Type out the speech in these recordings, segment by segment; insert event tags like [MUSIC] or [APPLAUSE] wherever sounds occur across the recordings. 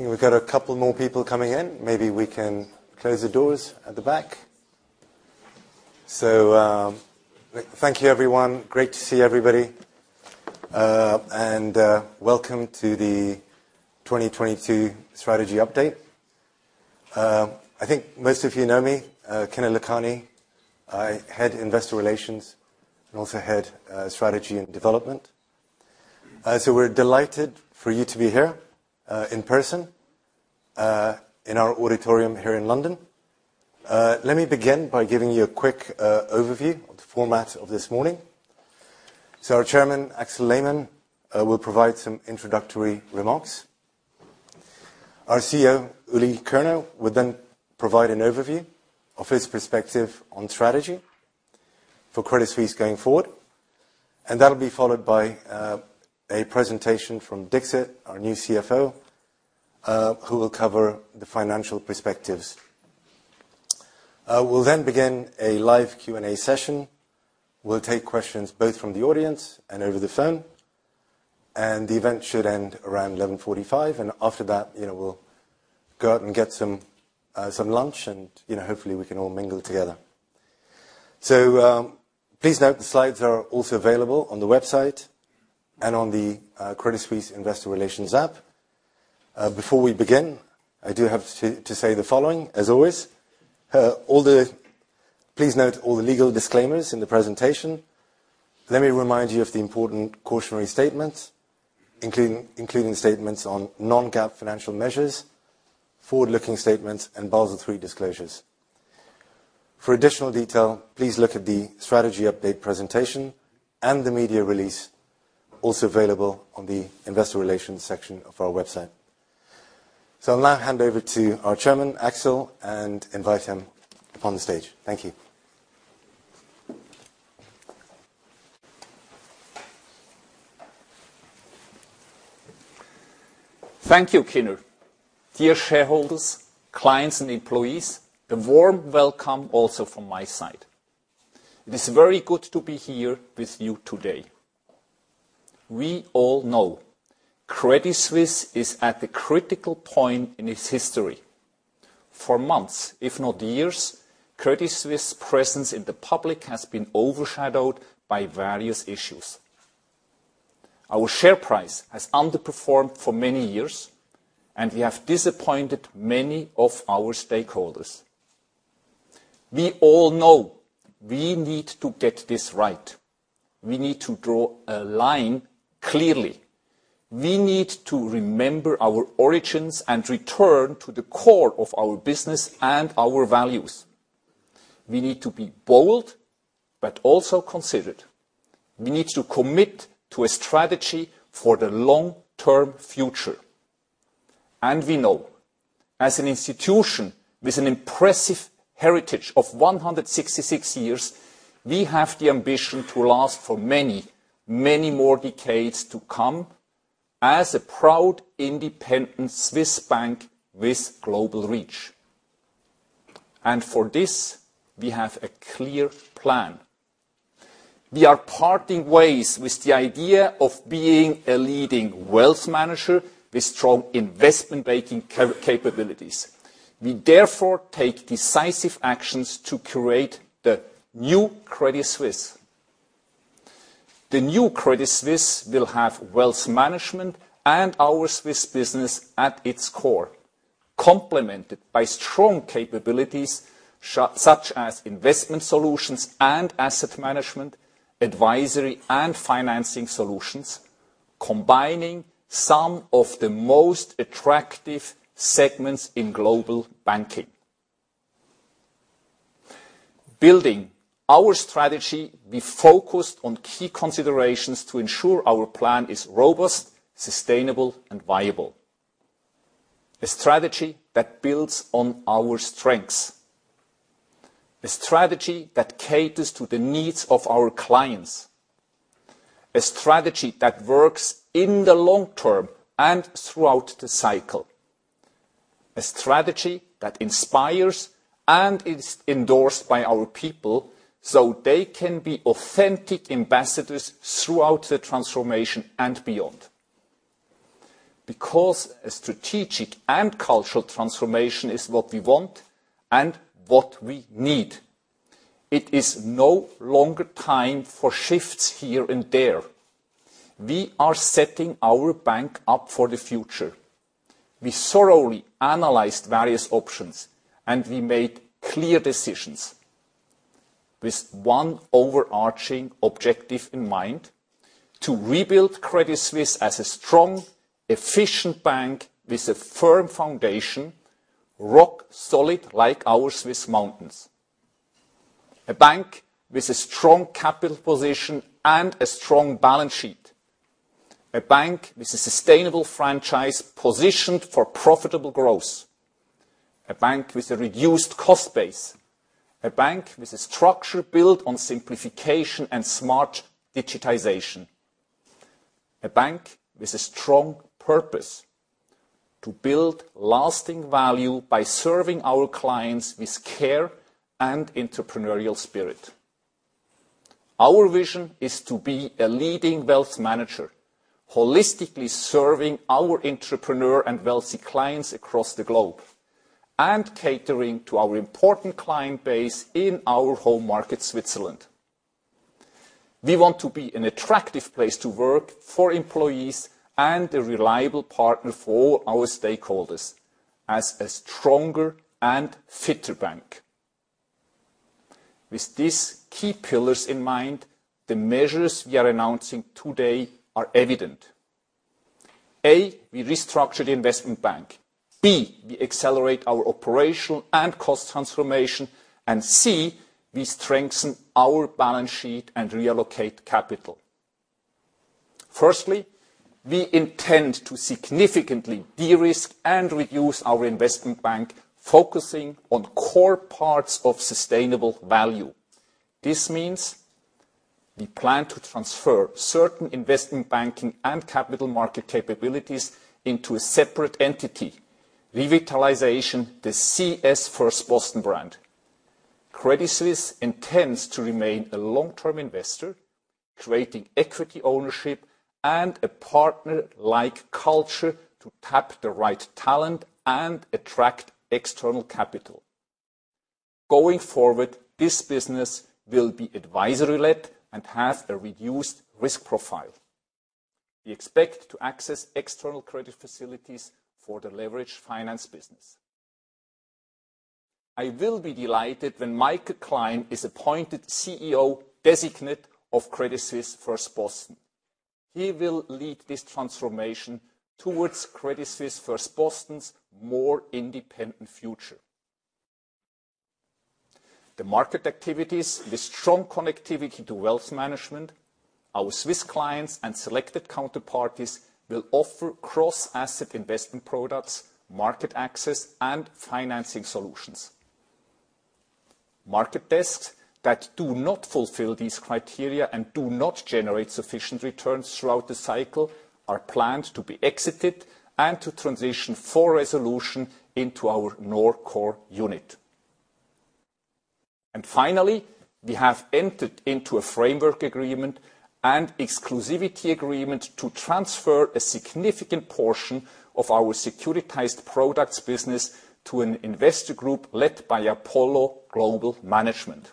We've got a couple more people coming in. Maybe we can close the doors at the back. Thank you everyone. Great to see everybody. Welcome to the 2022 strategy update. I think most of you know me, Kinner Lakhani. I head Investor Relations, and also head, Strategy and Development. We're delighted for you to be here, in person, in our auditorium here in London. Let me begin by giving you a quick, overview of the format of this morning. Our Chairman, Axel Lehmann, will provide some introductory remarks. Our CEO, Ulrich Körner, will then provide an overview of his perspective on strategy for Credit Suisse going forward. That'll be followed by, a presentation from Dixit, our new CFO, who will cover the financial perspectives. We'll then begin a live Q&A session. We'll take questions both from the audience and over the phone. The event should end around 11:45 A.M. After that, you know, we'll go out and get some lunch, and, you know, hopefully we can all mingle together. Please note the slides are also available on the website and on the Credit Suisse Investor Relations app. Before we begin, I do have to say the following, as always. Please note all the legal disclaimers in the presentation. Let me remind you of the important cautionary statements, including statements on non-GAAP financial measures, forward-looking statements, and Basel III disclosures. For additional detail, please look at the strategy update presentation and the media release also available on the investor relations section of our website. I'll now hand over to our Chairman, Axel Lehmann, and invite him upon the stage. Thank you. Thank you, Kinner. Dear shareholders, clients, and employees, a warm welcome also from my side. It is very good to be here with you today. We all know Credit Suisse is at a critical point in its history. For months, if not years, Credit Suisse presence in the public has been overshadowed by various issues. Our share price has underperformed for many years, and we have disappointed many of our stakeholders. We all know we need to get this right. We need to draw a line clearly. We need to remember our origins and return to the core of our business and our values. We need to be bold, but also considered. We need to commit to a strategy for the long-term future. We know, as an institution with an impressive heritage of 166 years, we have the ambition to last for many, many more decades to come as a proud, independent Swiss bank with global reach. For this, we have a clear plan. We are parting ways with the idea of being a leading wealth manager with strong investment banking capabilities. We therefore take decisive actions to create the new Credit Suisse. The new Credit Suisse will have wealth management and our Swiss business at its core, complemented by strong capabilities such as investment solutions and asset management, advisory and financing solutions, combining some of the most attractive segments in global banking. Building our strategy, we focused on key considerations to ensure our plan is robust, sustainable, and viable. A strategy that builds on our strengths. A strategy that caters to the needs of our clients. A strategy that works in the long term and throughout the cycle. A strategy that inspires and is endorsed by our people so they can be authentic ambassadors throughout the transformation and beyond. Because a strategic and cultural transformation is what we want and what we need. It is no longer time for shifts here and there. We are setting our bank up for the future. We thoroughly analyzed various options, and we made clear decisions with one overarching objective in mind, to rebuild Credit Suisse as a strong, efficient bank with a firm foundation, rock solid like our Swiss mountains. A bank with a strong capital position and a strong balance sheet. A bank with a sustainable franchise positioned for profitable growth. A bank with a reduced cost base. A bank with a structure built on simplification and smart digitization. A bank with a strong purpose: to build lasting value by serving our clients with care and entrepreneurial spirit. Our vision is to be a leading wealth manager, holistically serving our entrepreneur and wealthy clients across the globe, and catering to our important client base in our home market, Switzerland. We want to be an attractive place to work for employees and a reliable partner for our stakeholders as a stronger and fitter bank. With these key pillars in mind, the measures we are announcing today are evident. A, we restructure the investment bank. B, we accelerate our operation and cost transformation. C, we strengthen our balance sheet and reallocate capital. Firstly, we intend to significantly de-risk and reduce our investment bank, focusing on core parts of sustainable value. This means we plan to transfer certain investment banking and capital market capabilities into a separate entity, revitalizing the CS First Boston brand. Credit Suisse intends to remain a long-term investor, creating equity ownership and a partner-like culture to tap the right talent and attract external capital. Going forward, this business will be advisory-led and have a reduced risk profile. We expect to access external credit facilities for the leveraged finance business. I will be delighted when Michael Klein is appointed CEO designate of Credit Suisse First Boston. He will lead this transformation towards Credit Suisse First Boston's more independent future. The market activities with strong connectivity to wealth management, our Swiss clients and selected counterparties will offer cross-asset investment products, market access, and financing solutions. Market desks that do not fulfill these criteria and do not generate sufficient returns throughout the cycle are planned to be exited and to transition for resolution into our non-core unit. Finally, we have entered into a framework agreement and exclusivity agreement to transfer a significant portion of our securitized products business to an investor group led by Apollo Global Management.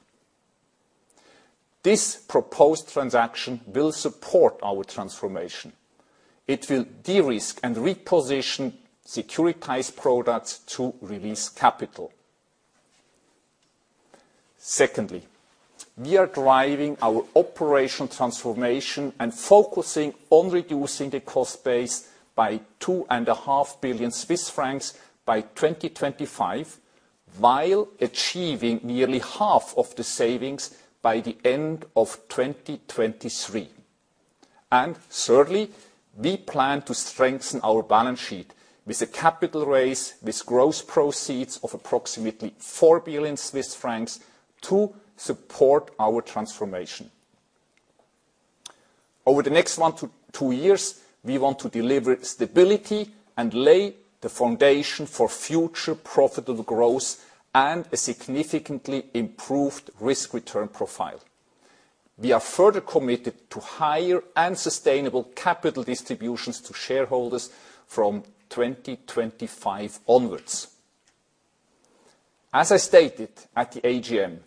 This proposed transaction will support our transformation. It will de-risk and reposition securitized products to release capital. Secondly, we are driving our operational transformation and focusing on reducing the cost base by 2.5 billion Swiss francs by 2025, while achieving nearly half of the savings by the end of 2023. Thirdly, we plan to strengthen our balance sheet with a capital raise with gross proceeds of approximately 4 billion Swiss francs to support our transformation. Over the next one-two years, we want to deliver stability and lay the foundation for future profitable growth and a significantly improved risk-return profile. We are further committed to higher and sustainable capital distributions to shareholders from 2025 onwards. As I stated at the AGM,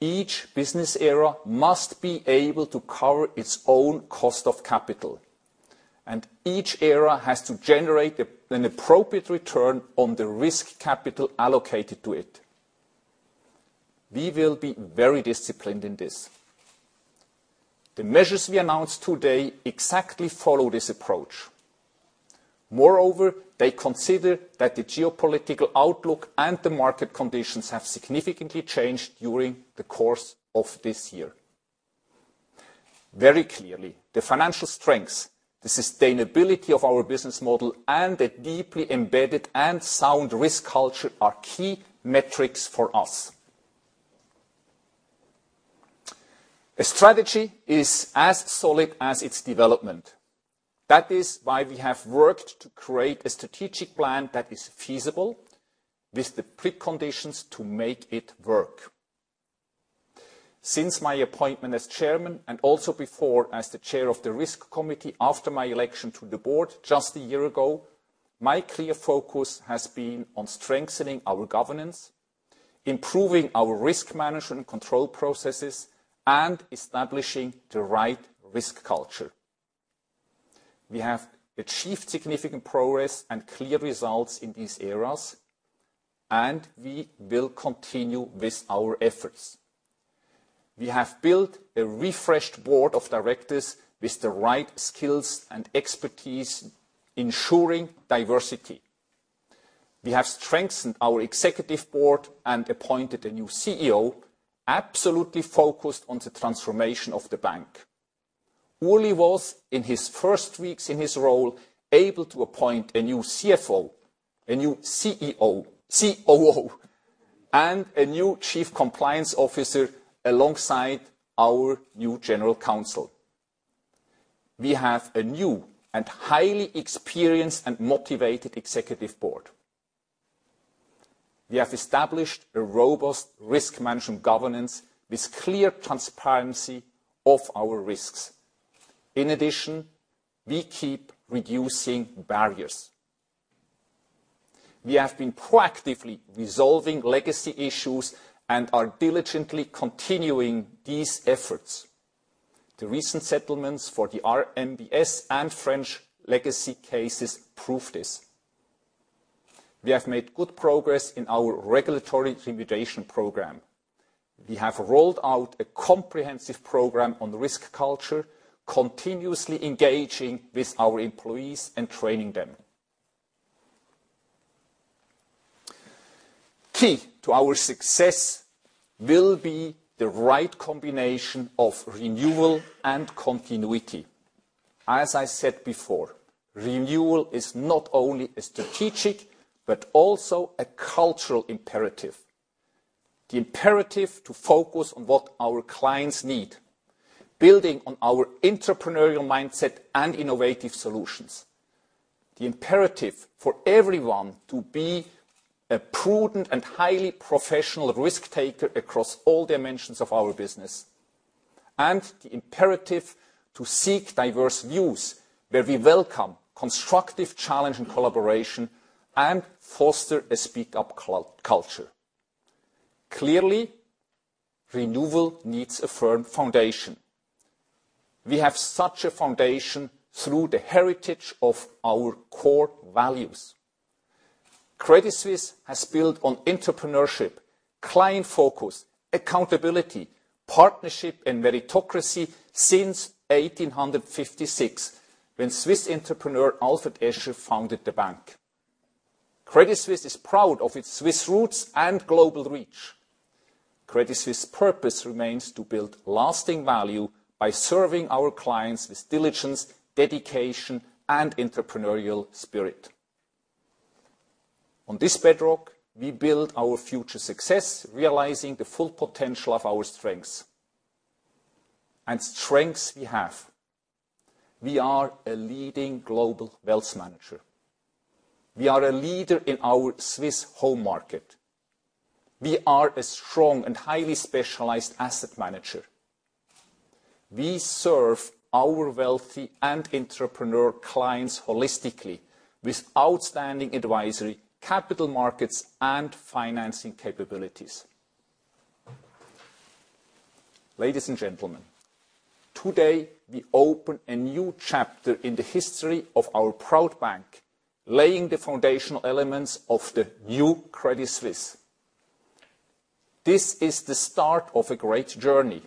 each business area must be able to cover its own cost of capital, and each area has to generate an appropriate return on the risk capital allocated to it. We will be very disciplined in this. The measures we announced today exactly follow this approach. Moreover, they consider that the geopolitical outlook and the market conditions have significantly changed during the course of this year. Very clearly, the financial strengths, the sustainability of our business model, and a deeply embedded and sound risk culture are key metrics for us. A strategy is as solid as its development. That is why we have worked to create a strategic plan that is feasible with the preconditions to make it work. Since my appointment as Chairman, and also before as the Chair of the Risk Committee after my election to the Board just a year ago, my clear focus has been on strengthening our governance, improving our risk management control processes, and establishing the right risk culture. We have achieved significant progress and clear results in these areas, and we will continue with our efforts. We have built a refreshed Board of Directors with the right skills and expertise, ensuring diversity. We have strengthened our Executive Board and appointed a new CEO, absolutely focused on the transformation of the bank. Uli was, in his first weeks in his role, able to appoint a new CFO, a new COO and a new Chief Compliance Officer alongside our new General Counsel. We have a new and highly experienced and motivated Executive Board. We have established a robust risk management governance with clear transparency of our risks. In addition, we keep reducing barriers. We have been proactively resolving legacy issues and are diligently continuing these efforts. The recent settlements for the RMBS and French legacy cases prove this. We have made good progress in our regulatory remediation program. We have rolled out a comprehensive program on risk culture, continuously engaging with our employees and training them. Key to our success will be the correct combination of renewal and continuity. As I said before, renewal is not only a strategic, but also a cultural imperative. The imperative to focus on what our clients need, building on our entrepreneurial mindset and innovative solutions. The imperative for everyone to be a prudent and highly professional risk-taker across all dimensions of our business. The imperative to seek diverse views, where we welcome constructive challenge and collaboration and foster a speak-up culture. Clearly, renewal needs a firm foundation. We have such a foundation through the heritage of our core values. Credit Suisse has built on entrepreneurship, client focus, accountability, partnership, and meritocracy since 1856, when Swiss entrepreneur Alfred Escher founded the bank. Credit Suisse is proud of its Swiss roots and global reach. Credit Suisse purpose remains to build lasting value by serving our clients with diligence, dedication, and entrepreneurial spirit. On this bedrock, we build our future success, realizing the full potential of our strengths. Strengths we have. We are a leading global wealth manager. We are a leader in our Swiss home market. We are a strong and highly specialized asset manager. We serve our wealthy and entrepreneur clients holistically with outstanding advisory, capital markets, and financing capabilities. Ladies and gentlemen, today we open a new chapter in the history of our proud bank, laying the foundational elements of the new Credit Suisse. This is the start of a great journey,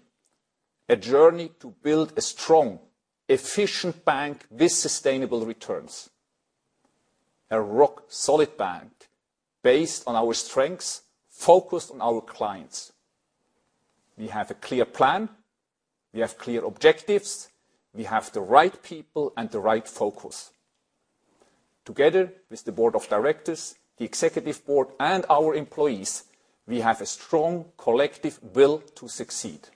a journey to build a strong, efficient bank with sustainable returns. A rock-solid bank based on our strengths, focused on our clients. We have a clear plan. We have clear objectives. We have the right people and the right focus. Together with the Board of Directors, the Executive Board, and our employees, we have a strong collective will to succeed.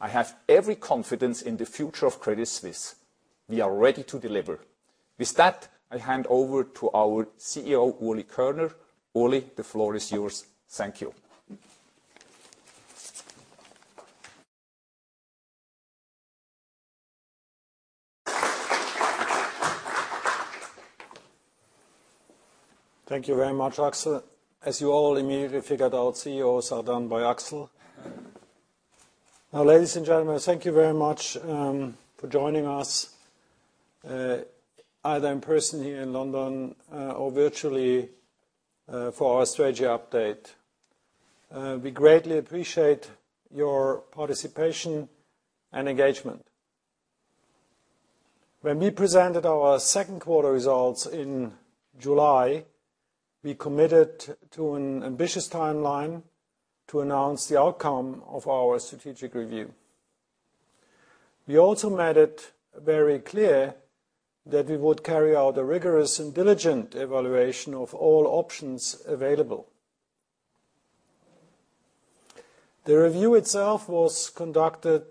I have every confidence in the future of Credit Suisse. We are ready to deliver. With that, I hand over to our CEO, Ulrich Körner. Uli, the floor is yours. Thank you. Thank you very much, Axel. As you all immediately figured out, jokes are done by Axel. Now, ladies and gentlemen, thank you very much for joining us either in person here in London or virtually for our strategy update. We greatly appreciate your participation and engagement. When we presented our second quarter results in July, we committed to an ambitious timeline to announce the outcome of our strategic review. We also made it very clear that we would carry out a rigorous and diligent evaluation of all options available. The review itself was conducted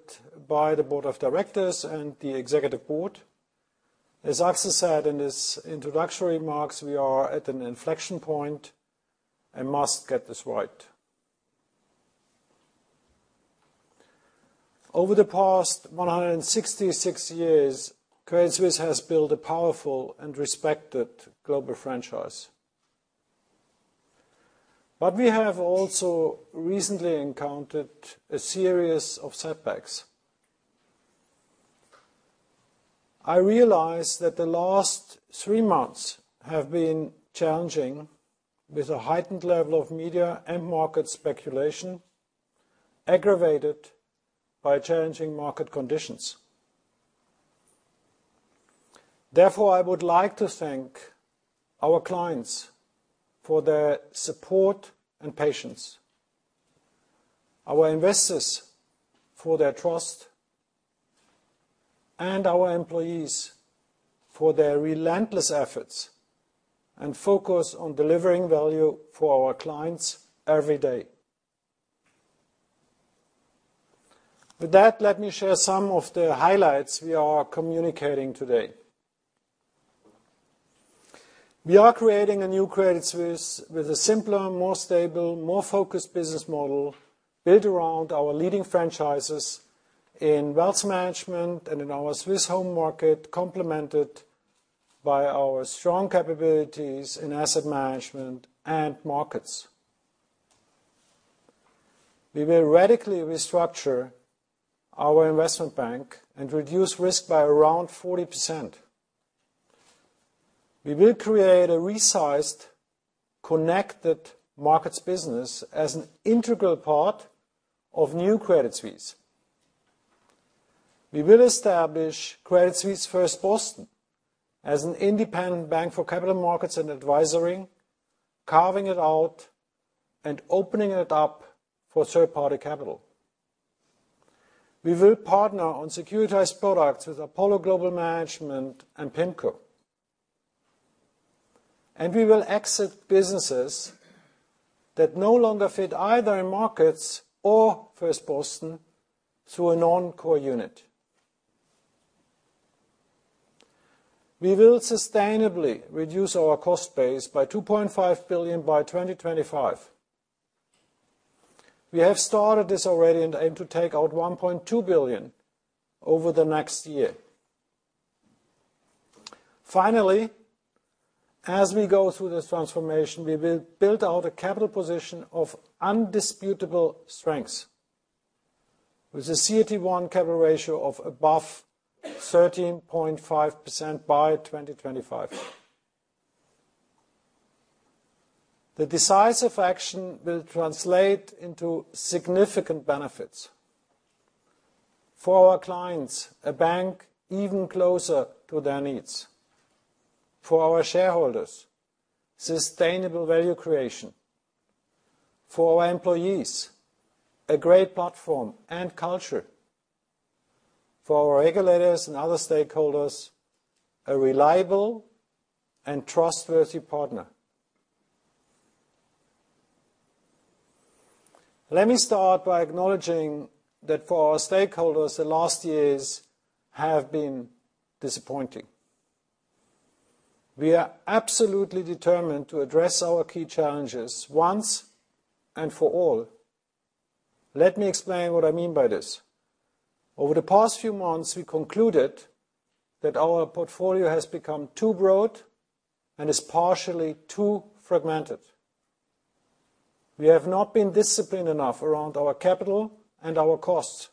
by the Board of Directors and the Executive Board. As Axel said in his introductory remarks, we are at an inflection point and must get this right. Over the past 166 years, Credit Suisse has built a powerful and respected global franchise. We have also recently encountered a series of setbacks. I realize that the last three months have been challenging, with a heightened level of media and market speculation, aggravated by challenging market conditions. Therefore, I would like to thank our clients for their support and patience, our investors for their trust, and our employees for their relentless efforts and focus on delivering value for our clients every day. With that, let me share some of the highlights we are communicating today. We are creating a new Credit Suisse with a simpler, more stable, more focused business model built around our leading franchises in wealth management and in our Swiss home market, complemented by our strong capabilities in asset management and markets. We will radically restructure our investment bank and reduce risk by around 40%. We will create a resized, connected markets business as an integral part of new Credit Suisse. We will establish Credit Suisse First Boston as an independent bank for capital markets and advisory, carving it out and opening it up for third-party capital. We will partner on securitized products with Apollo Global Management and PIMCO. We will exit businesses that no longer fit either in markets or First Boston through a non-core unit. We will sustainably reduce our cost base by 2.5 billion by 2025. We have started this already and aim to take out 1.2 billion over the next year. Finally, as we go through this transformation, we will build out a capital position of indisputable strength, with a CET1 capital ratio of above 13.5% by 2025. The decisive action will translate into significant benefits. For our clients, a bank even closer to their needs. For our shareholders, sustainable value creation. For our employees, a great platform and culture. For our regulators and other stakeholders, a reliable and trustworthy partner. Let me start by acknowledging that for our stakeholders, the last years have been disappointing. We are absolutely determined to address our key challenges once and for all. Let me explain what I mean by this. Over the past few months, we concluded that our portfolio has become too broad and is partially too fragmented. We have not been disciplined enough around our capital and our costs.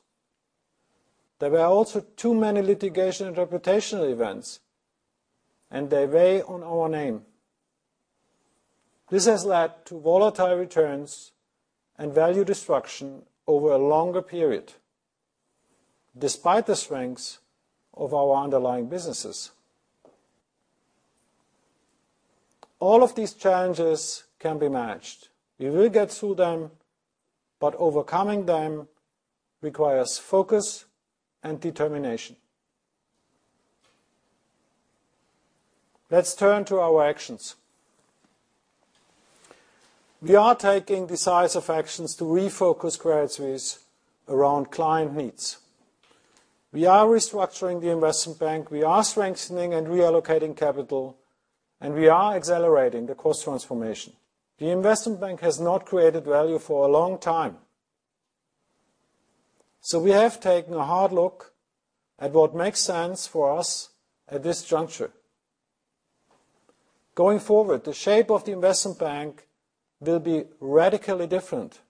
There were also too many litigation and reputational events, and they weigh on our name. This has led to volatile returns and value destruction over a longer period, despite the strengths of our underlying businesses. All of these challenges can be managed. We will get through them, but overcoming them requires focus and determination. Let's turn to our actions. We are taking decisive actions to refocus Credit Suisse around client needs. We are restructuring the investment bank, we are strengthening and reallocating capital, and we are accelerating the cost transformation. The investment bank has not created value for a long time, so we have taken a hard look at what makes sense for us at this juncture. Going forward, the shape of the investment bank will be radically different.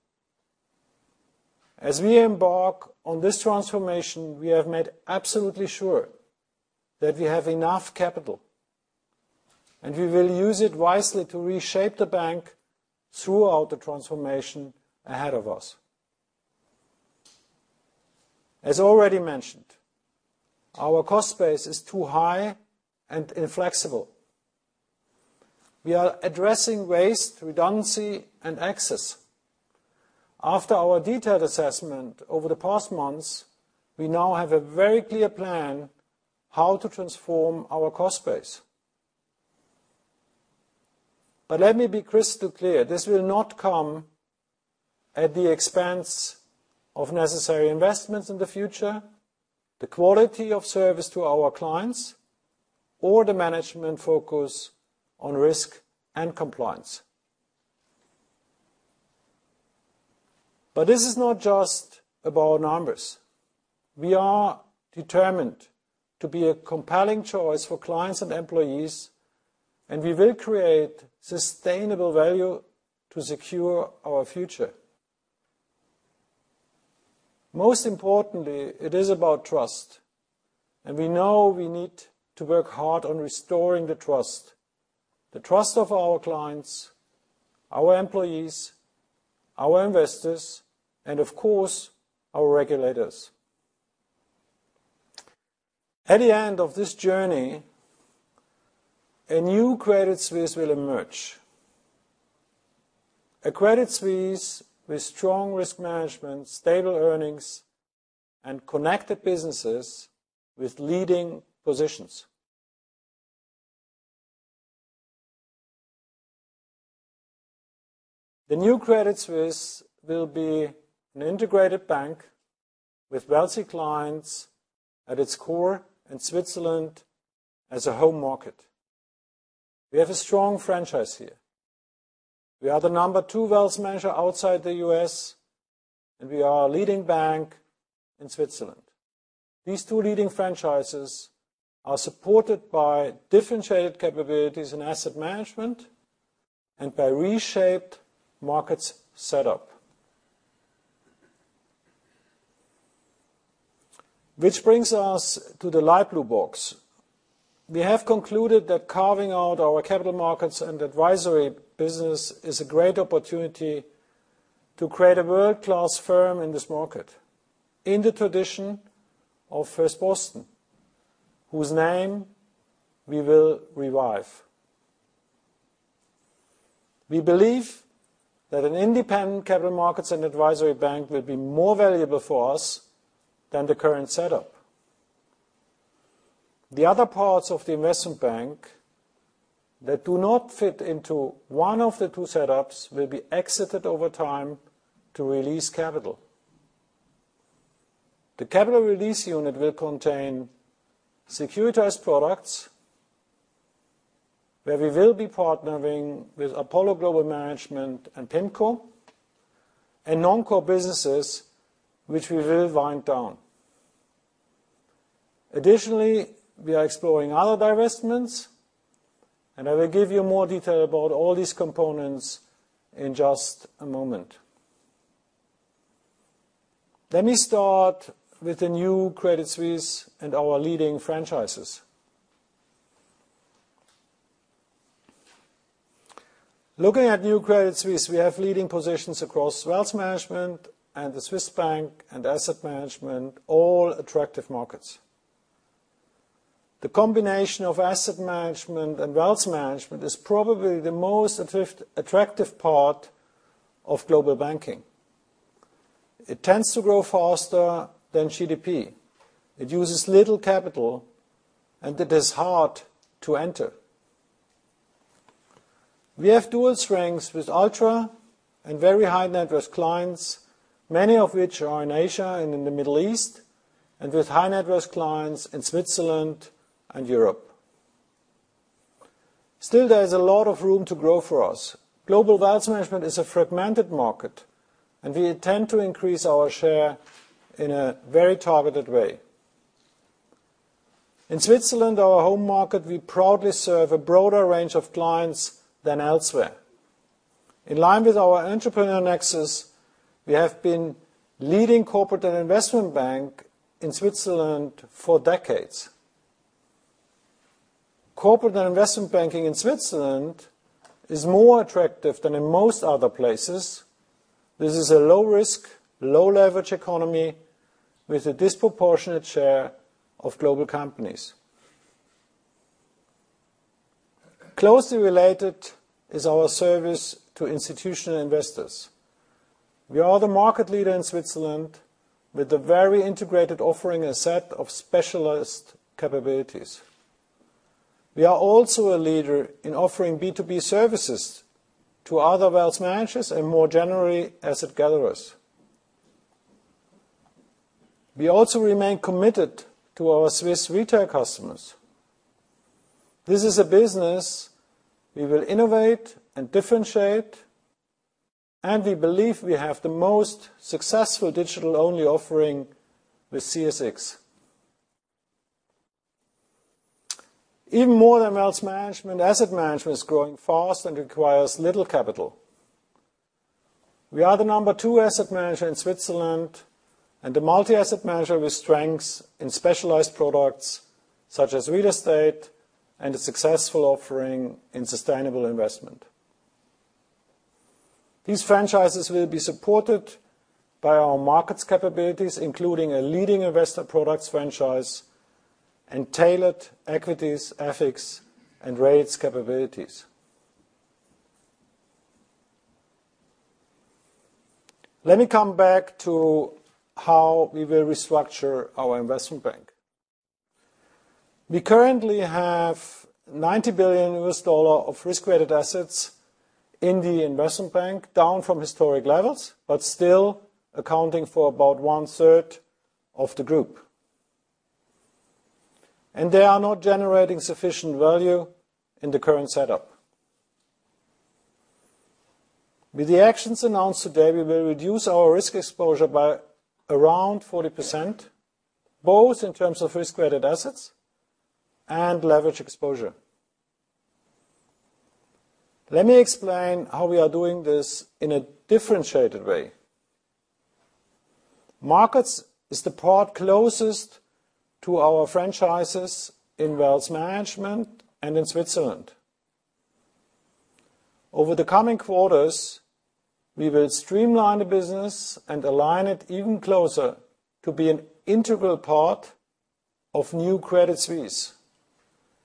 As we embark on this transformation, we have made absolutely sure that we have enough capital, and we will use it wisely to reshape the bank throughout the transformation ahead of us. As already mentioned, our cost base is too high and inflexible. We are addressing waste, redundancy, and excess. After our detailed assessment over the past months, we now have a very clear plan how to transform our cost base. Let me be crystal clear, this will not come at the expense of necessary investments in the future, the quality of service to our clients, or the management focus on risk and compliance. This is not just about numbers. We are determined to be a compelling choice for clients and employees, and we will create sustainable value to secure our future. Most importantly, it is about trust, and we know we need to work hard on restoring the trust: the trust of our clients, our employees, our investors, and of course, our regulators. At the end of this journey, a new Credit Suisse will emerge. A Credit Suisse with strong risk management, stable earnings, and connected businesses with leading positions. The new Credit Suisse will be an integrated bank with wealthy clients at its core in Switzerland as a home market. We have a strong franchise here. We are the number two wealth manager outside the U.S., and we are a leading bank in Switzerland. These two leading franchises are supported by differentiated capabilities in asset management and by reshaped markets set up. Which brings us to the light blue box. We have concluded that carving out our capital markets and advisory business is a great opportunity to create a world-class firm in this market, in the tradition of First Boston, whose name we will revive. We believe that an independent capital markets and advisory bank will be more valuable for us than the current setup. The other parts of the investment bank that do not fit into one of the two setups will be exited over time to release capital. The Capital Release Unit will contain securitized products, where we will be partnering with Apollo Global Management and PIMCO, and non-core businesses which we will wind down. Additionally, we are exploring other divestments, and I will give you more detail about all these components in just a moment. Let me start with the new Credit Suisse and our leading franchises. Looking at new Credit Suisse, we have leading positions across wealth management and the Swiss bank and asset management, all attractive markets. The combination of asset management and wealth management is probably the most attractive part of global banking. It tends to grow faster than GDP. It uses little capital, and it is hard to enter. We have dual strengths with ultra and very high-net-worth clients, many of which are in Asia and in the Middle East, and with high-net-worth clients in Switzerland and Europe. Still, there is a lot of room to grow for us. Global wealth management is a fragmented market, and we intend to increase our share in a very targeted way. In Switzerland, our home market, we proudly serve a broader range of clients than elsewhere. In line with our entrepreneurial nexus, we have been leading corporate and investment bank in Switzerland for decades. Corporate and investment banking in Switzerland is more attractive than in most other places. This is a low-risk, low-leverage economy with a disproportionate share of global companies. Closely related is our service to institutional investors. We are the market leader in Switzerland with a very integrated offering and set of specialist capabilities. We are also a leader in offering B2B services to other wealth managers and more generally, asset gatherers. We also remain committed to our Swiss retail customers. This is a business we will innovate and differentiate, and we believe we have the most successful digital-only offering with CSX. Even more than wealth management, asset management is growing fast and requires little capital. We are the number two asset manager in Switzerland and a multi-asset manager with strengths in specialized products such as real estate and a successful offering in sustainable investment. These franchises will be supported by our markets capabilities, including a leading investor products franchise and tailored equities, FX, and rates capabilities. Let me come back to how we will restructure our investment bank. We currently have $90 billion of risk-weighted assets in the investment bank, down from historic levels, but still accounting for about one-third of the group. They are not generating sufficient value in the current setup. With the actions announced today, we will reduce our risk exposure by around 40%, both in terms of risk-weighted assets and leverage exposure. Let me explain how we are doing this in a differentiated way. Markets is the part closest to our franchises in wealth management and in Switzerland. Over the coming quarters, we will streamline the business and align it even closer to be an integral part of new Credit Suisse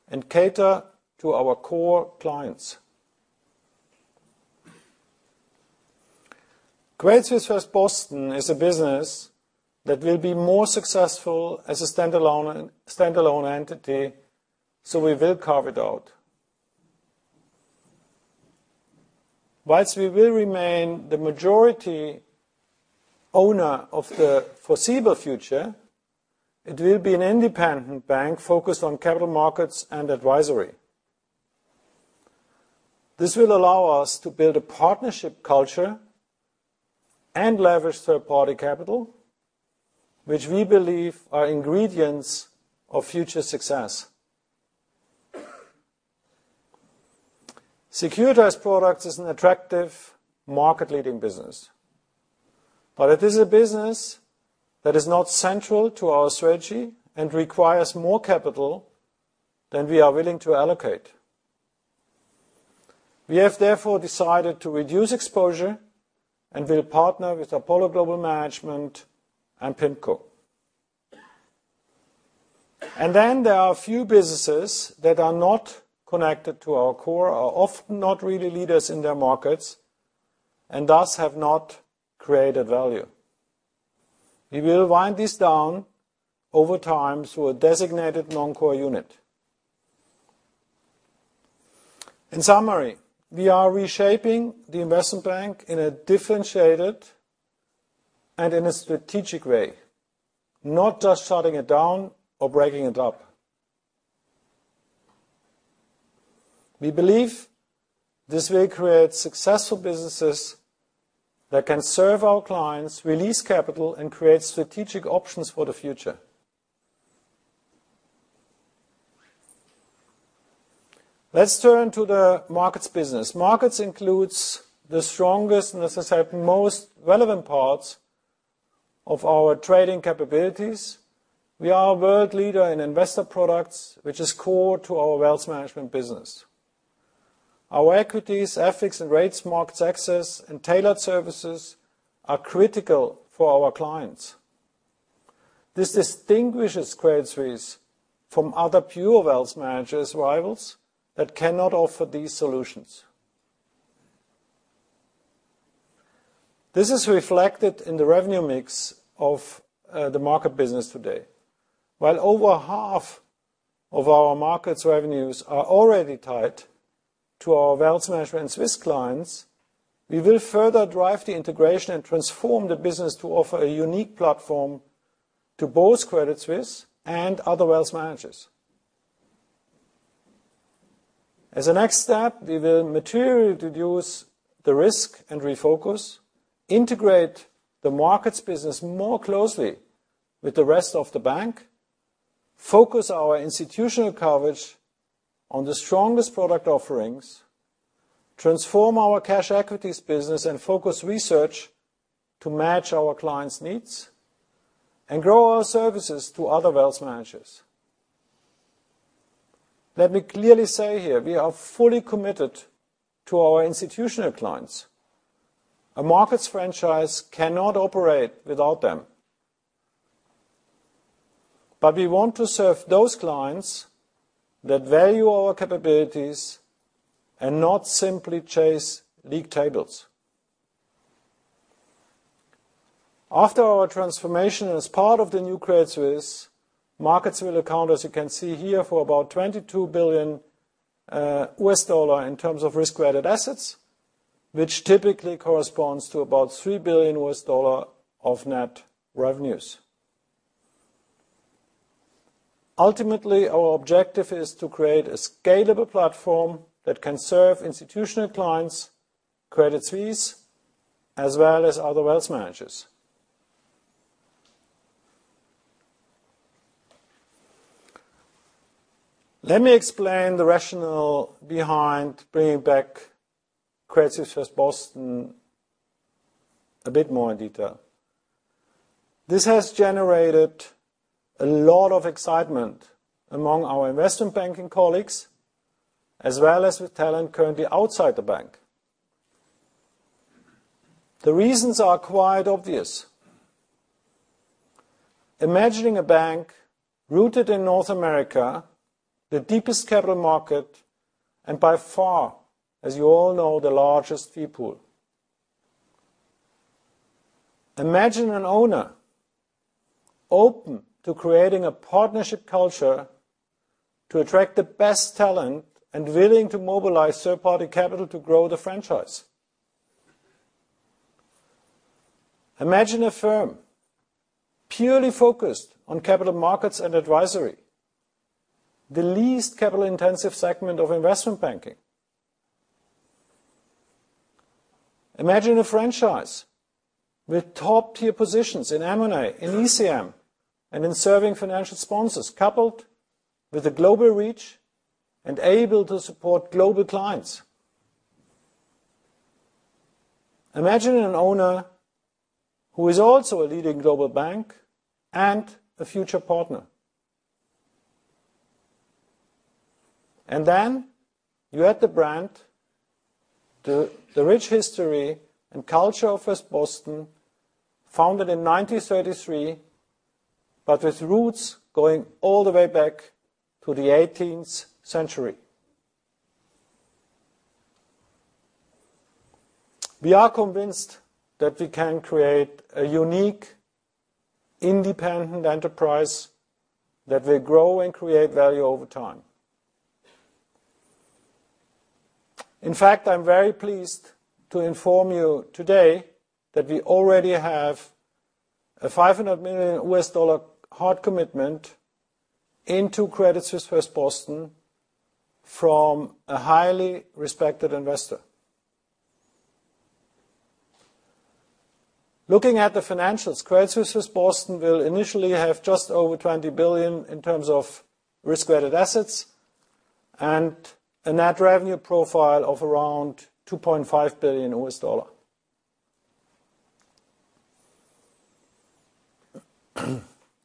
and cater to our core clients. Credit Suisse First Boston is a business that will be more successful as a standalone entity, so we will carve it out. While we will remain the majority owner of the foreseeable future, it will be an independent bank focused on capital markets and advisory. This will allow us to build a partnership culture and leverage third-party capital, which we believe are ingredients of future success. Securitized products is an attractive market-leading business, but it is a business that is not central to our strategy and requires more capital than we are willing to allocate. We have therefore decided to reduce exposure and will partner with Apollo Global Management and PIMCO. There are a few businesses that are not connected to our core, are often not really leaders in their markets, and thus have not created value. We will wind this down over time through a designated non-core unit. In summary, we are reshaping the investment bank in a differentiated and in a strategic way, not just shutting it down or breaking it up. We believe this will create successful businesses that can serve our clients, release capital, and create strategic options for the future. Let's turn to the markets business. Markets includes the strongest, and as I said, most relevant parts of our trading capabilities. We are a world leader in investor products, which is core to our wealth management business. Our equities, FX and rates, markets access, and tailored services are critical for our clients. This distinguishes Credit Suisse from other pure wealth managers rivals that cannot offer these solutions. This is reflected in the revenue mix of the markets business today. While over half of our markets revenues are already tied to our wealth management Swiss clients, we will further drive the integration and transform the business to offer a unique platform to both Credit Suisse and other wealth managers. As a next step, we will materially reduce the risk and refocus, integrate the markets business more closely with the rest of the bank, focus our institutional coverage on the strongest product offerings, transform our cash equities business and focus research to match our clients' needs, and grow our services to other wealth managers. Let me clearly say here, we are fully committed to our institutional clients. A markets franchise cannot operate without them. We want to serve those clients that value our capabilities and not simply chase league tables. After our transformation, as part of the new Credit Suisse, markets will account, as you can see here, for about $22 billion in terms of risk-weighted assets, which typically corresponds to about $3 billion of net revenues. Ultimately, our objective is to create a scalable platform that can serve institutional clients, Credit Suisse, as well as other wealth managers. Let me explain the rationale behind bringing back Credit Suisse First Boston a bit more in detail. This has generated a lot of excitement among our investment banking colleagues, as well as with talent currently outside the bank. The reasons are quite obvious. Imagining a bank rooted in North America, the deepest capital market, and by far, as you all know, the largest fee pool. Imagine an owner open to creating a partnership culture to attract the best talent and willing to mobilize third-party capital to grow the franchise. Imagine a firm purely focused on capital markets and advisory, the least capital-intensive segment of investment banking. Imagine a franchise with top-tier positions in M&A, in ECM, and in serving financial sponsors, coupled with a global reach and able to support global clients. Imagine an owner who is also a leading global bank and a future partner. You add the brand, the rich history and culture of First Boston, founded in 1933, but with roots going all the way back to the 18th century. We are convinced that we can create a unique, independent enterprise that will grow and create value over time. In fact, I'm very pleased to inform you today that we already have a $500 million hard commitment into Credit Suisse First Boston from a highly respected investor. Looking at the financials, Credit Suisse First Boston will initially have just over $20 billion in terms of risk-weighted assets and a net revenue profile of around $2.5 billion.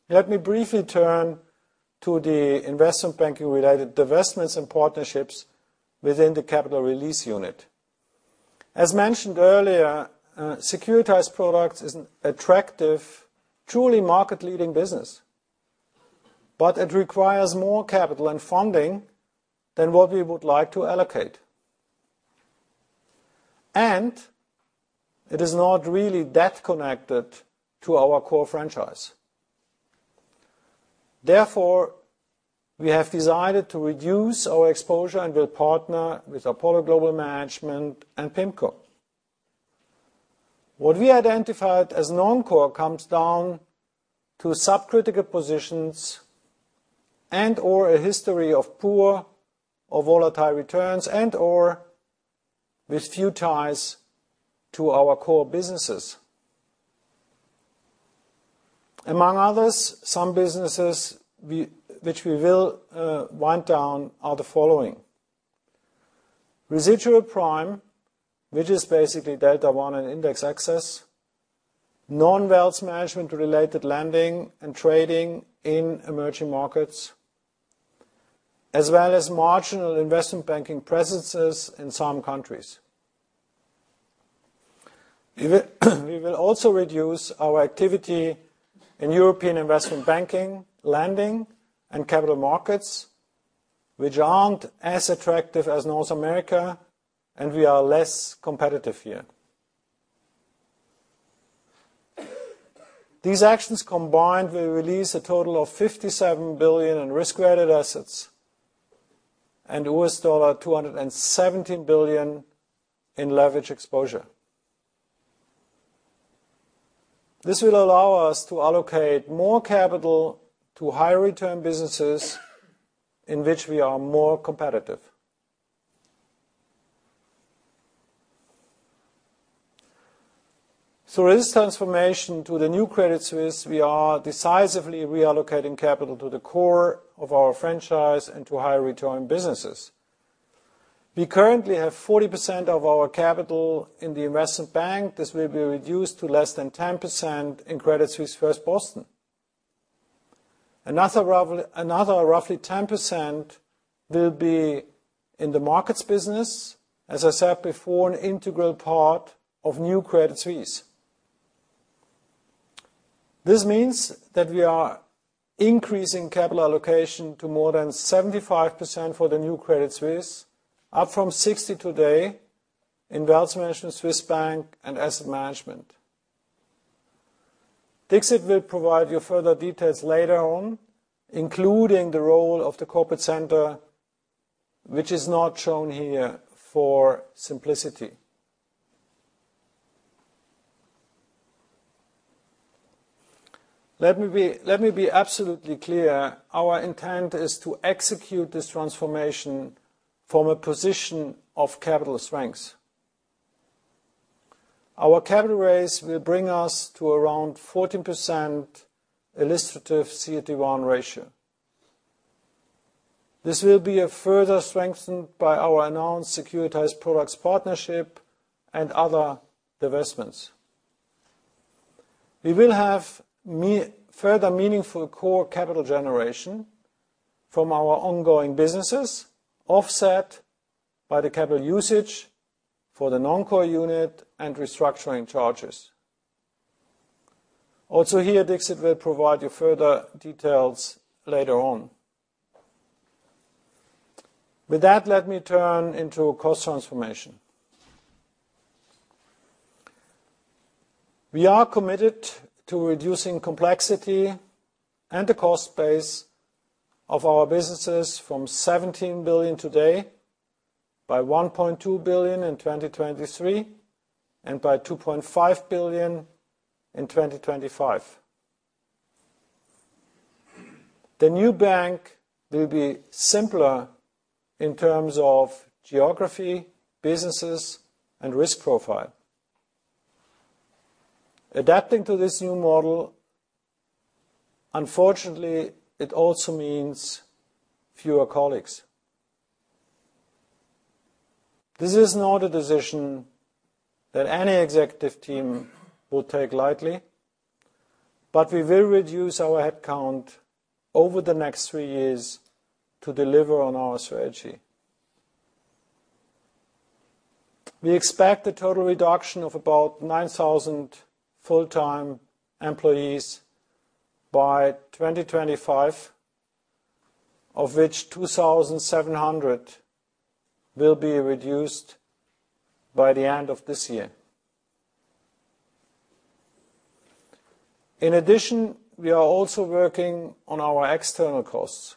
Let me briefly turn to the investment banking-related divestments and partnerships within the Capital Release Unit. As mentioned earlier, securitized products is an attractive, truly market-leading business, but it requires more capital and funding than what we would like to allocate, and it is not really that connected to our core franchise. Therefore, we have decided to reduce our exposure and will partner with Apollo Global Management and PIMCO. What we identified as non-core comes down to subcritical positions and/or a history of poor or volatile returns and/or with few ties to our core businesses. Among others, some businesses which we will wind down are the following: residual prime, which is basically Delta One and index access, non-wealth management-related lending and trading in emerging markets, as well as marginal investment banking presences in some countries. We will also reduce our activity in European investment banking, lending, and capital markets, which aren't as attractive as North America, and we are less competitive here. These actions combined will release a total of $57 billion in risk-weighted assets and $217 billion in leverage exposure. This will allow us to allocate more capital to higher return businesses in which we are more competitive. Through this transformation to the new Credit Suisse, we are decisively reallocating capital to the core of our franchise and to higher return businesses. We currently have 40% of our capital in the investment bank. This will be reduced to less than 10% in Credit Suisse First Boston. Another roughly 10% will be in the markets business, as I said before, an integral part of new Credit Suisse. This means that we are increasing capital allocation to more than 75% for the new Credit Suisse, up from 60% today in Wealth Management, Swiss Bank and Asset Management. Dixit will provide you further details later on, including the role of the corporate center, which is not shown here for simplicity. Let me be absolutely clear. Our intent is to execute this transformation from a position of capital strength. Our capital raise will bring us to around 14% illustrative CET1 ratio. This will be further strengthened by our announced securitized products partnership and other divestments. We will have further meaningful core capital generation from our ongoing businesses, offset by the capital usage for the non-core unit and restructuring charges. Also, here, Dixit will provide you further details later on. With that, let me turn to cost transformation. We are committed to reducing complexity and the cost base of our businesses from 17 billion today by 1.2 billion in 2023, and by 2.5 billion in 2025. The new bank will be simpler in terms of geography, businesses, and risk profile. Adapting to this new model, unfortunately, it also means fewer colleagues. This is not a decision that any executive team will take lightly, but we will reduce our headcount over the next three years to deliver on our strategy. We expect a total reduction of about 9,000 full-time employees by 2025, of which 2,700 will be reduced by the end of this year. In addition, we are also working on our external costs.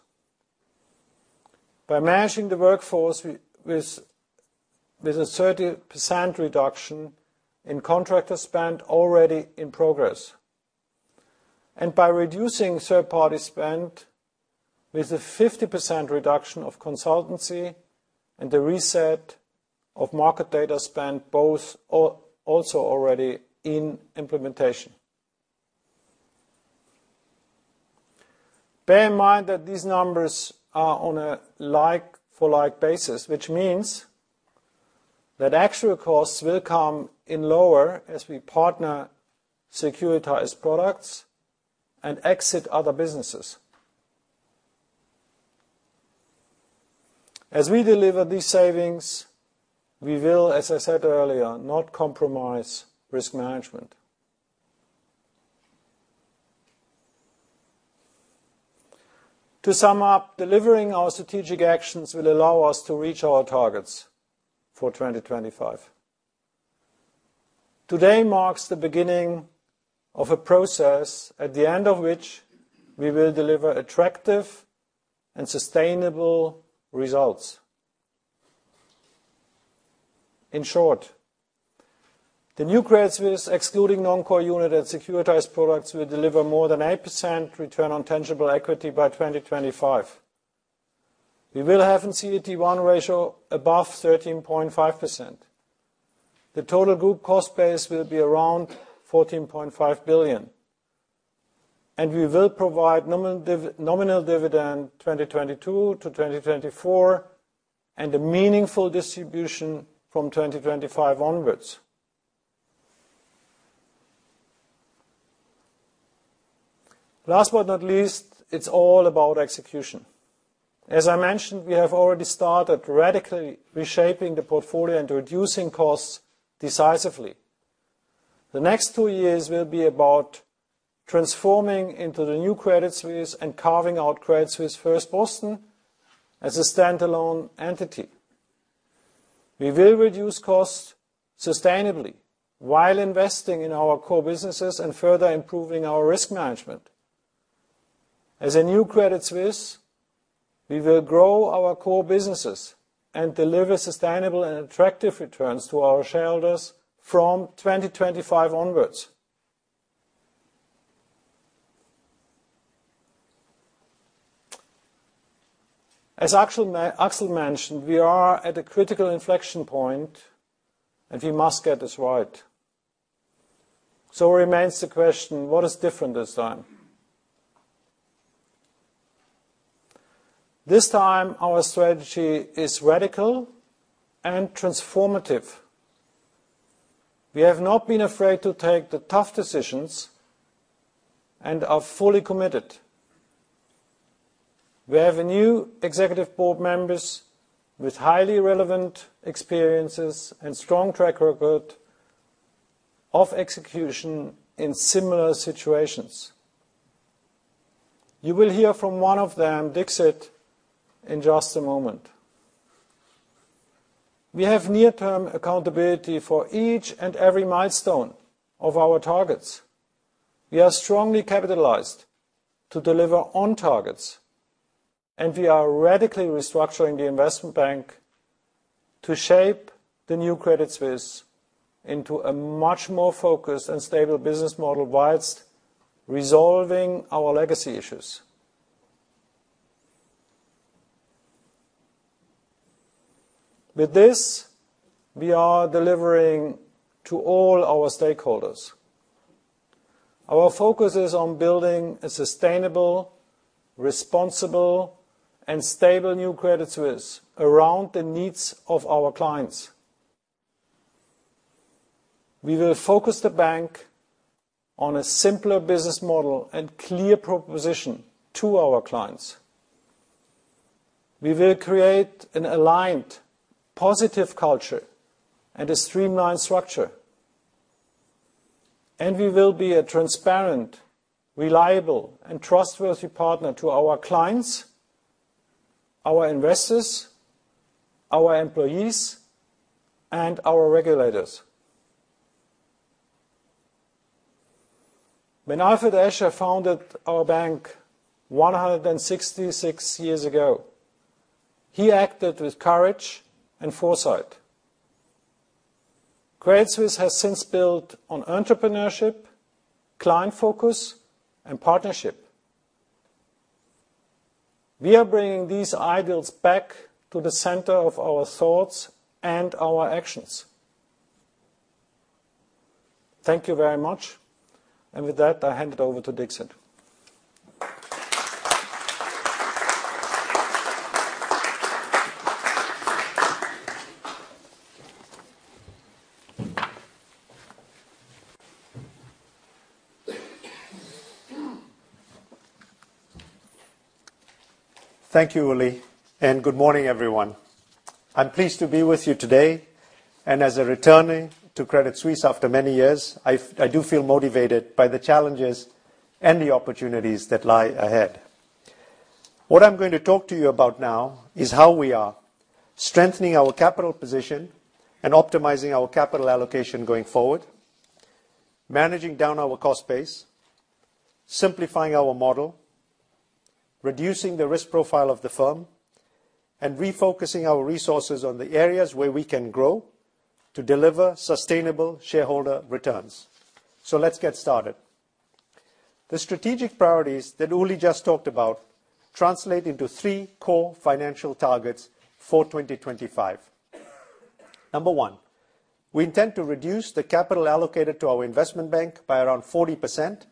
By managing the workforce with a 30% reduction in contractor spend already in progress, and by reducing third-party spend with a 50% reduction of consultancy and the reset of market data spend, both also already in implementation. Bear in mind that these numbers are on a like-for-like basis, which means that actual costs will come in lower as we partner Securitized Products and exit other businesses. As we deliver these savings, we will, as I said earlier, not compromise risk management. To sum up, delivering our strategic actions will allow us to reach our targets for 2025. Today marks the beginning of a process at the end of which we will deliver attractive and sustainable results. In short, the new Credit Suisse, excluding non-core unit and securitized products, will deliver more than 8% return on tangible equity by 2025. We will have a CET1 ratio above 13.5%. The total group cost base will be around 14.5 billion. We will provide nominal dividend in 2022 to 2024, and a meaningful distribution from 2025 onwards. Last but not least, it's all about execution. As I mentioned, we have already started radically reshaping the portfolio and reducing costs decisively. The next two years will be about transforming into the new Credit Suisse and carving out Credit Suisse First Boston as a standalone entity. We will reduce costs sustainably while investing in our core businesses and further improving our risk management. As a new Credit Suisse, we will grow our core businesses and deliver sustainable and attractive returns to our shareholders from 2025 onwards. As Axel mentioned, we are at a critical inflection point, and we must get this right. Remains the question: What is different this time? This time, our strategy is radical and transformative. We have not been afraid to take the tough decisions and are fully committed. We have new executive board members with highly relevant experiences and strong track record of execution in similar situations. You will hear from one of them, Dixit, in just a moment. We have near-term accountability for each and every milestone of our targets. We are strongly capitalized to deliver on targets, and we are radically restructuring the investment bank to shape the new Credit Suisse into a much more focused and stable business model while resolving our legacy issues. With this, we are delivering to all our stakeholders. Our focus is on building a sustainable, responsible, and stable new Credit Suisse around the needs of our clients. We will focus the bank on a simpler business model and clear proposition to our clients. We will create an aligned positive culture and a streamlined structure. We will be a transparent, reliable, and trustworthy partner to our clients, our investors, our employees, and our reg ulators. When Alfred Escher founded our bank 166 years ago, he acted with courage and foresight. Credit Suisse has since built on entrepreneurship, client focus, and partnership. We are bringing these ideals back to the center of our thoughts and our actions. Thank you very much. With that, I hand it over to Dixit. Thank you, Uli, and good morning, everyone. I'm pleased to be with you today, and as a returning to Credit Suisse after many years, I do feel motivated by the challenges and the opportunities that lie ahead. What I'm going to talk to you about now is how we are strengthening our capital position and optimizing our capital allocation going forward, managing down our cost base, simplifying our model, reducing the risk profile of the firm, and refocusing our resources on the areas where we can grow to deliver sustainable shareholder returns. Let's get started. The strategic priorities that Uli just talked about translate into three core financial targets for 2025. Number one, we intend to reduce the capital allocated to our investment bank by around 40%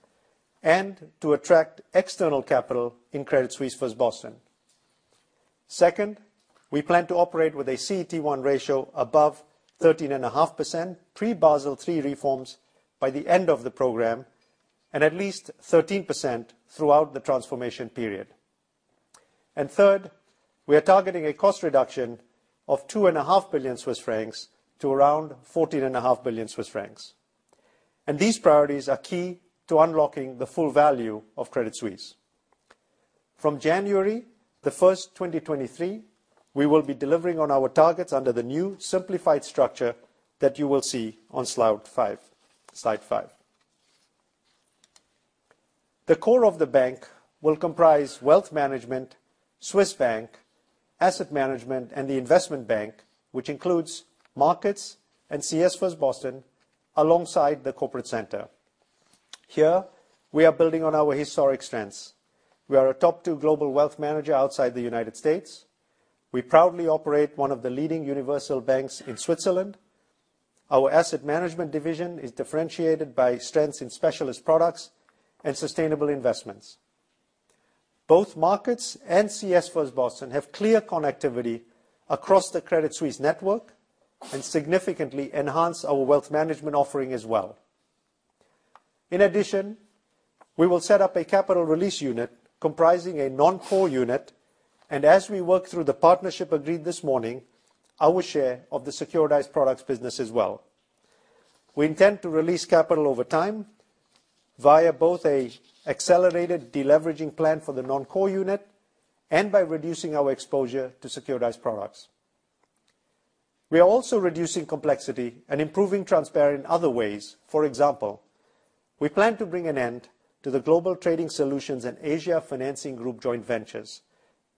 and to attract external capital in Credit Suisse First Boston. Second, we plan to operate with a CET1 ratio above 13.5%, pre-Basel III reforms by the end of the program and at least 13% throughout the transformation period. Third, we are targeting a cost reduction of 2.5 billion Swiss francs to around 14.5 billion Swiss francs. These priorities are key to unlocking the full value of Credit Suisse. From January 1st, 2023, we will be delivering on our targets under the new simplified structure that you will see on slide 5. The core of the bank will comprise wealth management, Swiss bank, asset management, and the investment bank, which includes markets and CS First Boston, alongside the corporate center. Here we are building on our historic strengths. We are a top two global wealth manager outside the United States. We proudly operate one of the leading universal banks in Switzerland. Our asset management division is differentiated by strengths in specialist products and sustainable investments. Both markets and CS First Boston have clear connectivity across the Credit Suisse network and significantly enhance our wealth management offering as well. In addition, we will set up a Capital Release Unit comprising a non-core unit, and as we work through the partnership agreed this morning, our share of the securitized products business as well. We intend to release capital over time via both an accelerated deleveraging plan for the non-core unit and by reducing our exposure to securitized products. We are also reducing complexity and improving transparency in other ways. For example, we plan to bring an end to the Global Trading Solutions and Asia Financing Group joint ventures.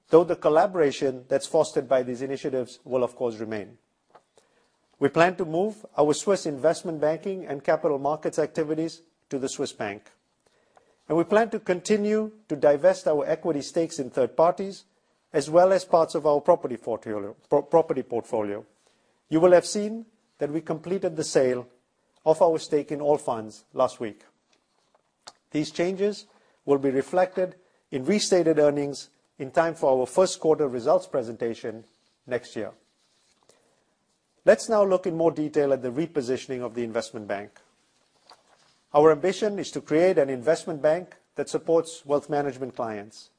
Though the collaboration that's fostered by these initiatives will, of course, remain. We plan to move our Swiss investment banking and capital markets activities to the Swiss bank. We plan to continue to divest our equity stakes in third parties, as well as parts of our property portfolio. You will have seen that we completed the sale of our stake in Allfunds last week. These changes will be reflected in restated earnings in time for our first quarter results presentation next year. Let's now look in more detail at the repositioning of the investment bank. Our ambition is to create an investment bank that supports wealth management clients.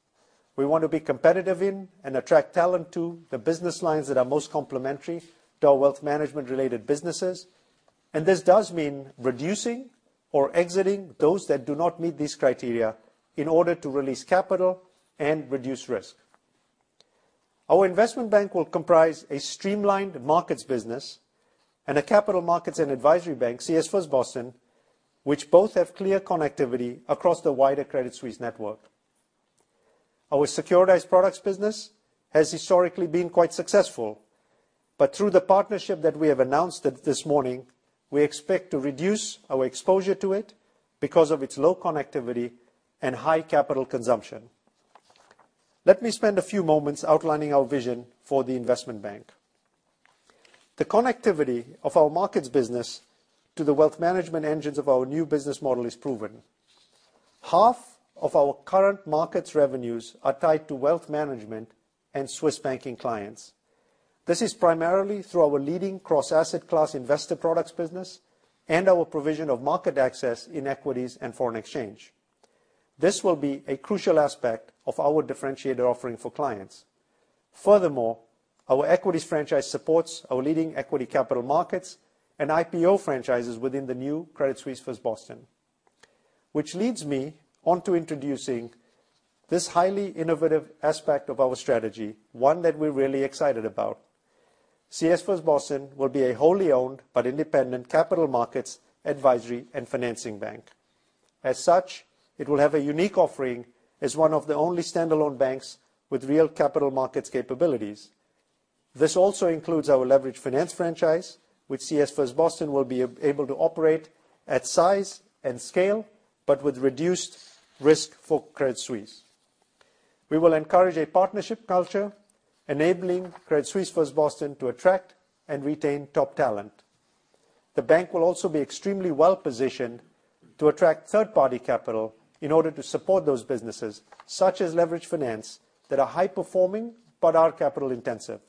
We want to be competitive in and attract talent to the business lines that are most complementary to our wealth management-related businesses, and this does mean reducing or exiting those that do not meet these criteria in order to release capital and reduce risk. Our investment bank will comprise a streamlined markets business and a capital markets and advisory bank, CS First Boston, which both have clear connectivity across the wider Credit Suisse network. Our securitized products business has historically been quite successful, but through the partnership that we have announced this morning, we expect to reduce our exposure to it because of its low connectivity and high capital consumption. Let me spend a few moments outlining our vision for the investment bank. The connectivity of our markets business to the wealth management engines of our new business model is proven. Half of our current markets revenues are tied to wealth management and Swiss banking clients. This is primarily through our leading cross-asset class investor products business and our provision of market access in equities and foreign exchange. This will be a crucial aspect of our differentiated offering for clients. Furthermore, our equities franchise supports our leading equity capital markets and IPO franchises within the new Credit Suisse First Boston. Which leads me onto introducing this highly innovative aspect of our strategy, one that we're really excited about. CS First Boston will be a wholly owned but independent capital markets advisory and financing bank. As such, it will have a unique offering as one of the only standalone banks with real capital markets capabilities. This also includes our leveraged finance franchise, which CS First Boston will be able to operate at size and scale, but with reduced risk for Credit Suisse. We will encourage a partnership culture, enabling Credit Suisse First Boston to attract and retain top talent. The bank will also be extremely well-positioned to attract third-party capital in order to support those businesses, such as leveraged finance, that are high-performing but are capital-intensive.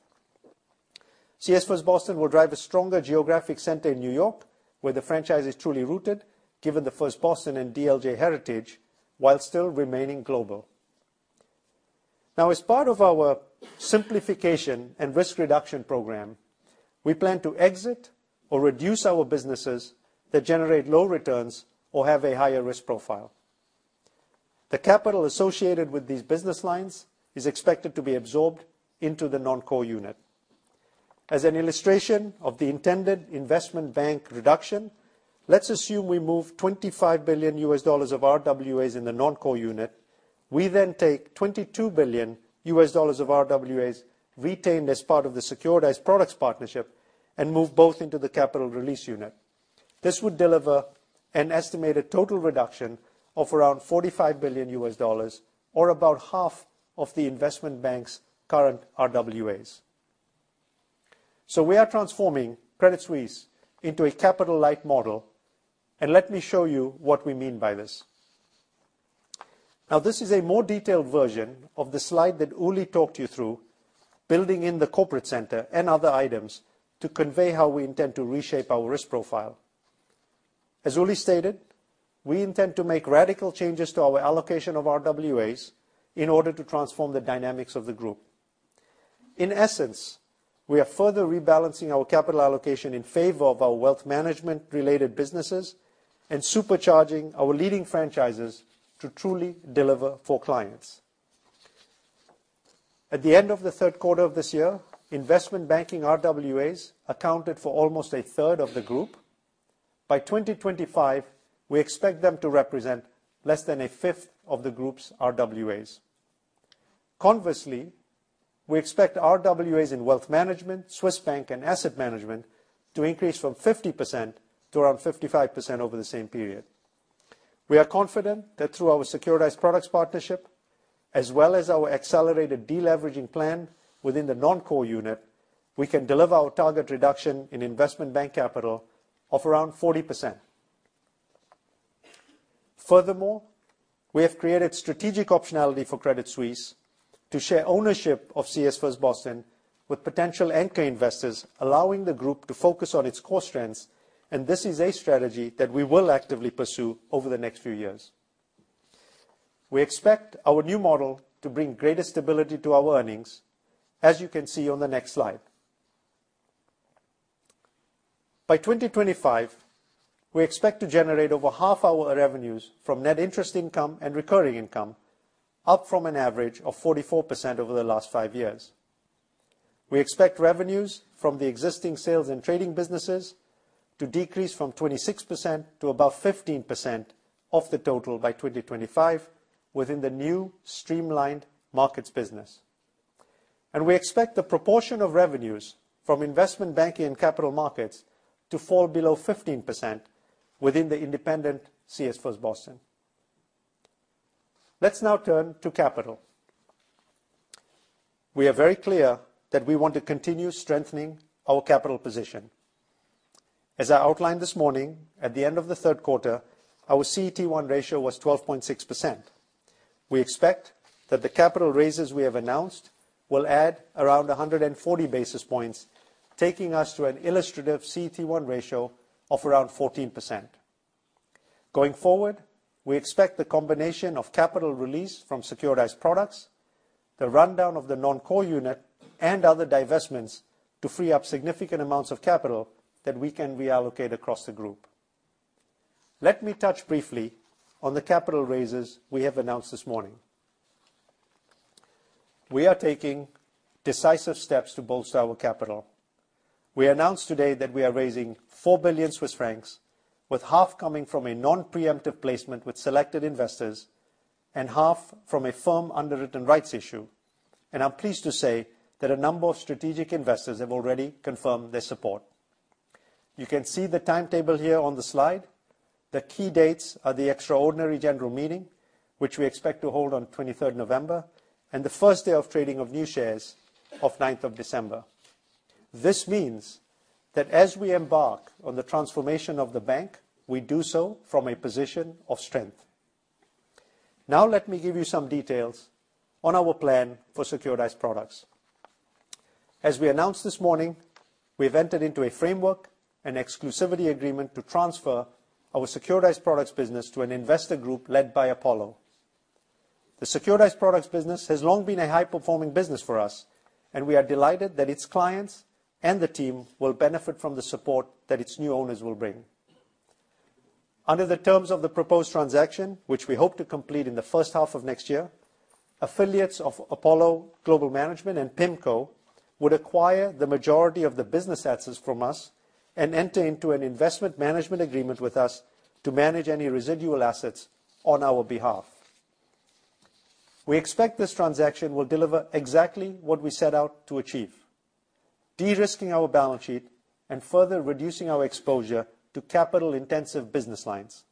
CS First Boston will drive a stronger geographic center in New York, where the franchise is truly rooted, given the First Boston and DLJ heritage, while still remaining global. Now, as part of our simplification and risk reduction program, we plan to exit or reduce our businesses that generate low returns or have a higher risk profile. The capital associated with these business lines is expected to be absorbed into the non-core unit. As an illustration of the intended investment bank reduction, let's assume we move $25 billion of RWAs into the non-core unit. We then take $22 billion of RWAs retained as part of the securitized products partnership and move both into the Capital Release Unit. This would deliver an estimated total reduction of around $45 billion or about half of the investment bank's current RWAs. We are transforming Credit Suisse into a capital-light model, and let me show you what we mean by this. Now, this is a more detailed version of the slide that Uli talked you through, building in the corporate center and other items to convey how we intend to reshape our risk profile. As Uli stated, we intend to make radical changes to our allocation of RWAs in order to transform the dynamics of the group. In essence, we are further rebalancing our capital allocation in favor of our wealth management-related businesses and supercharging our leading franchises to truly deliver for clients. At the end of the third quarter of this year, investment banking RWAs accounted for almost a third of the group. By 2025, we expect them to represent less than a fifth of the group's RWAs. Conversely, we expect RWAs in wealth management, Swiss bank, and asset management to increase from 50% to around 55% over the same period. We are confident that through our securitized products partnership, as well as our accelerated deleveraging plan within the non-core unit, we can deliver our target reduction in investment bank capital of around 40%. Furthermore, we have created strategic optionality for Credit Suisse to share ownership of CS First Boston with potential anchor investors, allowing the group to focus on its core strengths, and this is a strategy that we will actively pursue over the next few years. We expect our new model to bring greater stability to our earnings, as you can see on the next slide. By 2025, we expect to generate over half our revenues from net interest income and recurring income, up from an average of 44% over the last five years. We expect revenues from the existing sales and trading businesses to decrease from 26% to about 15% of the total by 2025 within the new streamlined markets business. We expect the proportion of revenues from investment banking and capital markets to fall below 15% within the independent CS First Boston. Let's now turn to capital. We are very clear that we want to continue strengthening our capital position. As I outlined this morning, at the end of the third quarter, our CET1 ratio was 12.6%. We expect that the capital raises we have announced will add around 140 basis points, taking us to an illustrative CET1 ratio of around 14%. Going forward, we expect the combination of capital release from securitized products, the rundown of the non-core unit, and other divestments to free up significant amounts of capital that we can reallocate across the group. Let me touch briefly on the capital raises we have announced this morning. We are taking decisive steps to bolster our capital. We announced today that we are raising 4 billion Swiss francs, with half coming from a non-preemptive placement with selected investors and half from a firm underwritten rights issue. I'm pleased to say that a number of strategic investors have already confirmed their support. You can see the timetable here on the slide. The key dates are the extraordinary general meeting, which we expect to hold on 23 November, and the first day of trading of new shares on ninth of December. This means that as we embark on the transformation of the bank, we do so from a position of strength. Now let me give you some details on our plan for securitized products. As we announced this morning, we have entered into a framework and exclusivity agreement to transfer our securitized products business to an investor group led by Apollo. The securitized products business has long been a high-performing business for us, and we are delighted that its clients and the team will benefit from the support that its new owners will bring. Under the terms of the proposed transaction, which we hope to complete in the first half of next year, affiliates of Apollo Global Management and PIMCO would acquire the majority of the business assets from us and enter into an investment management agreement with us to manage any residual assets on our behalf. We expect this transaction will deliver exactly what we set out to achieve, de-risking our balance sheet and further reducing our exposure to capital-intensive business lines.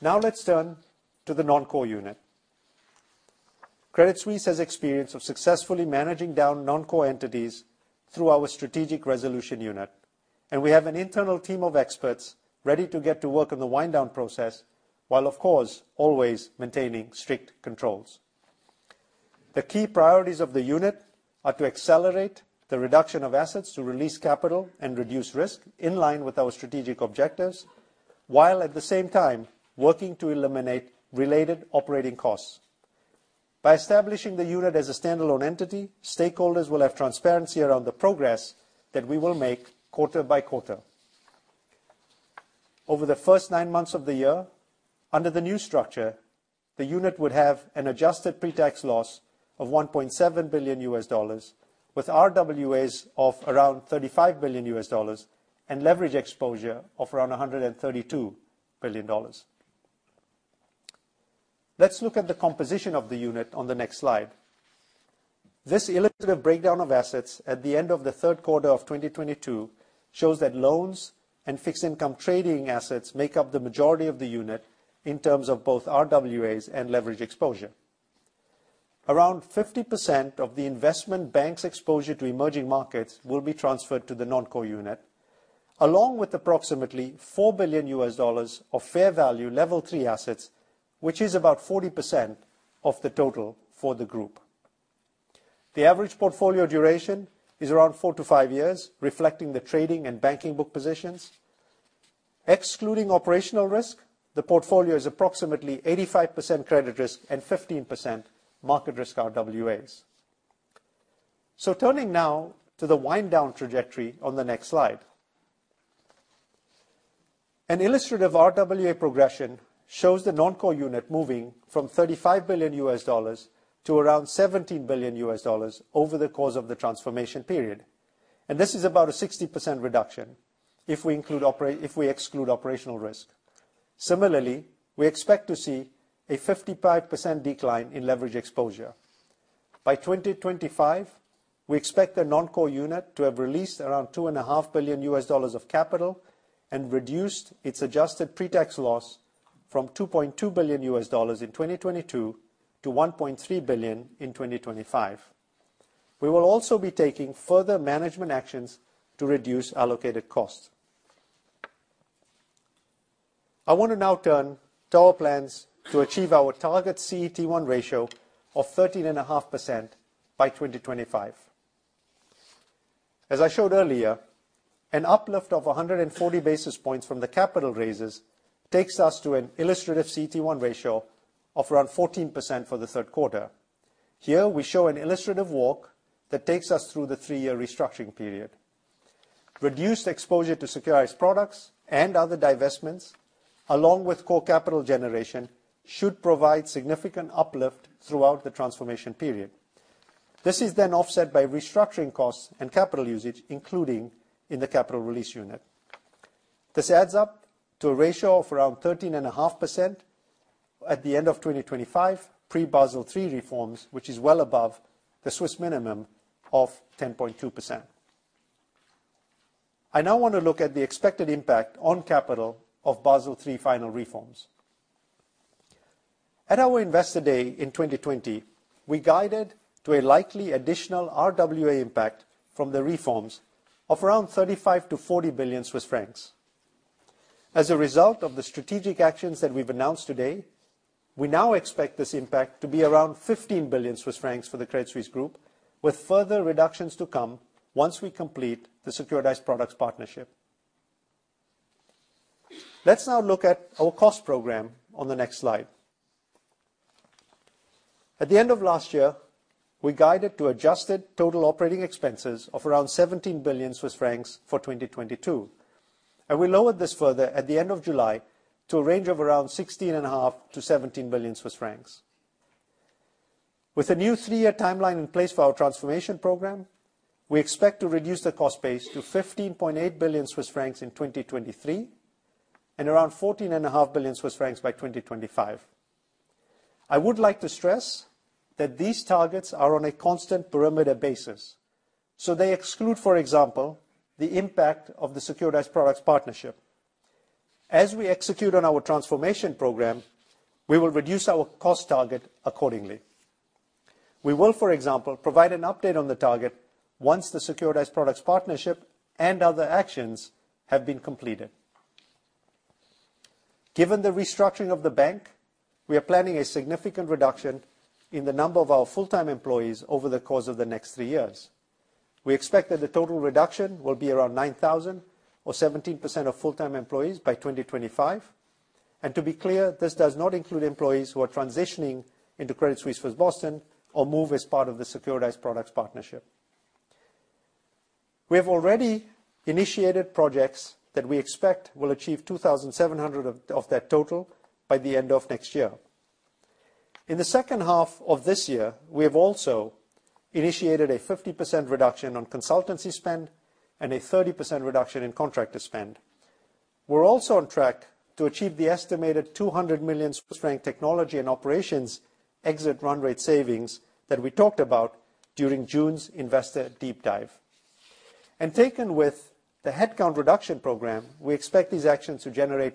Now let's turn to the non-core unit. Credit Suisse has experience of successfully managing down non-core entities through our Strategic Resolution Unit. We have an internal team of experts ready to get to work on the wind down process, while of course, always maintaining strict controls. The key priorities of the unit are to accelerate the reduction of assets to release capital and reduce risk in line with our strategic objectives, while at the same time working to eliminate related operating costs. By establishing the unit as a standalone entity, stakeholders will have transparency around the progress that we will make quarter by quarter. Over the first nine months of the year, under the new structure, the unit would have an adjusted pre-tax loss of $1.7 billion, with RWAs of around $35 billion and leverage exposure of around $132 billion. Let's look at the composition of the unit on the next slide. This illustrative breakdown of assets at the end of the third quarter of 2022 shows that loans and fixed income trading assets make up the majority of the unit in terms of both RWAs and leverage exposure. Around 50% of the investment bank's exposure to emerging markets will be transferred to the non-core unit, along with approximately $4 billion of fair value level three assets, which is about 40% of the total for the group. The average portfolio duration is around four-five years, reflecting the trading and banking book positions. Excluding operational risk, the portfolio is approximately 85% credit risk and 15% market risk RWAs. Turning now to the wind down trajectory on the next slide. An illustrative RWA progression shows the non-core unit moving from $35 billion to around $17 billion over the course of the transformation period. This is about a 60% reduction if we exclude operational risk. Similarly, we expect to see a 55% decline in leverage exposure. By 2025, we expect the non-core unit to have released around $2.5 billion of capital and reduced its adjusted pre-tax loss from $2.2 billion in 2022 to $1.3 billion in 2025. We will also be taking further management actions to reduce allocated costs. I want to now turn to our plans to achieve our target CET1 ratio of 13.5% by 2025. As I showed earlier, an uplift of 140 basis points from the capital raises takes us to an illustrative CET1 ratio of around 14% for the third quarter. Here we show an illustrative walk that takes us through the three-year restructuring period. Reduced exposure to securitized products and other divestments, along with core capital generation, should provide significant uplift throughout the transformation period. This is then offset by restructuring costs and capital usage, including in the Capital Release Unit. This adds up to a ratio of around 13.5% at the end of 2025, pre-Basel III reforms, which is well above the Swiss minimum of 10.2%. I now want to look at the expected impact on capital of Basel III final reforms. At our Investor Day in 2020, we guided to a likely additional RWA impact from the reforms of around 35 billion-40 billion Swiss francs. As a result of the strategic actions that we've announced today, we now expect this impact to be around 15 billion Swiss francs for the Credit Suisse Group, with further reductions to come once we complete the securitized products partnership. Let's now look at our cost program on the next slide. At the end of last year, we guided to adjusted total operating expenses of around 17 billion Swiss francs for 2022, and we lowered this further at the end of July to a range of around 16.5 billion-17 billion Swiss francs. With the new three-year timeline in place for our transformation program, we expect to reduce the cost base to 15.8 billion Swiss francs in 2023 and around 14.5 billion Swiss francs by 2025. I would like to stress that these targets are on a constant perimeter basis, so they exclude, for example, the impact of the securitized products partnership. As we execute on our transformation program, we will reduce our cost target accordingly. We will, for example, provide an update on the target once the securitized products partnership and other actions have been completed. Given the restructuring of the bank, we are planning a significant reduction in the number of our full-time employees over the course of the next three years. We expect that the total reduction will be around 9,000 or 17% of full-time employees by 2025. To be clear, this does not include employees who are transitioning into Credit Suisse First Boston or move as part of the securitized products partnership. We have already initiated projects that we expect will achieve 2,700 of that total by the end of next year. In the second half of this year, we have also initiated a 50% reduction on consultancy spend and a 30% reduction in contractor spend. We're also on track to achieve the estimated 200 million technology and operations exit run rate savings that we talked about during June's Investor Deep Dive. Taken with the headcount reduction program, we expect these actions to generate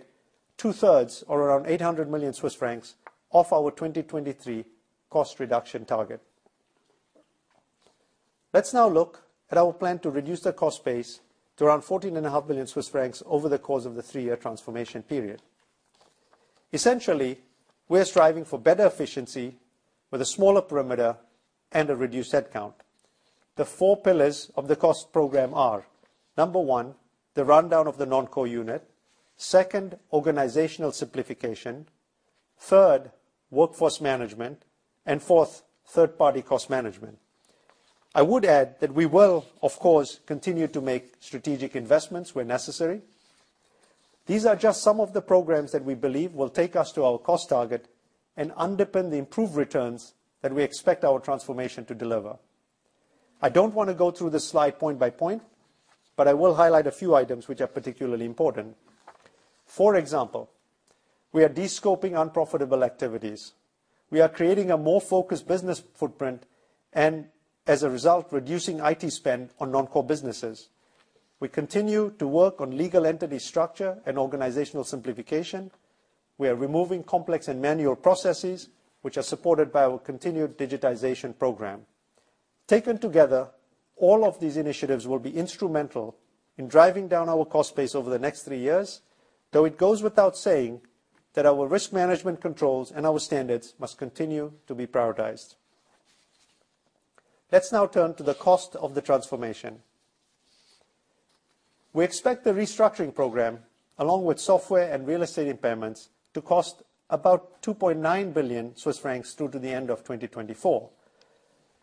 two-thirds or around 800 million Swiss francs of our 2023 cost reduction target. Let's now look at our plan to reduce the cost base to around 14.5 billion Swiss francs over the course of the three-year transformation period. Essentially, we're striving for better efficiency with a smaller perimeter and a reduced headcount. The four pillars of the cost program are, number one, the rundown of the non-core unit. Second, organizational simplification. Third, workforce management. Fourth, third-party cost management. I would add that we will, of course, continue to make strategic investments where necessary. These are just some of the programs that we believe will take us to our cost target and underpin the improved returns that we expect our transformation to deliver. I don't wanna go through this slide point by point, but I will highlight a few items which are particularly important. For example, we are de-scoping unprofitable activities. We are creating a more focused business footprint and, as a result, reducing IT spend on non-core businesses. We continue to work on legal entity structure and organizational simplification. We are removing complex and manual processes, which are supported by our continued digitization program. Taken together, all of these initiatives will be instrumental in driving down our cost base over the next three years, though it goes without saying that our risk management controls and our standards must continue to be prioritized. Let's now turn to the cost of the transformation. We expect the restructuring program, along with software and real estate impairments, to cost about 2.9 billion Swiss francs through to the end of 2024.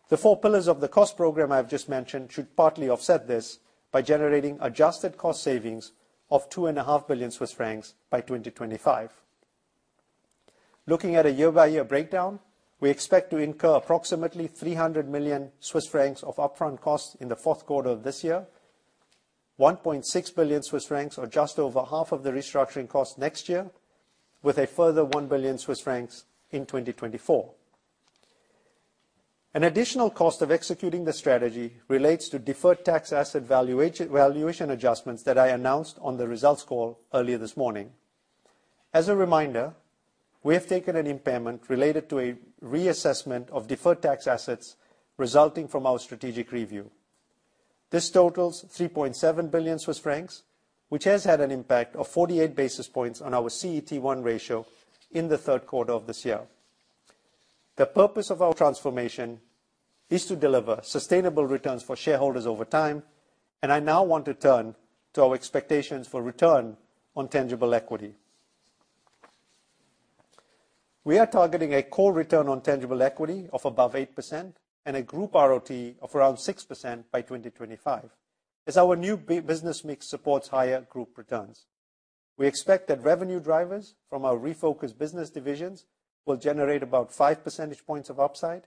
The four pillars of the cost program I've just mentioned should partly offset this by generating adjusted cost savings of 2.5 billion Swiss francs by 2025. Looking at a year-by-year breakdown, we expect to incur approximately 300 million Swiss francs of upfront costs in the fourth quarter of this year, 1.6 billion Swiss francs, or just over half of the restructuring cost next year, with a further 1 billion Swiss francs in 2024. An additional cost of executing the strategy relates to deferred tax asset valuation adjustments that I announced on the results call earlier this morning. As a reminder, we have taken an impairment related to a reassessment of deferred tax assets resulting from our strategic review. This totals 3.7 billion Swiss francs, which has had an impact of 48 basis points on our CET1 ratio in the third quarter of this year. The purpose of our transformation is to deliver sustainable returns for shareholders over time, and I now want to turn to our expectations for return on tangible equity. We are targeting a core return on tangible equity of above 8% and a group ROTE of around 6% by 2025, as our new business mix supports higher group returns. We expect that revenue drivers from our refocused business divisions will generate about 5 percentage points of upside,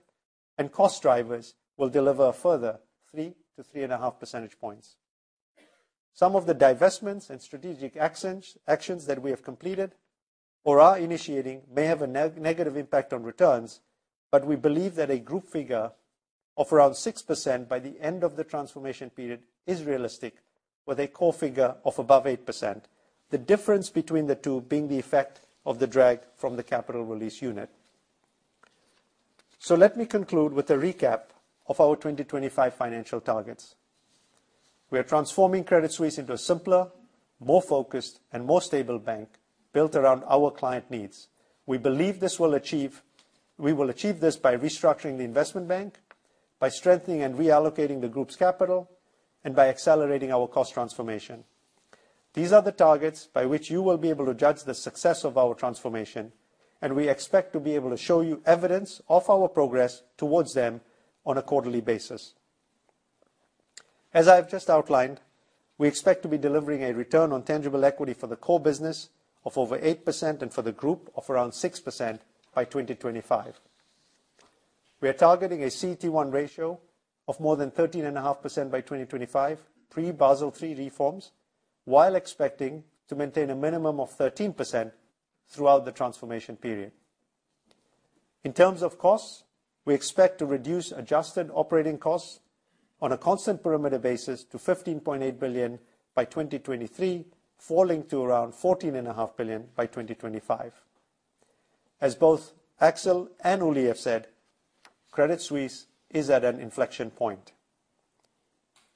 and cost drivers will deliver a further 3-3.5 percentage points. Some of the divestments and strategic actions that we have completed or are initiating may have a negative impact on returns, but we believe that a group figure of around 6% by the end of the transformation period is realistic, with a core figure of above 8%. The difference between the two being the effect of the drag from the Capital Release Unit. Let me conclude with a recap of our 2025 financial targets. We are transforming Credit Suisse into a simpler, more focused, and more stable bank built around our client needs. We will achieve this by restructuring the investment bank, by strengthening and reallocating the group's capital, and by accelerating our cost transformation. These are the targets by which you will be able to judge the success of our transformation, and we expect to be able to show you evidence of our progress towards them on a quarterly basis. As I've just outlined, we expect to be delivering a return on tangible equity for the core business of over 8% and for the group of around 6% by 2025. We are targeting a CET1 ratio of more than 13.5% by 2025, pre-Basel III reforms, while expecting to maintain a minimum of 13% throughout the transformation period. In terms of costs, we expect to reduce adjusted operating costs on a constant perimeter basis to 15.8 billion by 2023, falling to around 14.5 billion by 2025. As both Axel and Uli have said, Credit Suisse is at an inflection point.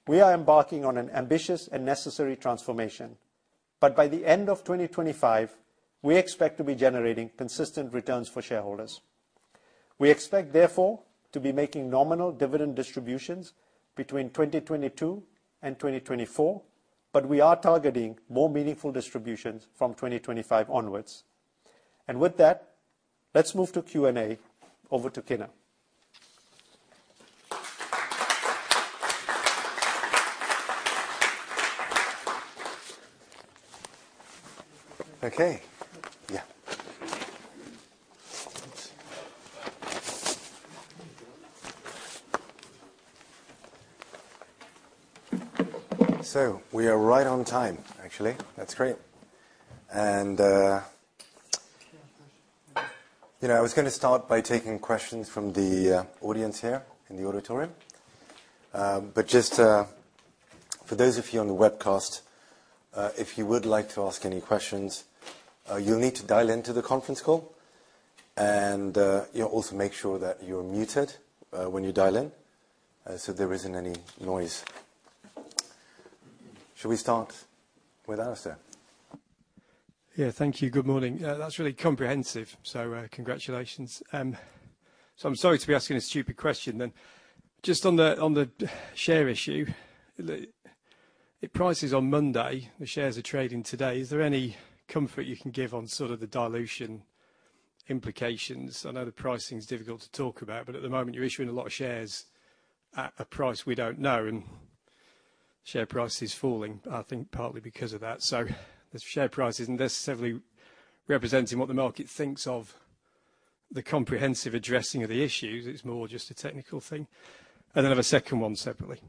We are embarking on an ambitious and necessary transformation, but by the end of 2025, we expect to be generating consistent returns for shareholders. We expect, therefore, to be making nominal dividend distributions between 2022 and 2024, but we are targeting more meaningful distributions from 2025 onwards. With that, let's move to Q&A. Over to Kinner. Okay. Yeah. We are right on time, actually. That's great. You know, I was gonna start by taking questions from the audience here in the auditorium. For those of you on the webcast, if you would like to ask any questions, you'll need to dial into the conference call and, yeah, also make sure that you're muted when you dial in, so there isn't any noise. Shall we start with Alastair? Yeah. Thank you. Good morning. That's really comprehensive, so congratulations. I'm sorry to be asking a stupid question then. Just on the share issue, it prices on Monday, the shares are trading today. Is there any comfort you can give on sort of the dilution implications? I know the pricing's difficult to talk about, but at the moment, you're issuing a lot of shares at a price we don't know, and share price is falling, I think partly because of that. The share price isn't necessarily representing what the market thinks of the comprehensive addressing of the issues, it's more just a technical thing. Then I have a second one separately.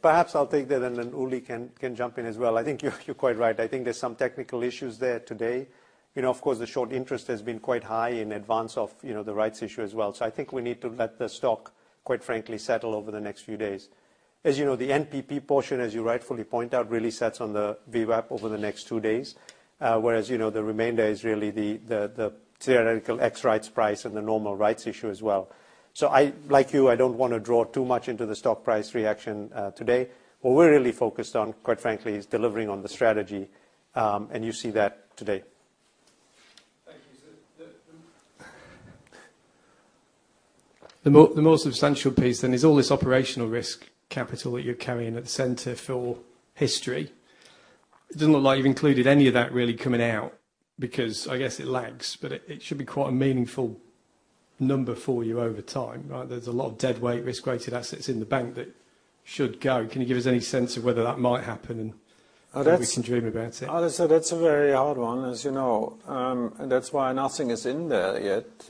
Perhaps I'll take that and then Uli can jump in as well. I think you're quite right. I think there's some technical issues there today. You know, of course, the short interest has been quite high in advance of, you know, the rights issue as well. I think we need to let the stock, quite frankly, settle over the next few days. As you know, the NPP portion, as you rightfully point out, really sets on the VWAP over the next two days, whereas, you know, the remainder is really the theoretical ex rights price and the normal rights issue as well. I, like you, I don't wanna draw too much into the stock price reaction, today. What we're really focused on, quite frankly, is delivering on the strategy, and you see that today. Thank you, sir. The more substantial piece then is all this operational risk capital that you're carrying at the center historically. It doesn't look like you've included any of that really coming out because I guess it lags, but it should be quite a meaningful number for you over time, right? There's a lot of deadweight risk-weighted assets in the bank that should go. Can you give us any sense of whether that might happen and if we can dream about it. Alastair, that's a very hard one, as you know. That's why nothing is in there yet,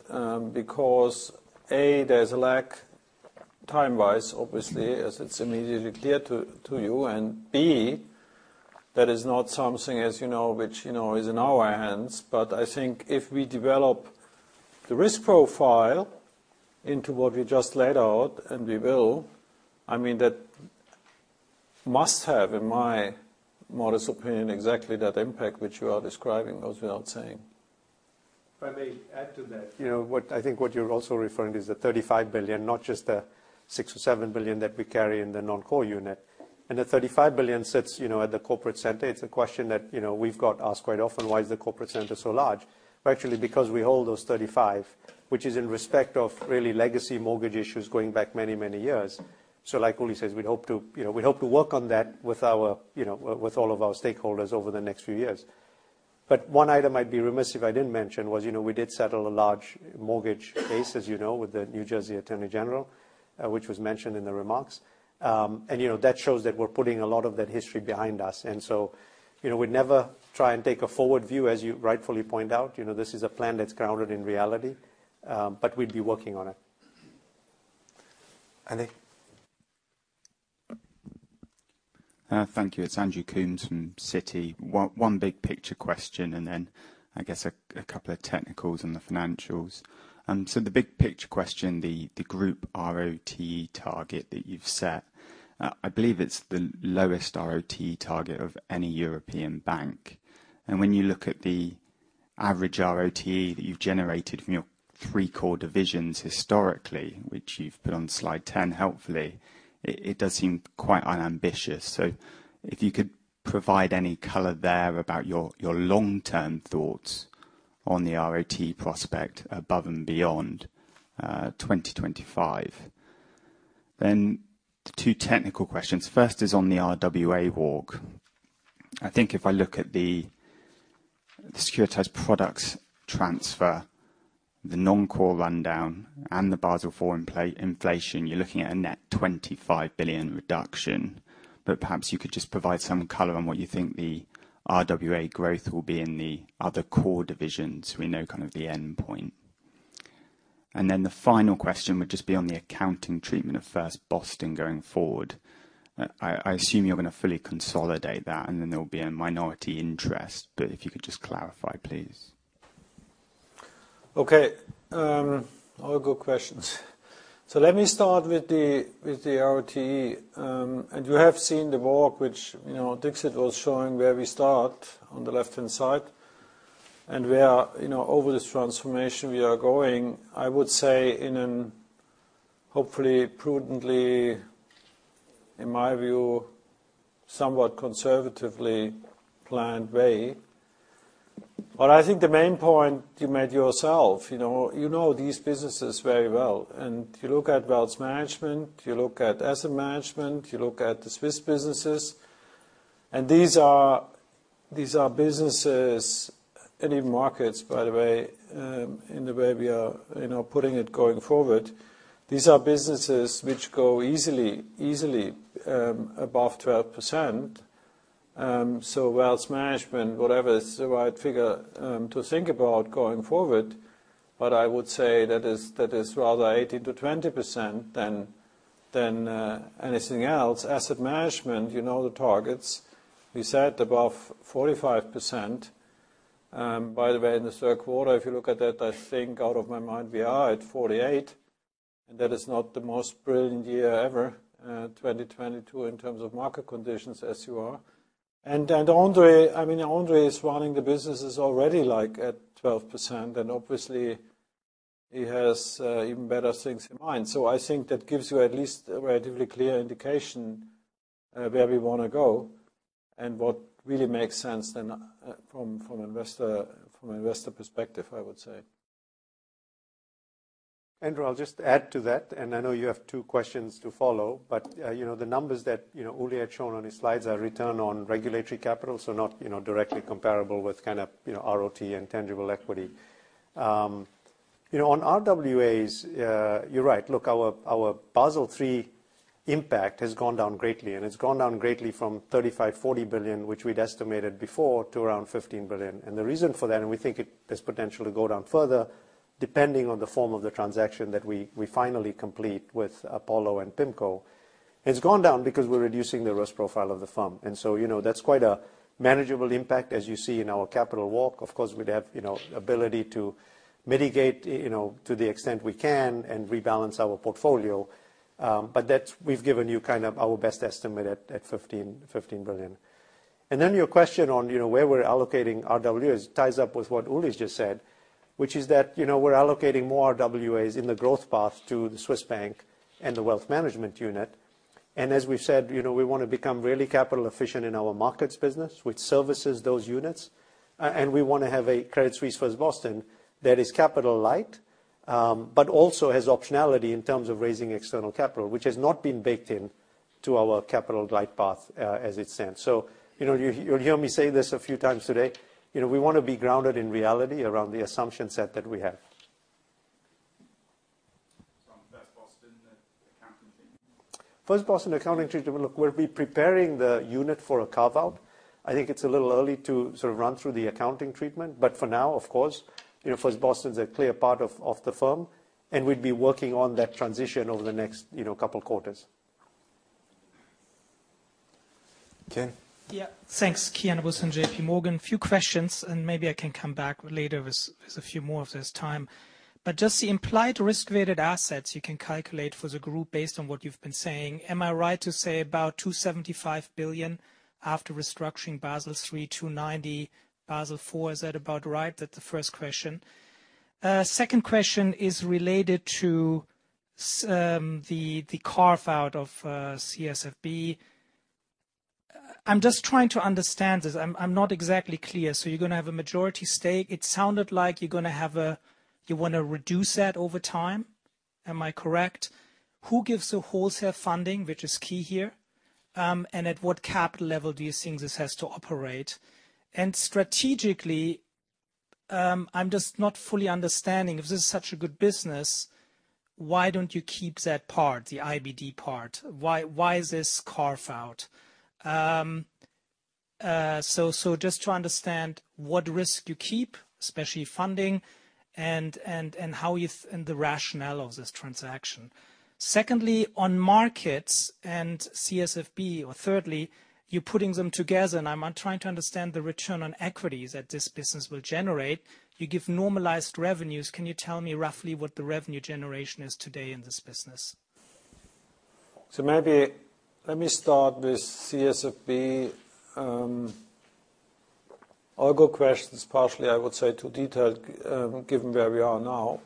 because, A, there's a lack time-wise, obviously, as it's immediately clear to you, and B, that is not something, as you know, which, you know, is in our hands. I think if we develop the risk profile into what we just laid out, and we will, I mean, that must have, in my modest opinion, exactly that impact which you are describing, goes without saying. If I may add to that. You know, what I think you're also referring is the $35 billion, not just the $6 or $7 billion that we carry in the non-core unit, and the $35 billion sits, you know, at the corporate center. It's a question that, you know, we've got asked quite often. Why is the corporate center so large? Well, actually, because we hold those $35 billion, which is in respect of really legacy mortgage issues going back many, many years. Like Uli says, we'd hope to work on that with our, you know, with all of our stakeholders over the next few years. One item I'd be remiss if I didn't mention was, you know, we did settle a large mortgage case, as you know, with the New Jersey Attorney General, which was mentioned in the remarks. You know, that shows that we're putting a lot of that history behind us. You know, we'd never try and take a forward view, as you rightfully point out. You know, this is a plan that's grounded in reality, but we'd be working on it. Andy? Thank you. It's Andrew Coombs from Citi. One big picture question and then I guess a couple of technicals on the financials. The big picture question, the group ROTE target that you've set. I believe it's the lowest ROTE target of any European bank. When you look at the average ROTE that you've generated from your three core divisions historically, which you've put on slide 10 helpfully, it does seem quite unambitious. If you could provide any color there about your long-term thoughts on the ROTE prospect above and beyond 2025. Two technical questions. First is on the RWA walk. I think if I look at the securitized products transfer, the non-core rundown, and the Basel IV inflation, you're looking at a net $25 billion reduction. Perhaps you could just provide some color on what you think the RWA growth will be in the other core divisions so we know kind of the endpoint. Then the final question would just be on the accounting treatment of First Boston going forward. I assume you're gonna fully consolidate that, and then there will be a minority interest. If you could just clarify, please. Okay, all good questions. Let me start with the ROTE. You have seen the walk, which, you know, Dixit was showing where we start on the left-hand side, and where, you know, over this transformation we are going. I would say in an hopefully prudently, in my view, somewhat conservatively planned way. I think the main point you made yourself, you know, these businesses very well. If you look at Wealth Management, you look at Asset Management, you look at the Swiss businesses, and these are businesses in any markets, by the way, in the way we are, you know, putting it going forward. These are businesses which go easily above 12%. Wealth Management, whatever is the right figure, to think about going forward, but I would say that is rather 18%-20% than anything else. Asset Management, you know the targets. We said above 45%. By the way, in the third quarter, if you look at that, I think off the top of my head we are at 48%, and that is not the most brilliant year ever, 2022 in terms of market conditions as you're aware. André, I mean, André is running the businesses already like at 12% and obviously he has even better things in mind. I think that gives you at least a relatively clear indication where we wanna go and what really makes sense then from investor perspective, I would say. Andrew, I'll just add to that, and I know you have two questions to follow, but you know, the numbers that you know, Uli had shown on his slides are return on regulatory capital, so not you know, directly comparable with kind of you know, ROTE and tangible equity. On RWAs, you're right. Look, our Basel III impact has gone down greatly, and it's gone down greatly from 35 billion-40 billion, which we'd estimated before, to around 15 billion. The reason for that, we think it has potential to go down further depending on the form of the transaction that we finally complete with Apollo and PIMCO. It's gone down because we're reducing the risk profile of the firm, and so you know, that's quite a manageable impact as you see in our capital walk. Of course, we'd have, you know, ability to mitigate, you know, to the extent we can and rebalance our portfolio. But that's. We've given you kind of our best estimate at 15 billion. Your question on, you know, where we're allocating RWAs ties up with what Uli's just said, which is that, you know, we're allocating more RWAs in the growth path to the Swiss Bank and the wealth management unit. As we've said, you know, we wanna become really capital efficient in our markets business, which services those units. We wanna have a Credit Suisse First Boston that is capital light, but also has optionality in terms of raising external capital, which has not been baked in to our capital light path, as it stands. You know, you'll hear me say this a few times today. You know, we wanna be grounded in reality around the assumption set that we have. From First Boston accounting treatment? First Boston accounting treatment. Look, we'll be preparing the unit for a carve-out. I think it's a little early to sort of run through the accounting treatment, but for now, of course, you know, First Boston's a clear part of the firm, and we'd be working on that transition over the next, you know, couple quarters. Kian? Yeah. Thanks. Kian Abouhossein, J.P. Morgan. Few questions and maybe I can come back later with a few more if there's time. Just the implied risk-weighted assets you can calculate for the group based on what you've been saying, am I right to say about 275 billion after restructuring Basel III to 90%, Basel IV, is that about right? That's the first question. Second question is related to the carve-out of CSFB. I'm just trying to understand this. I'm not exactly clear. So you're gonna have a majority stake. It sounded like you're gonna have a, you wanna reduce that over time. Am I correct? Who gives the wholesale funding, which is key here, and at what capital level do you think this has to operate? Strategically, I'm just not fully understanding if this is such a good business, why don't you keep that part, the IBD part? Why is this carve-out? So just to understand what risk you keep, especially funding, and the rationale of this transaction. Secondly, on markets and CSFB, or thirdly, you're putting them together and I'm trying to understand the return on equities that this business will generate. You give normalized revenues. Can you tell me roughly what the revenue generation is today in this business? Maybe let me start with CSFB. All good questions, partially I would say too detailed, given where we are now.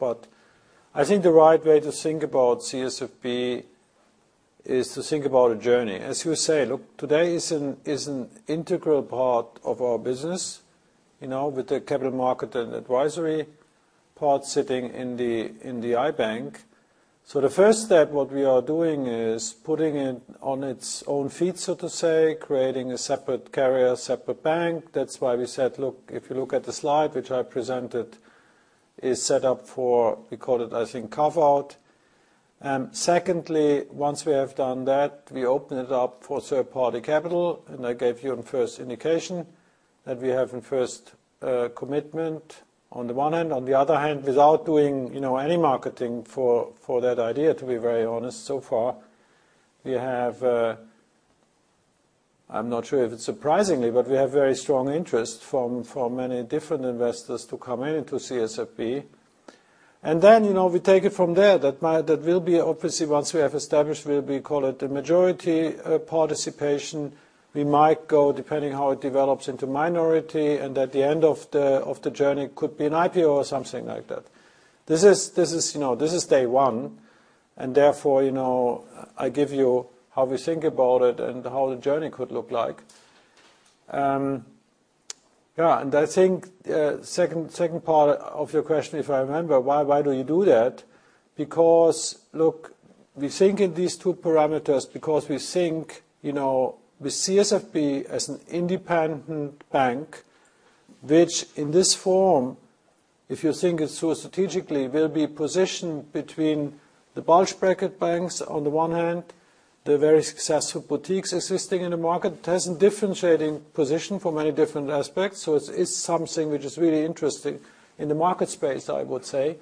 I think the right way to think about CSFB is to think about a journey. As you say, look, today is an integral part of our business, you know, with the capital market and advisory part sitting in the iBank. The first step, what we are doing is putting it on its own feet, so to say, creating a separate carrier, separate bank. That's why we said, look, if you look at the slide, which I presented, is set up for, we call it, I think, carve-out. Secondly, once we have done that, we open it up for third-party capital, and I gave you initial indication that we have initial commitment on the one hand. On the other hand, without doing, you know, any marketing for that idea, to be very honest, so far, we have. I'm not sure if it's surprisingly, but we have very strong interest from many different investors to come in to CSFB. Then, you know, we take it from there. That will be obviously once we have established, we'll call it the majority participation, we might go, depending how it develops, into minority, and at the end of the journey could be an IPO or something like that. This is, you know, this is day one, and therefore, you know, I give you how we think about it and how the journey could look like. I think second part of your question, if I remember, why do you do that? Look, we think in these two parameters because we think, you know, with CSFB as an independent bank, which in this form, if you think it through strategically, will be positioned between the bulge bracket banks on the one hand, the very successful boutiques existing in the market. It has a differentiating position for many different aspects, so it's something which is really interesting in the market space, I would say.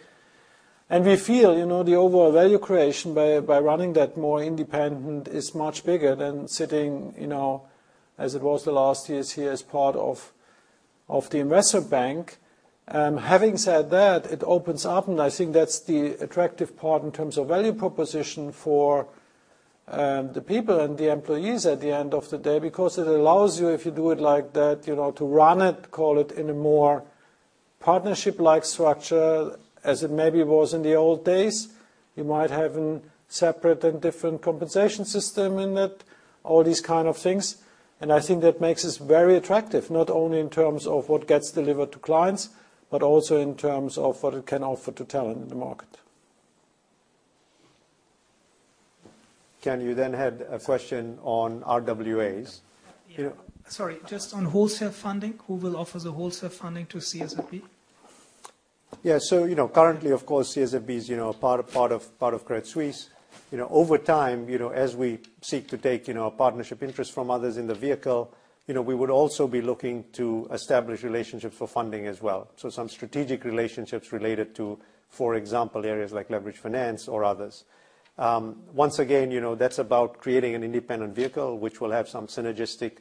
We feel, you know, the overall value creation by running that more independent is much bigger than sitting, you know, as it was the last years here as part of the investment bank. Having said that, it opens up, and I think that's the attractive part in terms of value proposition for the people and the employees at the end of the day, because it allows you, if you do it like that, you know, to run it, call it, in a more partnership-like structure as it maybe was in the old days. You might have a separate and different compensation system in it, all these kind of things. I think that makes us very attractive, not only in terms of what gets delivered to clients, but also in terms of what it can offer to talent in the market. Kian, you then had a question on RWAs. Yeah. Sorry, just on wholesale funding, who will offer the wholesale funding to CSFB? Yeah, you know, currently, of course, CSFB is, you know, a part of Credit Suisse. You know, over time, you know, as we seek to take, you know, a partnership interest from others in the vehicle, you know, we would also be looking to establish relationships for funding as well. Some strategic relationships related to, for example, areas like leveraged finance or others. Once again, you know, that's about creating an independent vehicle which will have some synergistic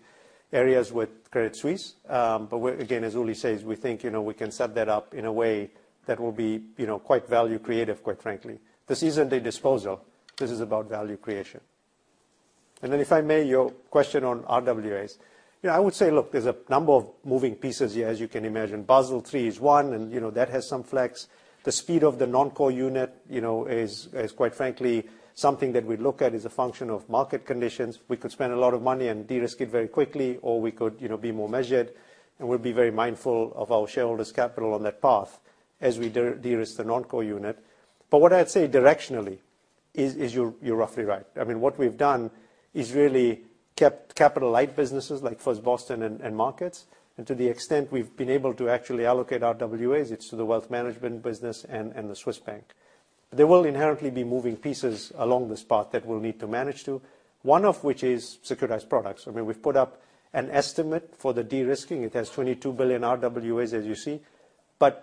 areas with Credit Suisse. We're again, as Uli says, we think, you know, we can set that up in a way that will be, you know, quite value creative, quite frankly. This isn't a disposal. This is about value creation. If I may, your question on RWAs. You know, I would say, look, there's a number of moving pieces here, as you can imagine. Basel III is one, and, you know, that has some flex. The speed of the non-core unit, you know, is quite frankly something that we look at as a function of market conditions. We could spend a lot of money and de-risk it very quickly, or we could, you know, be more measured, and we'll be very mindful of our shareholders' capital on that path as we de-risk the non-core unit. What I'd say directionally is, you're roughly right. I mean, what we've done is really kept capital-light businesses like First Boston and Markets. To the extent we've been able to actually allocate our RWAs, it's to the wealth management business and the Swiss bank. There will inherently be moving pieces along this path that we'll need to manage to, one of which is securitized products. I mean, we've put up an estimate for the de-risking. It has $22 billion RWAs, as you see.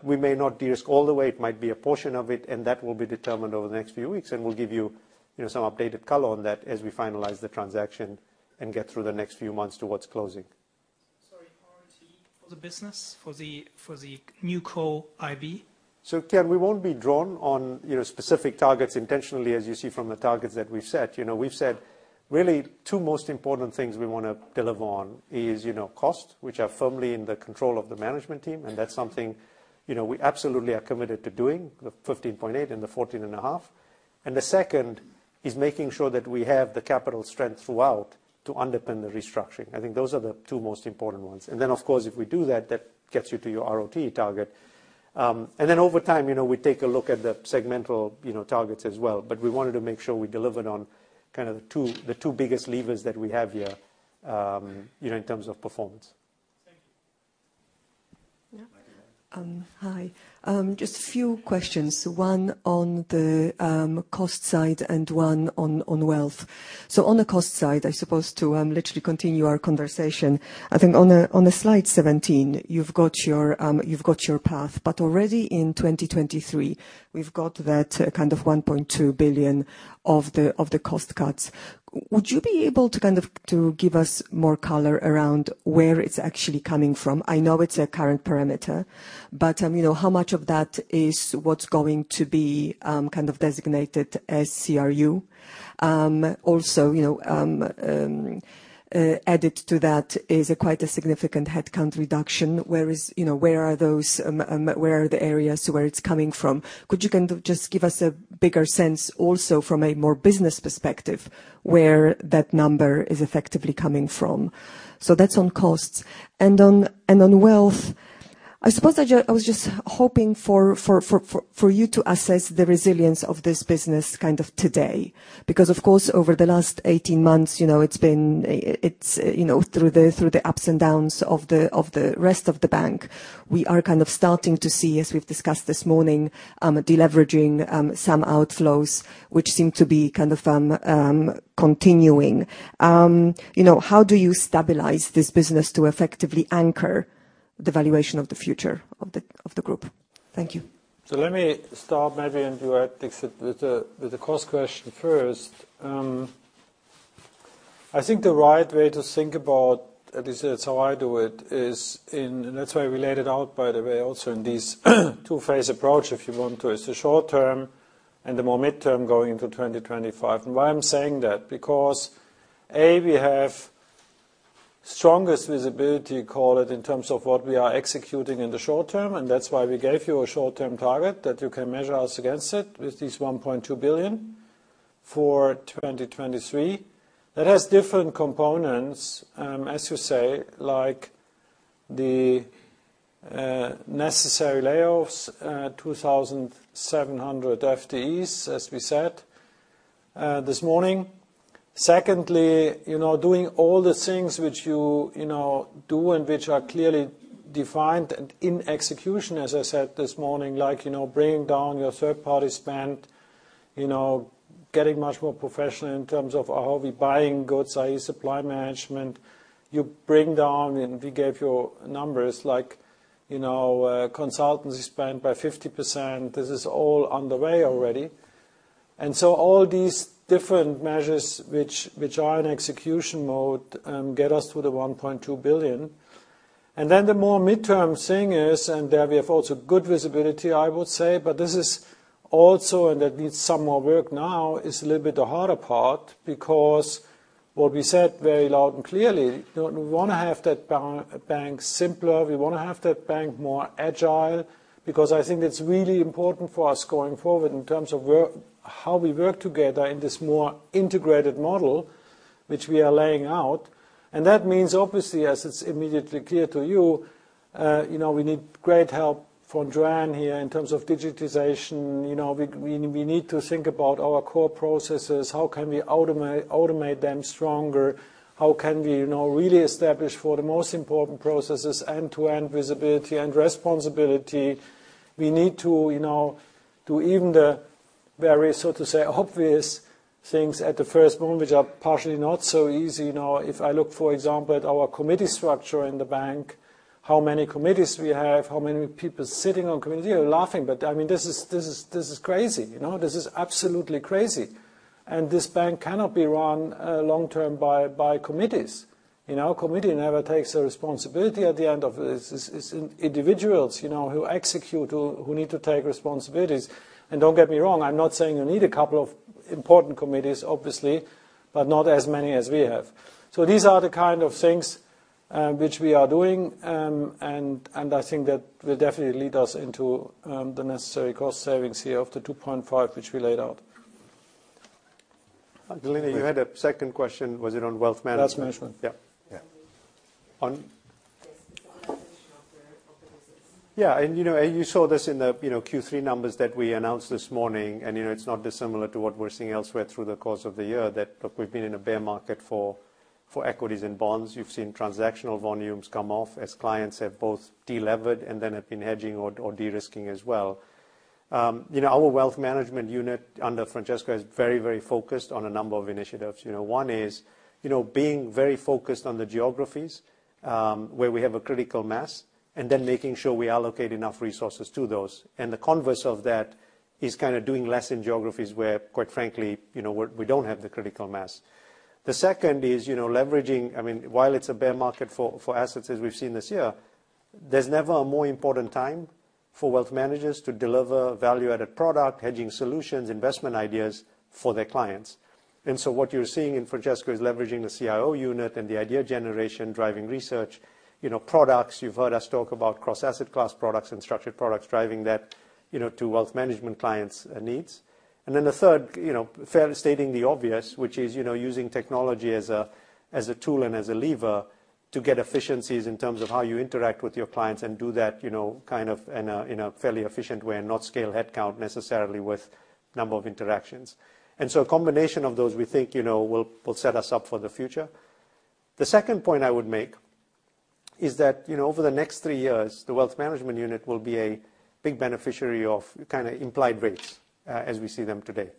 We may not de-risk all the way. It might be a portion of it, and that will be determined over the next few weeks, and we'll give you know, some updated color on that as we finalize the transaction and get through the next few months to what's closing. [AUDIO DISTORTION] Sorry, ROTE for the business, for the new co IB? Kian, we won't be drawn on, you know, specific targets intentionally, as you see from the targets that we've set. You know, we've said really two most important things we wanna deliver on is, you know, cost, which are firmly in the control of the management team, and that's something, you know, we absolutely are committed to doing, the 15.8 billion and the 14.5 billion. The second is making sure that we have the capital strength throughout to underpin the restructuring. I think those are the two most important ones. Of course, if we do that gets you to your ROTE target. Over time, you know, we take a look at the segmental, you know, targets as well. We wanted to make sure we delivered on kind of the two biggest levers that we have here, you know, in terms of performance. Thank you. Hi. Just a few questions, one on the cost side and one on wealth. On the cost side, I suppose to literally continue our conversation, I think on the slide 17, you've got your path, but already in 2023, we've got that kind of 1.2 billion of the cost cuts. Would you be able to kind of to give us more color around where it's actually coming from? I know it's a current parameter, but you know, how much of that is what's going to be kind of designated as CRU? Also, you know, added to that is quite a significant headcount reduction, whereas you know, where are the areas to where it's coming from? Could you kind of just give us a bigger sense also from a more business perspective, where that number is effectively coming from? That's on costs. On wealth, I suppose I was just hoping for you to assess the resilience of this business kind of today, because of course, over the last 18 months, you know, it's been, it's, you know, through the ups and downs of the rest of the bank. We are kind of starting to see, as we've discussed this morning, deleveraging, some outflows, which seem to be kind of continuing. You know, how do you stabilize this business to effectively anchor the valuation of the future of the group? Thank you. Let me start maybe, and you add, with the cost question first. I think the right way to think about this, it's how I do it, is [AUDIO DISTORTION] these two-phase approach, if you want to. It's the short term and the more midterm going into 2025. Why I'm saying that, because A, we have strongest visibility, call it, in terms of what we are executing in the short term, and that's why we gave you a short-term target that you can measure us against it with this 1.2 billion for 2023. That has different components, as you say, like the necessary layoffs, 2,700 FTEs, as we said, this morning. Secondly, you know, doing all the things which you know, do and which are clearly defined in execution, as I said this morning, like, you know, bringing down your third-party spend. You know, getting much more professional in terms of how we're buying goods, i.e. supply management. You bring down, and we gave you numbers like, you know, consultancy spend by 50%. This is all on the way already. All these different measures which are in execution mode get us to 1.2 billion. Then the more midterm thing is, and there we have also good visibility, I would say, but this is also, and that needs some more work now, is a little bit the harder part, because what we said very loud and clearly, you know, we wanna have that bank simpler, we wanna have that bank more agile, because I think it's really important for us going forward in terms of work, how we work together in this more integrated model which we are laying out. That means, obviously, as it's immediately clear to you know, we need great help from Joanne here in terms of digitization. You know, we need to think about our core processes. How can we automate them stronger? How can we, you know, really establish for the most important processes end-to-end visibility and responsibility? We need to, you know, do even the very, so to say, obvious things at the first moment, which are partially not so easy. You know, if I look, for example, at our committee structure in the bank, how many committees we have, how many people sitting on committee. You're laughing, but, I mean, this is crazy. You know? This is absolutely crazy. This bank cannot be run long-term by committees. You know, a committee never takes the responsibility at the end of it. It's individuals, you know, who execute, who need to take responsibilities. Don't get me wrong, I'm not saying you need a couple of important committees, obviously, but not as many as we have. These are the kind of things which we are doing, and I think that will definitely lead us into the necessary cost savings here of 2.5billion which we laid out. Magdalena, you had a second question. Was it on wealth management? Wealth Management. Yeah. Yes, the specialization of the business. Yeah, you know, you saw this in the Q3 numbers that we announced this morning. You know, it's not dissimilar to what we're seeing elsewhere through the course of the year, that look, we've been in a bear market for equities and bonds. You've seen transactional volumes come off as clients have both delevered and then have been hedging or de-risking as well. You know, our wealth management unit under Francesco is very focused on a number of initiatives. You know, one is being very focused on the geographies where we have a critical mass, and then making sure we allocate enough resources to those. The converse of that is kinda doing less in geographies where, quite frankly, you know, where we don't have the critical mass. The second is, you know, leveraging, I mean, while it's a bear market for assets as we've seen this year, there's never a more important time for wealth managers to deliver value-added product, hedging solutions, investment ideas for their clients. What you're seeing in Francesco is leveraging the CIO unit and the idea generation, driving research, you know, products. You've heard us talk about cross-asset class products and structured products, driving that, you know, to wealth management clients' needs. The third, you know, fairly stating the obvious, which is, you know, using technology as a tool and as a lever to get efficiencies in terms of how you interact with your clients and do that, you know, kind of in a fairly efficient way and not scale headcount necessarily with number of interactions. A combination of those we think, you know, will set us up for the future. The second point I would make is that, you know, over the next three years, the wealth management unit will be a big beneficiary of kinda implied rates as we see them today.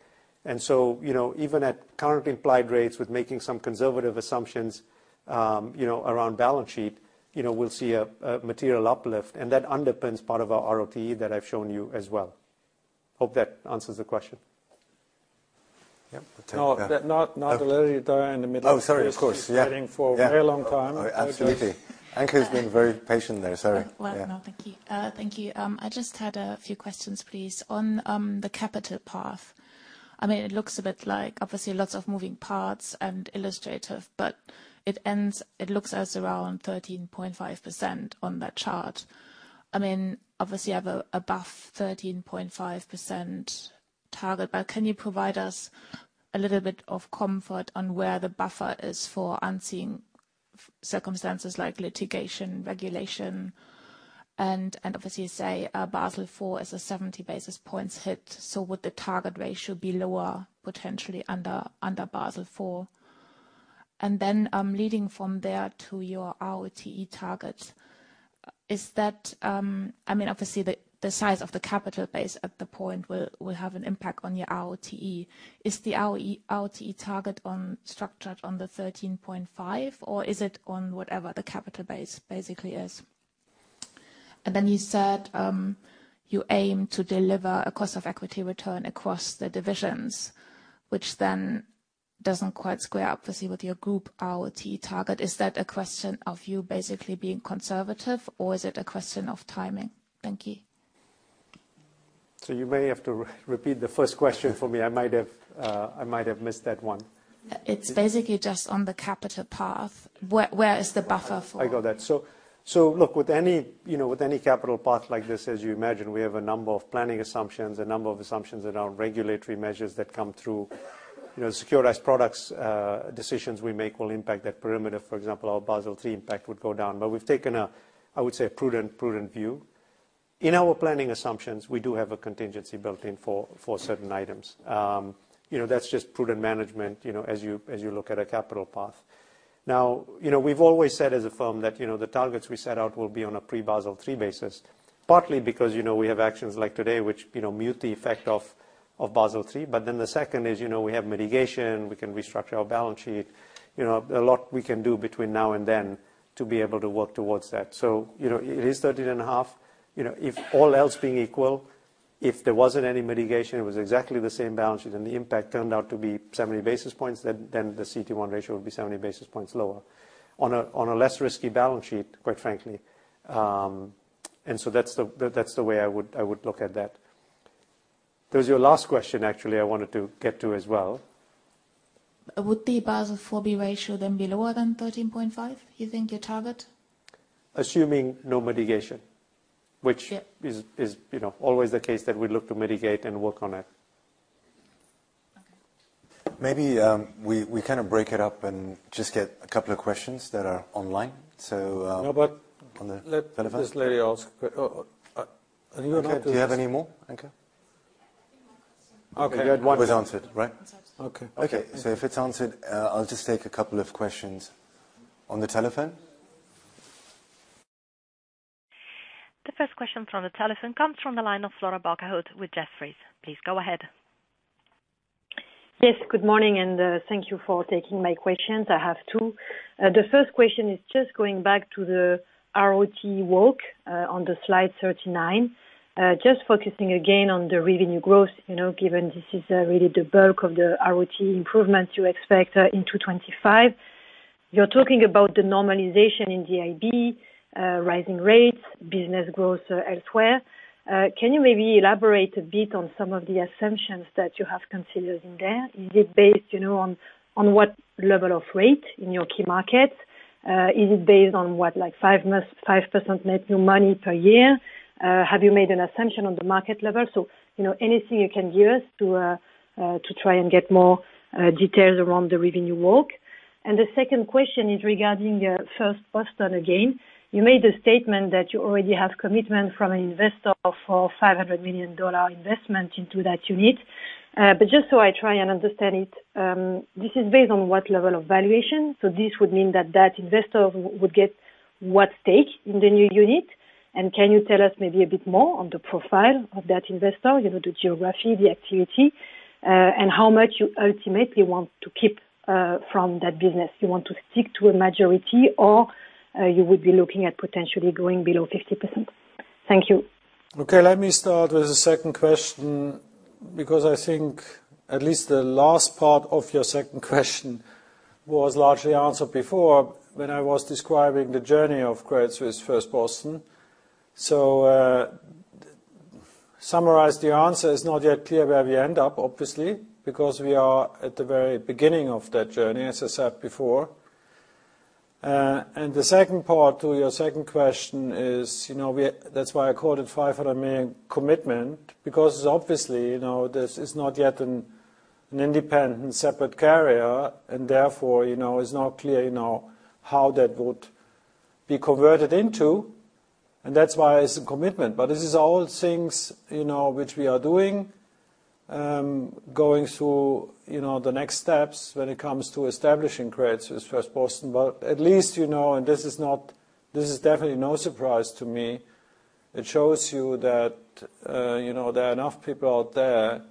Even at currently implied rates with making some conservative assumptions, you know, around balance sheet, you know, we'll see a material uplift, and that underpins part of our ROTE that I've shown you as well. Hope that answers the question. Yeah. Take that. No. Not Valerie there in the middle. Oh, sorry. Of course. Yeah. She's waiting for a very long time. Oh, absolutely. Anke has been very patient there. Sorry. Well, no. Thank you. Thank you. I just had a few questions, please. On the capital path, I mean, it looks a bit like, obviously, lots of moving parts and illustrative, but it ends around 13.5% on that chart. I mean, obviously you have a target above 13.5%, but can you provide us a little bit of comfort on where the buffer is for unforeseen circumstances like litigation, regulation, and obviously you say Basel IV is a 70 basis points hit, so would the target ratio be lower potentially under Basel IV? Then leading from there to your ROTE target, is that, I mean, obviously the size of the capital base at the point will have an impact on your ROTE. Is the ROTE target structured on the 13.5%, or is it on whatever the capital base basically is? You said you aim to deliver a cost of equity return across the divisions, which then doesn't quite square up firstly with your group ROTE target. Is that a question of you basically being conservative, or is it a question of timing? Thank you. You may have to repeat the first question for me. I might have missed that one. It's basically just on the capital path. Where is the buffer for-- I got that. Look, with any, you know, with any capital path like this, as you imagine, we have a number of planning assumptions, a number of assumptions around regulatory measures that come through. You know, securitized products decisions we make will impact that perimeter. For example, our Basel III impact would go down. We've taken a, I would say, a prudent view. In our planning assumptions, we do have a contingency built in for certain items. You know, that's just prudent management, you know, as you look at a capital path. Now, you know, we've always said as a firm that, you know, the targets we set out will be on a pre-Basel III basis, partly because, you know, we have actions like today which, you know, mute the effect of Basel III. The second is, you know, we have mitigation, we can restructure our balance sheet. You know, a lot we can do between now and then to be able to work towards that. You know, it is 13.5%. You know, if all else being equal, if there wasn't any mitigation, it was exactly the same balance sheet and the impact turned out to be 70 basis points, then the CET1 ratio would be 70 basis points lower. On a less risky balance sheet, quite frankly. That's the way I would look at that. There's your last question actually I wanted to get to as well. Would the Basel IV ratio then be lower than 13.5%, you think your target? Assuming no mitigation. Yeah. Which is, you know, always the case that we look to mitigate and work on it. Okay. Maybe we kind of break it up and just get a couple of questions that are online. No, but-- On the telephone. Let this lady ask. Are you not done? Okay. Do you have any more, Anke? Yeah. I have one more question. Okay. You had one. It was answered, right? It was answered. Okay. Okay. If it's answered, I'll just take a couple of questions on the telephone. The first question from the telephone comes from the line of Flora Bocahut with Jefferies. Please go ahead. Yes, good morning, and thank you for taking my questions. I have two. The first question is just going back to the ROTE work on the slide 39. Just focusing again on the revenue growth, you know, given this is really the bulk of the ROTE improvements you expect in 2025. You're talking about the normalization in GIB, rising rates, business growth elsewhere. Can you maybe elaborate a bit on some of the assumptions that you have considered in there? Is it based, you know, on what level of rate in your key markets? Is it based on what, like 5% net new money per year? Have you made an assumption on the market level? You know, anything you can give us to try and get more details around the revenue work. The second question is regarding First Boston again. You made a statement that you already have commitment from an investor for $500 million investment into that unit. But just so I try and understand it, this is based on what level of valuation? This would mean that that investor would get what stake in the new unit. Can you tell us maybe a bit more on the profile of that investor, you know, the geography, the activity, and how much you ultimately want to keep from that business? Do you want to stick to a majority or you would be looking at potentially going below 50%? Thank you. Okay, let me start with the second question because I think at least the last part of your second question was largely answered before when I was describing the journey of Credit Suisse First Boston. Summarize the answer, it's not yet clear where we end up, obviously, because we are at the very beginning of that journey, as I said before. The second part to your second question is, you know, that's why I called it 500 million commitment, because obviously, you know, this is not yet an independent separate carrier and therefore, you know, it's not clear, you know, how that would be converted into, and that's why it's a commitment. These are all things, you know, which we are doing, going through, you know, the next steps when it, you know, comes to establishing Credit Suisse First Boston. At least, you know, this is definitely no surprise to me. It shows you that, you know, there are enough people out there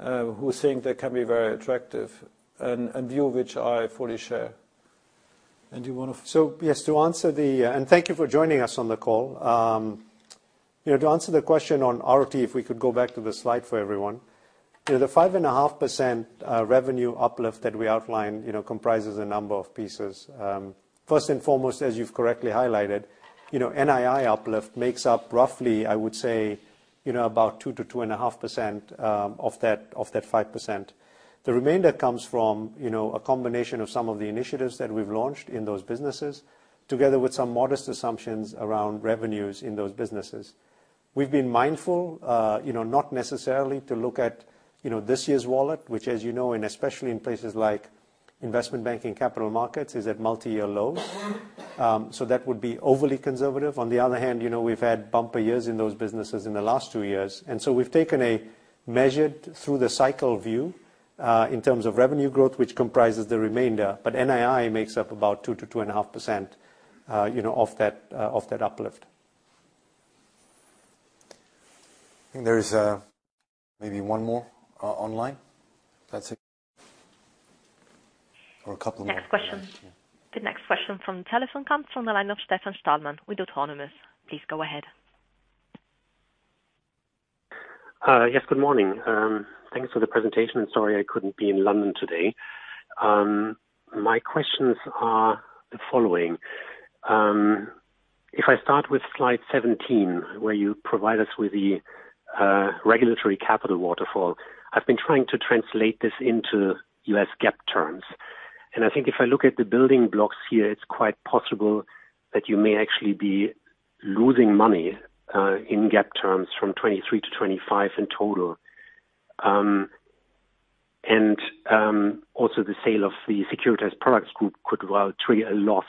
who think they can be very attractive and view which I fully share. You wanna? Thank you for joining us on the call. You know, to answer the question on ROTE, if we could go back to the slide for everyone. You know, the 5.5% revenue uplift that we outlined, you know, comprises a number of pieces. First and foremost, as you've correctly highlighted, you know, NII uplift makes up roughly, I would say, you know, about 2%-2.5% of that 5%. The remainder comes from, you know, a combination of some of the initiatives that we've launched in those businesses, together with some modest assumptions around revenues in those businesses. We've been mindful, you know, not necessarily to look at, you know, this year's wallet, which as you know, and especially in places like investment banking capital markets, is at multi-year lows. That would be overly conservative. On the other hand, you know, we've had bumper years in those businesses in the last two years, and so we've taken a measured through the cycle view, in terms of revenue growth, which comprises the remainder. NII makes up about 2%-2.5%, you know, of that uplift. I think there is, maybe one more, online. That's it. Or a couple more. Next question. The next question from the telephone comes from the line of Stefan Stalmann with Autonomous Research. Please go ahead. Yes, good morning. Thanks for the presentation. Sorry I couldn't be in London today. My questions are the following. If I start with slide 17, where you provide us with the regulatory capital waterfall. I've been trying to translate this into U.S. GAAP terms, and I think if I look at the building blocks here, it's quite possible that you may actually be losing money in GAAP terms from 2023 to 2025 in total. Also the sale of the Securitized Products Group could well trigger a loss.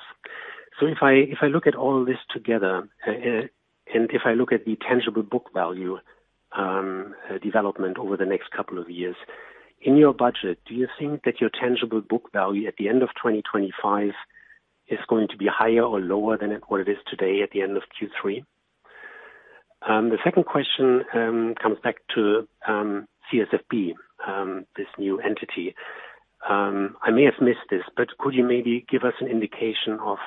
If I look at all this together, and if I look at the tangible book value development over the next couple of years, in your budget, do you think that your tangible book value at the end of 2025 is going to be higher or lower than it, what it is today at the end of Q3? The second question comes back to CSFB, this new entity. I may have missed this, but could you maybe give us an indication of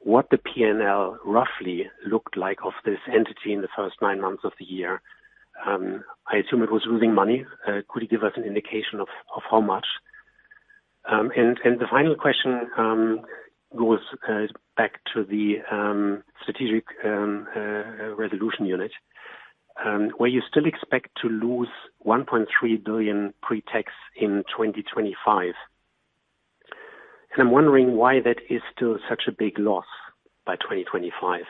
what the P&L roughly looked like of this entity in the first nine months of the year? I assume it was losing money. Could you give us an indication of how much? The final question goes back to the Strategic Resolution Unit, where you still expect to lose 1.3 billion pre-tax in 2025. I'm wondering why that is still such a big loss by 2025.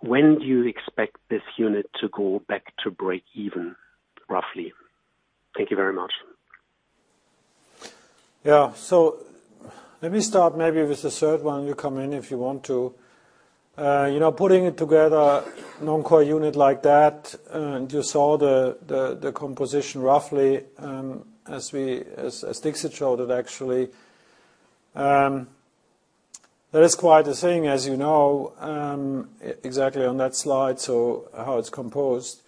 When do you expect this unit to go back to break even, roughly? Thank you very much. Yeah. Let me start maybe with the third one. You come in if you want to. You know, putting it together, non-core unit like that, and you saw the composition roughly, as Dixit showed it actually. That is quite a thing, as you know, exactly on that slide, so how it's composed.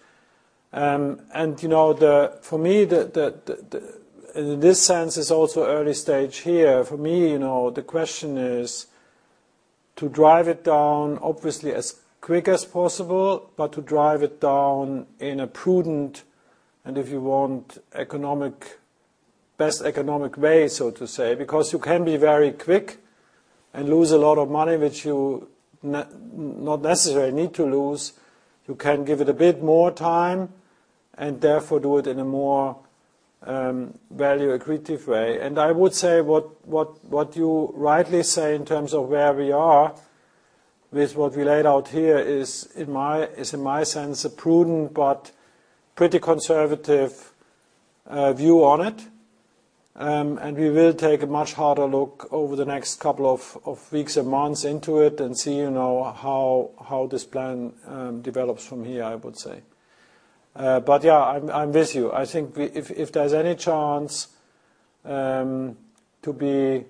You know, for me, this size is also early stage here. For me, you know, the question is to drive it down obviously as quick as possible, but to drive it down in a prudent, and if you want economic, best economic way, so to say, because you can be very quick and lose a lot of money which you not necessarily need to lose. You can give it a bit more time, and therefore, do it in a more value accretive way. I would say what you rightly say in terms of where we are with what we laid out here is in my sense, a prudent but pretty conservative view on it. We will take a much harder look over the next couple of weeks and months into it and see, you know, how this plan develops from here, I would say. Yeah, I'm with you. I think if there's any chance to be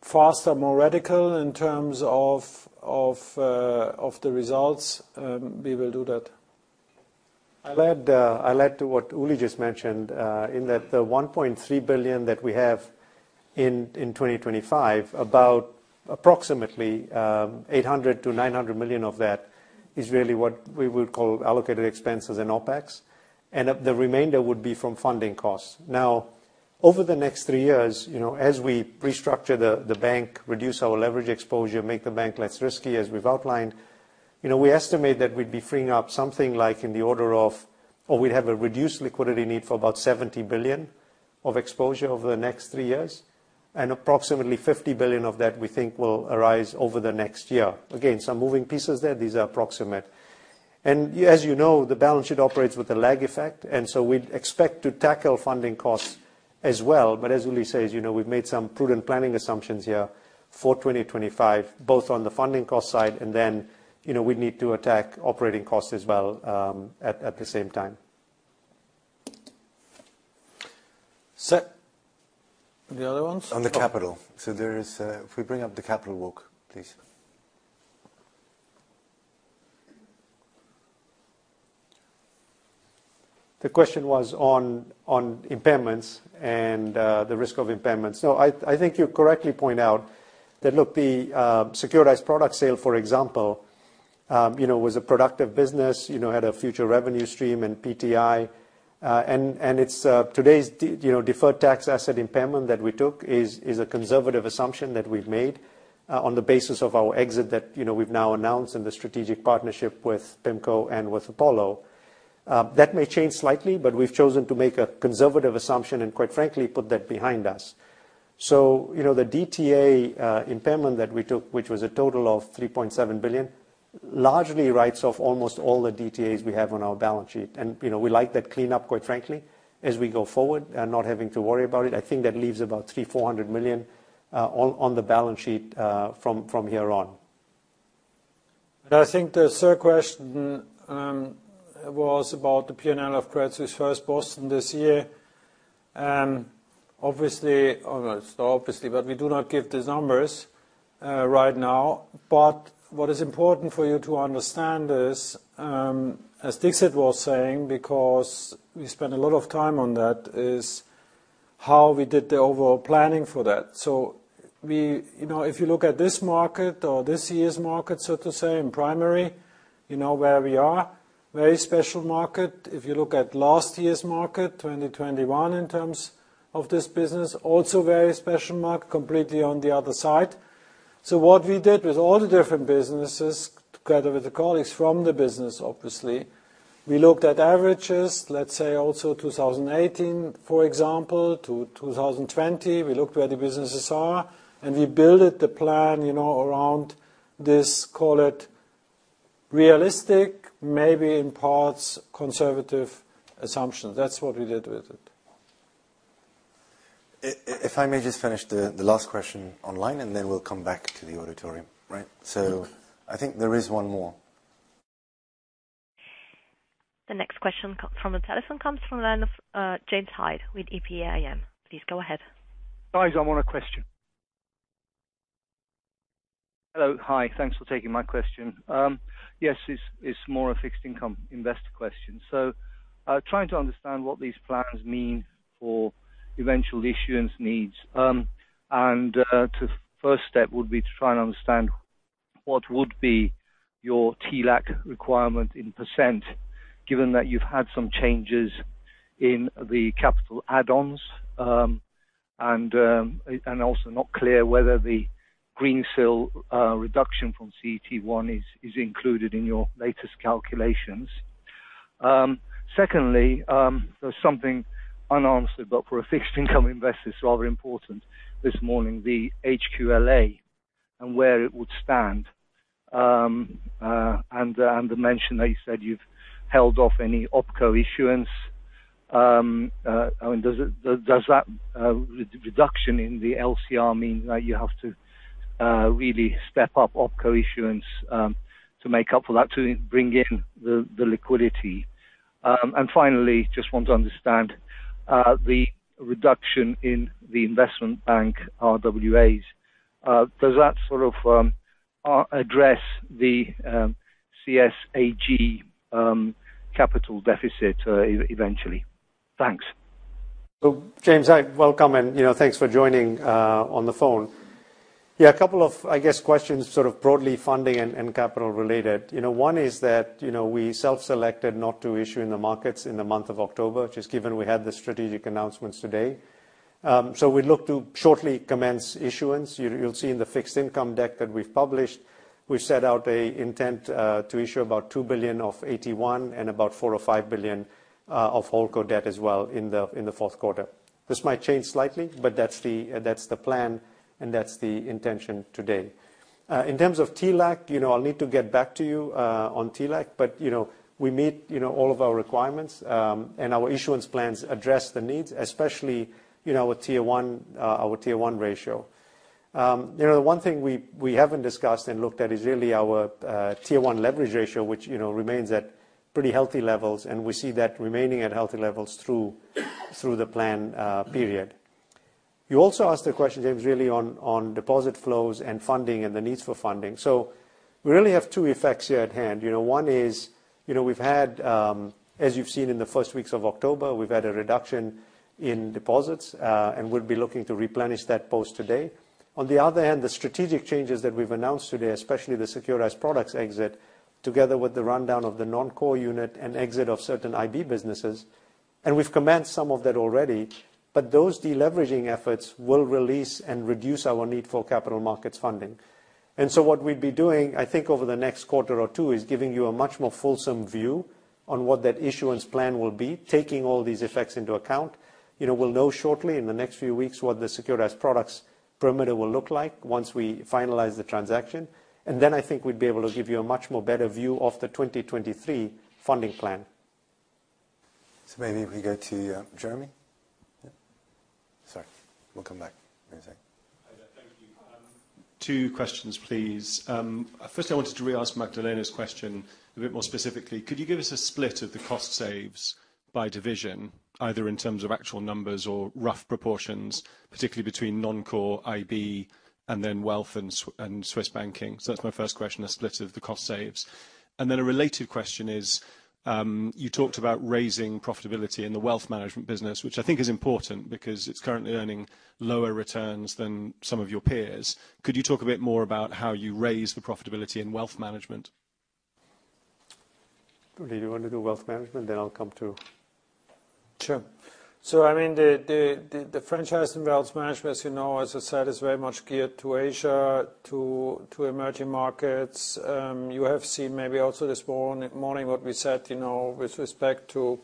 faster, more radical in terms of the results, we will do that. I'll add to what Uli just mentioned, in that the 1.3 billion that we have in 2025, about approximately, 800 million-900 million of that is really what we would call allocated expenses and OpEx. The remainder would be from funding costs. Now, over the next three years, you know, as we restructure the bank, reduce our leverage exposure, make the bank less risky as we've outlined, you know, we estimate that we'd be freeing up something like in the order of or we'd have a reduced liquidity need for about 70 billion of exposure over the next three years, and approximately 50 billion of that we think will arise over the next year. Again, some moving pieces there. These are approximate. As you know, the balance sheet operates with the lag effect, and so we'd expect to tackle funding costs as well. As Uli says, you know, we've made some prudent planning assumptions here for 2025, both on the funding cost side and then, you know, we'd need to attack operating costs as well, at the same time. Sir, the other ones? On the capital. There is, if we bring up the capital work, please. The question was on impairments and the risk of impairments. I think you correctly point out that, look, the securitized product sale, for example, you know, was a productive business, you know, had a future revenue stream in PTI. And it's today's deferred tax asset impairment that we took is a conservative assumption that we've made on the basis of our exit that you know, we've now announced in the strategic partnership with PIMCO and with Apollo. That may change slightly, but we've chosen to make a conservative assumption and quite frankly, put that behind us. You know, the DTA impairment that we took, which was a total of 3.7 billion, largely writes off almost all the DTAs we have on our balance sheet. You know, we like that cleanup, quite frankly, as we go forward and not having to worry about it. I think that leaves about 300 million-400 million on the balance sheet from here on. I think the third question was about the P&L of Credit Suisse First Boston this year. Obviously, almost obviously, but we do not give these numbers right now. What is important for you to understand is, as Dixit was saying, because we spent a lot of time on that, how we did the overall planning for that. We you know, if you look at this market or this year's market, so to say, in primary, you know where we are, very special market. If you look at last year's market, 2021 in terms of this business, also very special market, completely on the other side. What we did with all the different businesses, together with the colleagues from the business, obviously, we looked at averages, let's say also 2018, for example, to 2020. We looked where the businesses are, and we built the plan, you know, around this, call it realistic, maybe in parts, conservative assumption. That's what we did with it. If I may just finish the last question online, and then we'll come back to the auditorium. Right. I think there is one more. The next question from the telephone comes from the line of James Hyde with PGIM. Please go ahead. Hello. Hi. Thanks for taking my question. Yes, it's more a fixed income investor question. Trying to understand what these plans mean for eventual issuance needs. First step would be to try and understand what would be your TLAC requirement in percent, given that you've had some changes in the capital add-ons, and also not clear whether the Greensill reduction from CET1 is included in your latest calculations. Secondly, there's something unanswered, but for a fixed income investor, it's rather important this morning, the HQLA and where it would stand. The mention that you said you've held off any OpCo issuance. I mean, does that reduction in the LCR mean that you have to really step up OpCo issuance to make up for that, to bring in the liquidity? Finally, just want to understand the reduction in the investment bank RWAs. Does that sort of address the CSAG capital deficit eventually? Thanks. James, hi. Welcome, and, you know, thanks for joining on the phone. Yeah, a couple of, I guess, questions sort of broadly funding and capital related. You know, one is that, you know, we self-selected not to issue in the markets in the month of October, just given we had the strategic announcements today. We look to shortly commence issuance. You, you'll see in the fixed income deck that we've published, we set out an intent to issue about 2 billion of AT1 and about 4 billion or 5 billion of holdco debt as well in the fourth quarter. This might change slightly, but that's the plan, and that's the intention today. In terms of TLAC, you know, I'll need to get back to you on TLAC. You know, we meet, you know, all of our requirements, and our issuance plans address the needs, especially, you know, with Tier 1, our Tier 1 ratio. You know, the one thing we haven't discussed and looked at is really our Tier 1 leverage ratio, which, you know, remains at pretty healthy levels, and we see that remaining at healthy levels through the plan period. You also asked a question, James, really on deposit flows and funding and the needs for funding. We really have two effects here at hand. You know, one is, you know, we've had, as you've seen in the first weeks of October, we've had a reduction in deposits, and we'll be looking to replenish that post today. On the other hand, the strategic changes that we've announced today, especially the securitized products exit, together with the rundown of the non-core unit and exit of certain IB businesses, and we've commenced some of that already, but those deleveraging efforts will release and reduce our need for capital markets funding. What we'd be doing, I think, over the next quarter or two, is giving you a much more fulsome view on what that issuance plan will be, taking all these effects into account. You know, we'll know shortly in the next few weeks what the securitized products perimeter will look like once we finalize the transaction. I think we'd be able to give you a much more better view of the 2023 funding plan. Maybe if we go to Jeremy. Yeah. Sorry. We'll come back in a sec. Hi there. Thank you. Two questions, please. Firstly, I wanted to re-ask Magdalena's question a bit more specifically. Could you give us a split of the cost savings by division, either in terms of actual numbers or rough proportions, particularly between non-core IB and then wealth and Swiss banking? So that's my first question, a split of the cost savings. A related question is, you talked about raising profitability in the wealth management business, which I think is important because it's currently earning lower returns than some of your peers. Could you talk a bit more about how you raise the profitability in wealth management? Uli, do you wanna do wealth management, then I'll come too? Sure. I mean, the franchise in wealth management, as you know, as I said, is very much geared to Asia, to emerging markets. You have seen maybe also this morning what we said, you know, with respect to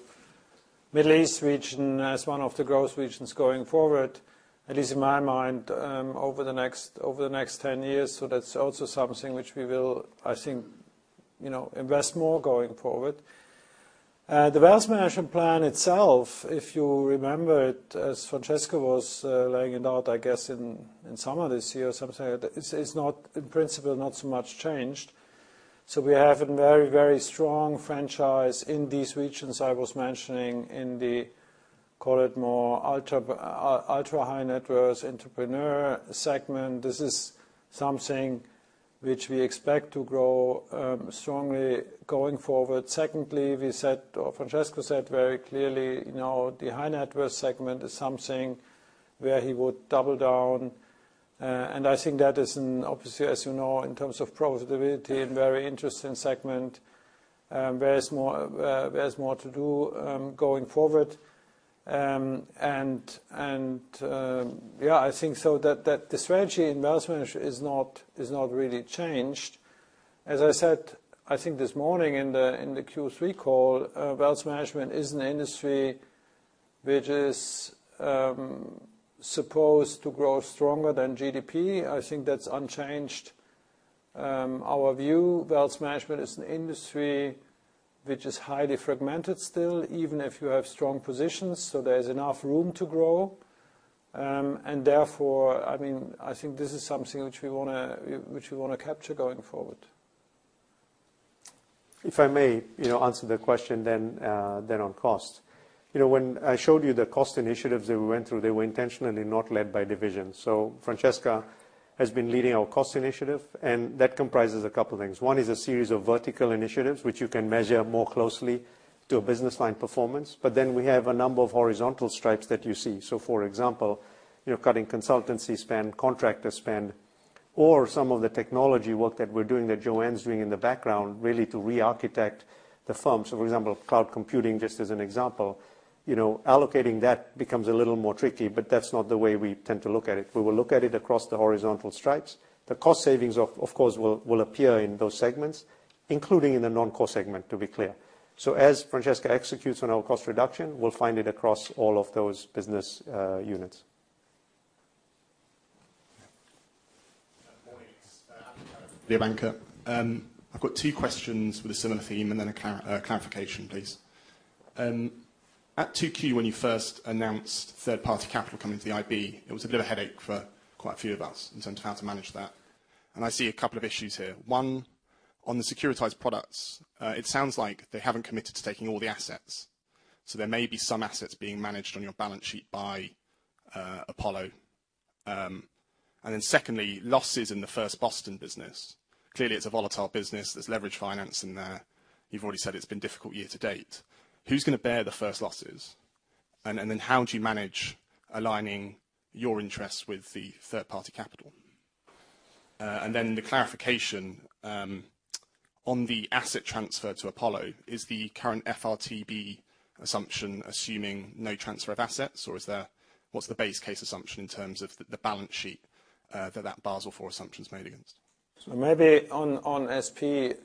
Middle East region as one of the growth regions going forward, at least in my mind, over the next 10 years. That's also something which we will, I think, you know, invest more going forward. The wealth management plan itself, if you remember it, as Francesco was laying it out, I guess in summer this year or something, it's not, in principle, not so much changed. We have a very, very strong franchise in these regions I was mentioning in the, call it more ultra-high net worth entrepreneur segment. This is something which we expect to grow strongly going forward. Secondly, we said, or Francesco said very clearly, you know, the high net worth segment is something where he would double down. And I think that is in obviously, as you know, in terms of profitability a very interesting segment. There is more to do going forward. Yeah, I think that the strategy in wealth management is not really changed. As I said, I think this morning in the Q3 call, wealth management is an industry which is supposed to grow stronger than GDP. I think that's unchanged. Our view, wealth management is an industry which is highly fragmented still, even if you have strong positions, so there is enough room to grow. I mean, I think this is something which we wanna capture going forward. If I may, you know, answer the question, then on cost. You know when I showed you the cost initiatives that we went through, they were intentionally not led by division. Francesco has been leading our cost initiative, and that comprises a couple things. One is a series of vertical initiatives, which you can measure more closely to a business line performance. We have a number of horizontal stripes that you see. For example, you know, cutting consultancy spend, contractor spend, or some of the technology work that we're doing, that Joanne's doing in the background, really to re-architect the firm. For example, cloud computing, just as an example, you know, allocating that becomes a little more tricky, but that's not the way we tend to look at it. We will look at it across the horizontal stripes. The cost savings of course will appear in those segments, including in the non-core segment, to be clear. As Francesco executes on our cost reduction, we'll find it across all of those business units. [AUDIO DISTORTION] I've got two questions with a similar theme and then a clarification, please. At 2Q, when you first announced third-party capital coming to the IB, it was a bit of a headache for quite a few of us in terms of how to manage that. I see a couple of issues here. One, on the securitized products, it sounds like they haven't committed to taking all the assets, so there may be some assets being managed on your balance sheet by Apollo. Then secondly, losses in the First Boston business. Clearly, it's a volatile business. There's leverage finance in there. You've already said it's been difficult year to date. Who's gonna bear the first losses? How do you manage aligning your interests with the third-party capital? The clarification on the asset transfer to Apollo, is the current FRTB assumption assuming no transfer of assets, or what's the base case assumption in terms of the balance sheet that Basel IV assumption is made against? Maybe on SP,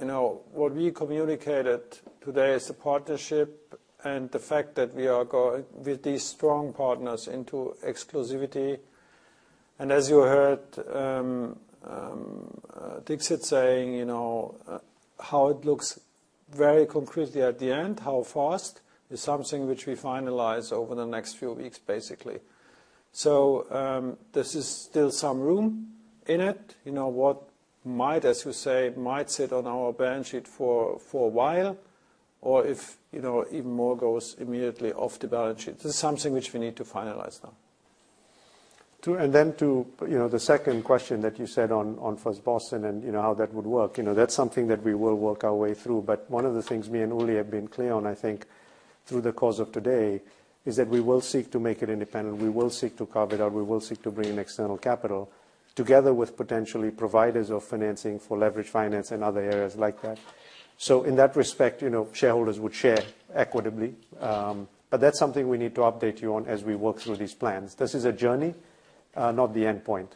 you know, what we communicated today is the partnership and the fact that we are going with these strong partners into exclusivity. As you heard, Dixit saying, you know, how it looks very concretely at the end, how fast is something which we finalize over the next few weeks, basically. There is still some room in it. You know, what might, as you say, sit on our balance sheet for a while, or if, you know, even more goes immediately off the balance sheet. This is something which we need to finalize now. You know, the second question that you said on First Boston and, you know, how that would work. You know, that's something that we will work our way through. One of the things me and Uli have been clear on, I think, through the course of today, is that we will seek to make it independent. We will seek to carve it out. We will seek to bring in external capital together with potentially providers of financing for leverage finance and other areas like that. In that respect, you know, shareholders would share equitably. That's something we need to update you on as we work through these plans. This is a journey, not the endpoint.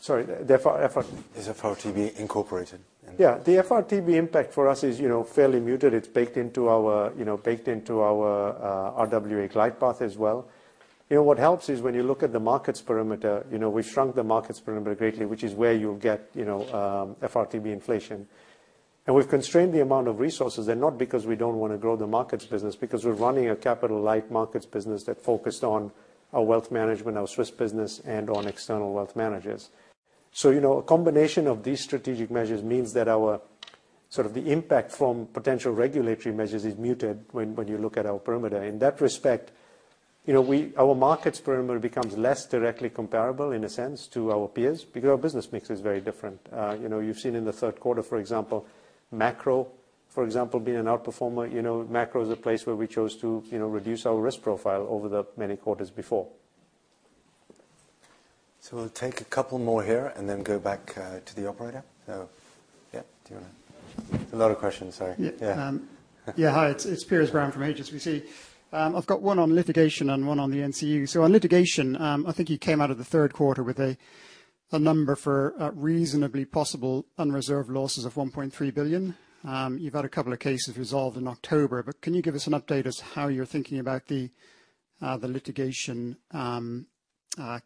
FRTB? Sorry. Is FRTB incorporated in that? Yeah. The FRTB impact for us is, you know, fairly muted. It's baked into our, you know, RWA glide path as well. You know, what helps is when you look at the markets perimeter, you know, we shrunk the markets perimeter greatly, which is where you'll get, you know, FRTB inflation. We've constrained the amount of resources there, not because we don't wanna grow the markets business, because we're running a capital-light markets business that focused on our wealth management, our Swiss business, and on external wealth managers. You know, a combination of these strategic measures means that our, sort of the impact from potential regulatory measures is muted when you look at our perimeter. In that respect, you know, our markets perimeter becomes less directly comparable in a sense to our peers because our business mix is very different. You know, you've seen in the third quarter, for example, macro, for example, being an outperformer. You know, macro is a place where we chose to, you know, reduce our risk profile over the many quarters before. We'll take a couple more here and then go back to the operator. Yeah. Do you wanna-- A lot of questions, sorry. Yeah. Hi. It's Piers Brown from HSBC. I've got one on litigation and one on the NCU. On litigation, I think you came out of the third quarter with a number for a reasonably possible unreserved losses of 1.3 billion. You've had a couple of cases resolved in October, but can you give us an update as how you're thinking about the litigation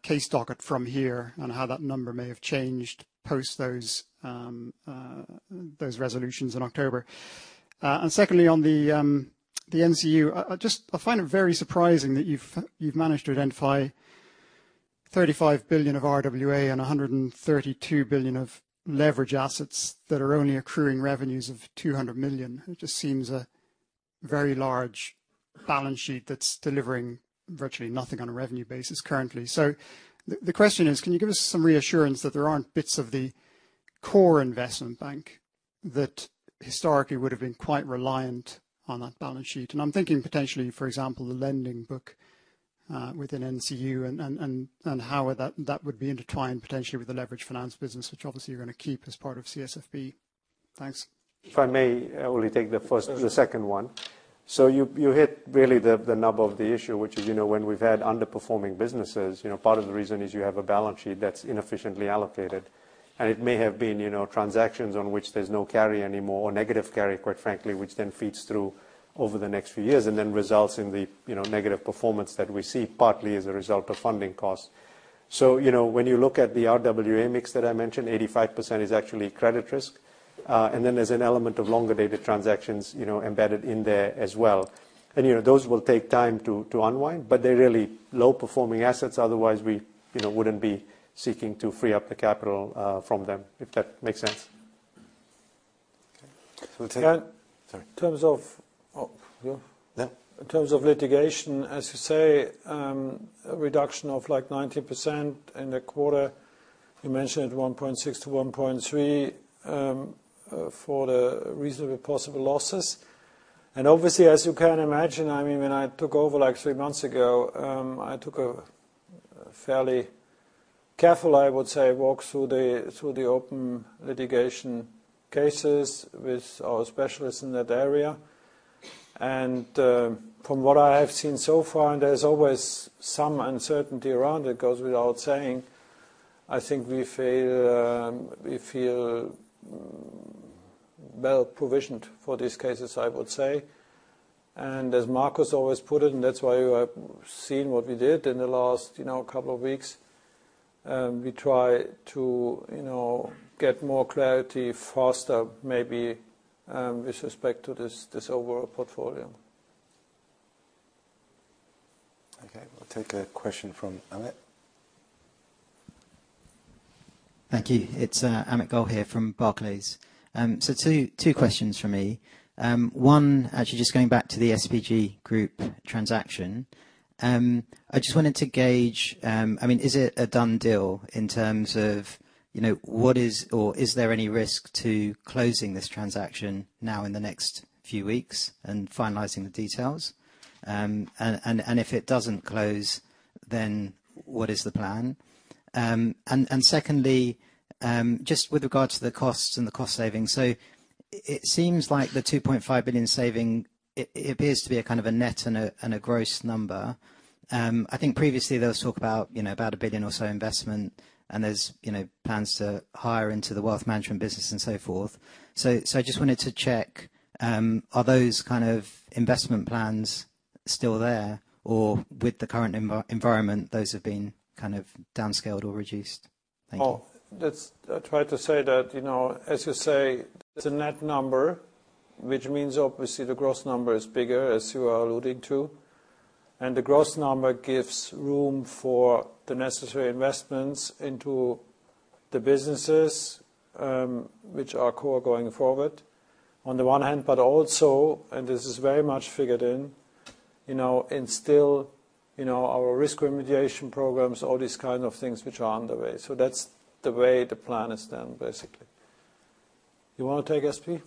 case docket from here and how that number may have changed post those resolutions in October? And secondly, on the NCU, I just find it very surprising that you've managed to identify 35 billion of RWA and 132 billion of leverage assets that are only accruing revenues of 200 million. It just seems a very large balance sheet that's delivering virtually nothing on a revenue basis currently. The question is, can you give us some reassurance that there aren't bits of the core investment bank that historically would have been quite reliant on that balance sheet? I'm thinking potentially, for example, the lending book within NCU and how that would be intertwined potentially with the leverage finance business, which obviously you're gonna keep as part of CSFB. Thanks. If I may, I will only take the first. The second one. You hit really the nub of the issue, which is, you know, when we've had underperforming businesses, you know, part of the reason is you have a balance sheet that's inefficiently allocated. It may have been, you know, transactions on which there's no carry anymore or negative carry, quite frankly, which then feeds through over the next few years and then results in the, you know, negative performance that we see partly as a result of funding costs. You know, when you look at the RWA mix that I mentioned, 85% is actually credit risk. And then there's an element of longer-dated transactions, you know, embedded in there as well. You know, those will take time to unwind. They're really low-performing assets, otherwise we, you know, wouldn't be seeking to free up the capital from them, if that makes sense. Okay. We'll take-- In terms of litigation, as you say, a reduction of like 90% in the quarter. You mentioned 1.6 billion-1.3 billion for the reasonable possible losses. Obviously, as you can imagine, I mean, when I took over like three months ago, I took a fairly careful, I would say, walk through the open litigation cases with our specialists in that area. From what I have seen so far, and there's always some uncertainty around it goes without saying, I think we feel well-provisioned for these cases, I would say. As Markus always put it, and that's why you have seen what we did in the last, you know, couple of weeks, we try to, you know, get more clarity faster, maybe, with respect to this overall portfolio. Okay. We'll take a question from Amit. Thank you. It's Amit Goel from Barclays. Two questions from me. One, actually just going back to the SPG group transaction. I just wanted to gauge, I mean, is it a done deal in terms of, you know, what is or is there any risk to closing this transaction now in the next few weeks and finalizing the details? And if it doesn't close, then what is the plan? Secondly, just with regards to the costs and the cost savings. It seems like the 2.5 billion savings appears to be a kind of a net and a gross number. I think previously there was talk about, you know, about a 1 billion or so investment, and there's, you know, plans to hire into the wealth management business and so forth. I just wanted to check, are those kind of investment plans still there? Or with the current environment, those have been kind of downscaled or reduced? Thank you. I tried to say that, you know, as you say, it's a net number, which means obviously the gross number is bigger, as you are alluding to. The gross number gives room for the necessary investments into the businesses, which are core going forward. On the one hand, but also, and this is very much figured in, you know, and still, you know, our risk remediation programs, all these kind of things which are on the way. That's the way the plan is done, basically. You wanna take, SP?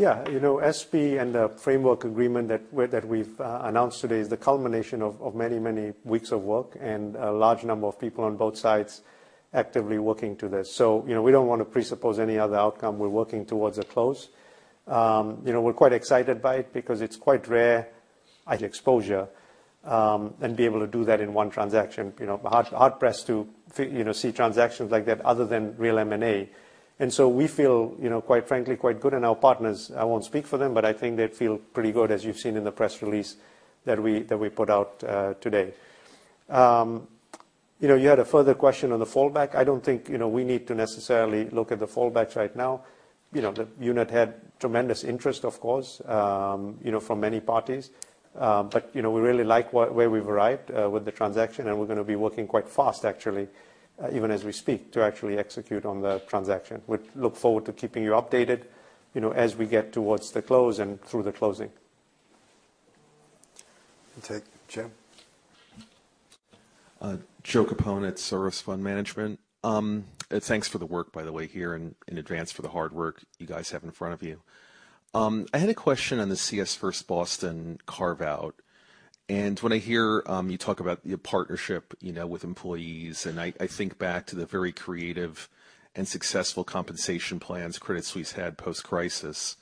You know, SP and the framework agreement that we've announced today is the culmination of many weeks of work and a large number of people on both sides actively working to this. You know, we don't wanna presuppose any other outcome. We're working towards a close. You know, we're quite excited by it because it's quite rare, I think, exposure, and be able to do that in one transaction. You know, hard-pressed to see transactions like that other than real M&A. We feel, you know, quite frankly, quite good with our partners. I won't speak for them, but I think they feel pretty good, as you've seen in the press release that we put out today. You know, you had a further question on the fallback. I don't think, you know, we need to necessarily look at the fallbacks right now. You know, the unit had tremendous interest, of course, you know, from many parties. You know, we really like where we've arrived with the transaction, and we're gonna be working quite fast, actually, even as we speak, to actually execute on the transaction. We look forward to keeping you updated, you know, as we get towards the close and through the closing. We'll take Joe. Joe Capone at Cerberus Capital Management. Thanks for the work, by the way, here in advance for the hard work you guys have in front of you. I had a question on the CS First Boston carve-out. When I hear you talk about your partnership, you know, with employees, and I think back to the very creative and successful compensation plans Credit Suisse had post-crisis.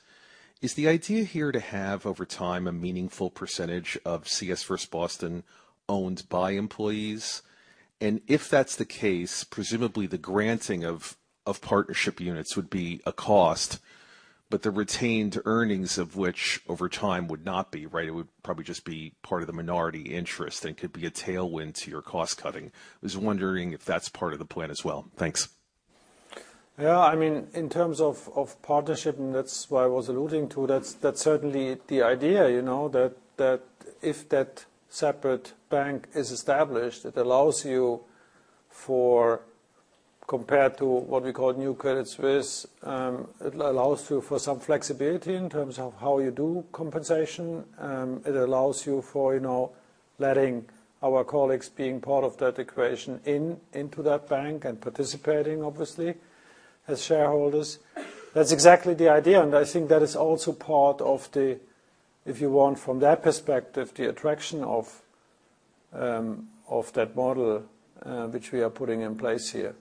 Is the idea here to have, over time, a meaningful percentage of CS First Boston owned by employees? And if that's the case, presumably the granting of partnership units would be a cost, but the retained earnings of which over time would not be, right? It would probably just be part of the minority interest and could be a tailwind to your cost-cutting. I was wondering if that's part of the plan as well. Thanks. Yeah. I mean, in terms of partnership, and that's what I was alluding to, that's certainly the idea, you know, that if that separate bank is established, it allows you, compared to what we call new Credit Suisse, some flexibility in terms of how you do compensation. It allows you know, letting our colleagues being part of that equation into that bank and participating, obviously, as shareholders. That's exactly the idea, and I think that is also part of the, if you want, from that perspective, the attraction of that model, which we are putting in place here.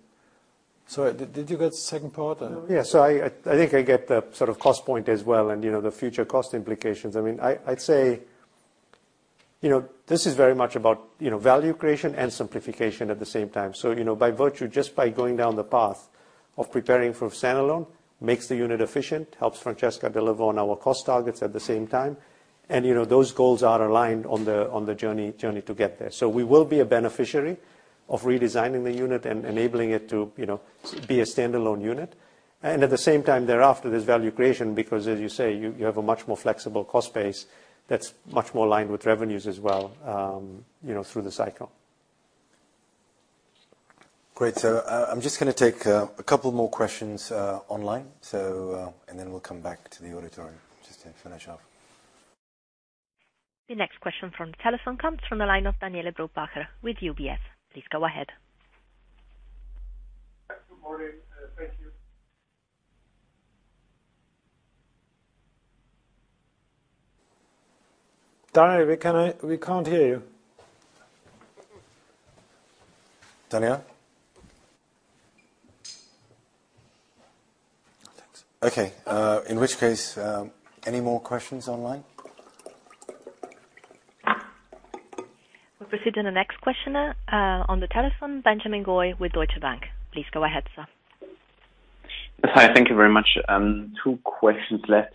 Sorry, did you get the second part then? Yeah. I think I get the sort of cost point as well and, you know, the future cost implications. I mean, I'd say, you know, this is very much about, you know, value creation and simplification at the same time. You know, by virtue, just by going down the path of preparing for standalone, makes the unit efficient, helps Francesco deliver on our cost targets at the same time. You know, those goals are aligned on the journey to get there. We will be a beneficiary Of redesigning the unit and enabling it to, you know, be a standalone unit. At the same time thereafter, there's value creation, because as you say, you have a much more flexible cost base that's much more aligned with revenues as well, you know, through the cycle. Great. I'm just gonna take a couple more questions online. Then we'll come back to the auditorium just to finish up. The next question from the telephone comes from the line of Daniele Brupbacher with UBS. Please go ahead. Good morning, thank you. Danny, we can't hear you. Daniel? Thanks. Okay. In which case, any more questions online? We proceed to the next questioner, on the telephone, Benjamin Goy with Deutsche Bank. Please go ahead, sir. Yes, hi. Thank you very much. Two questions left.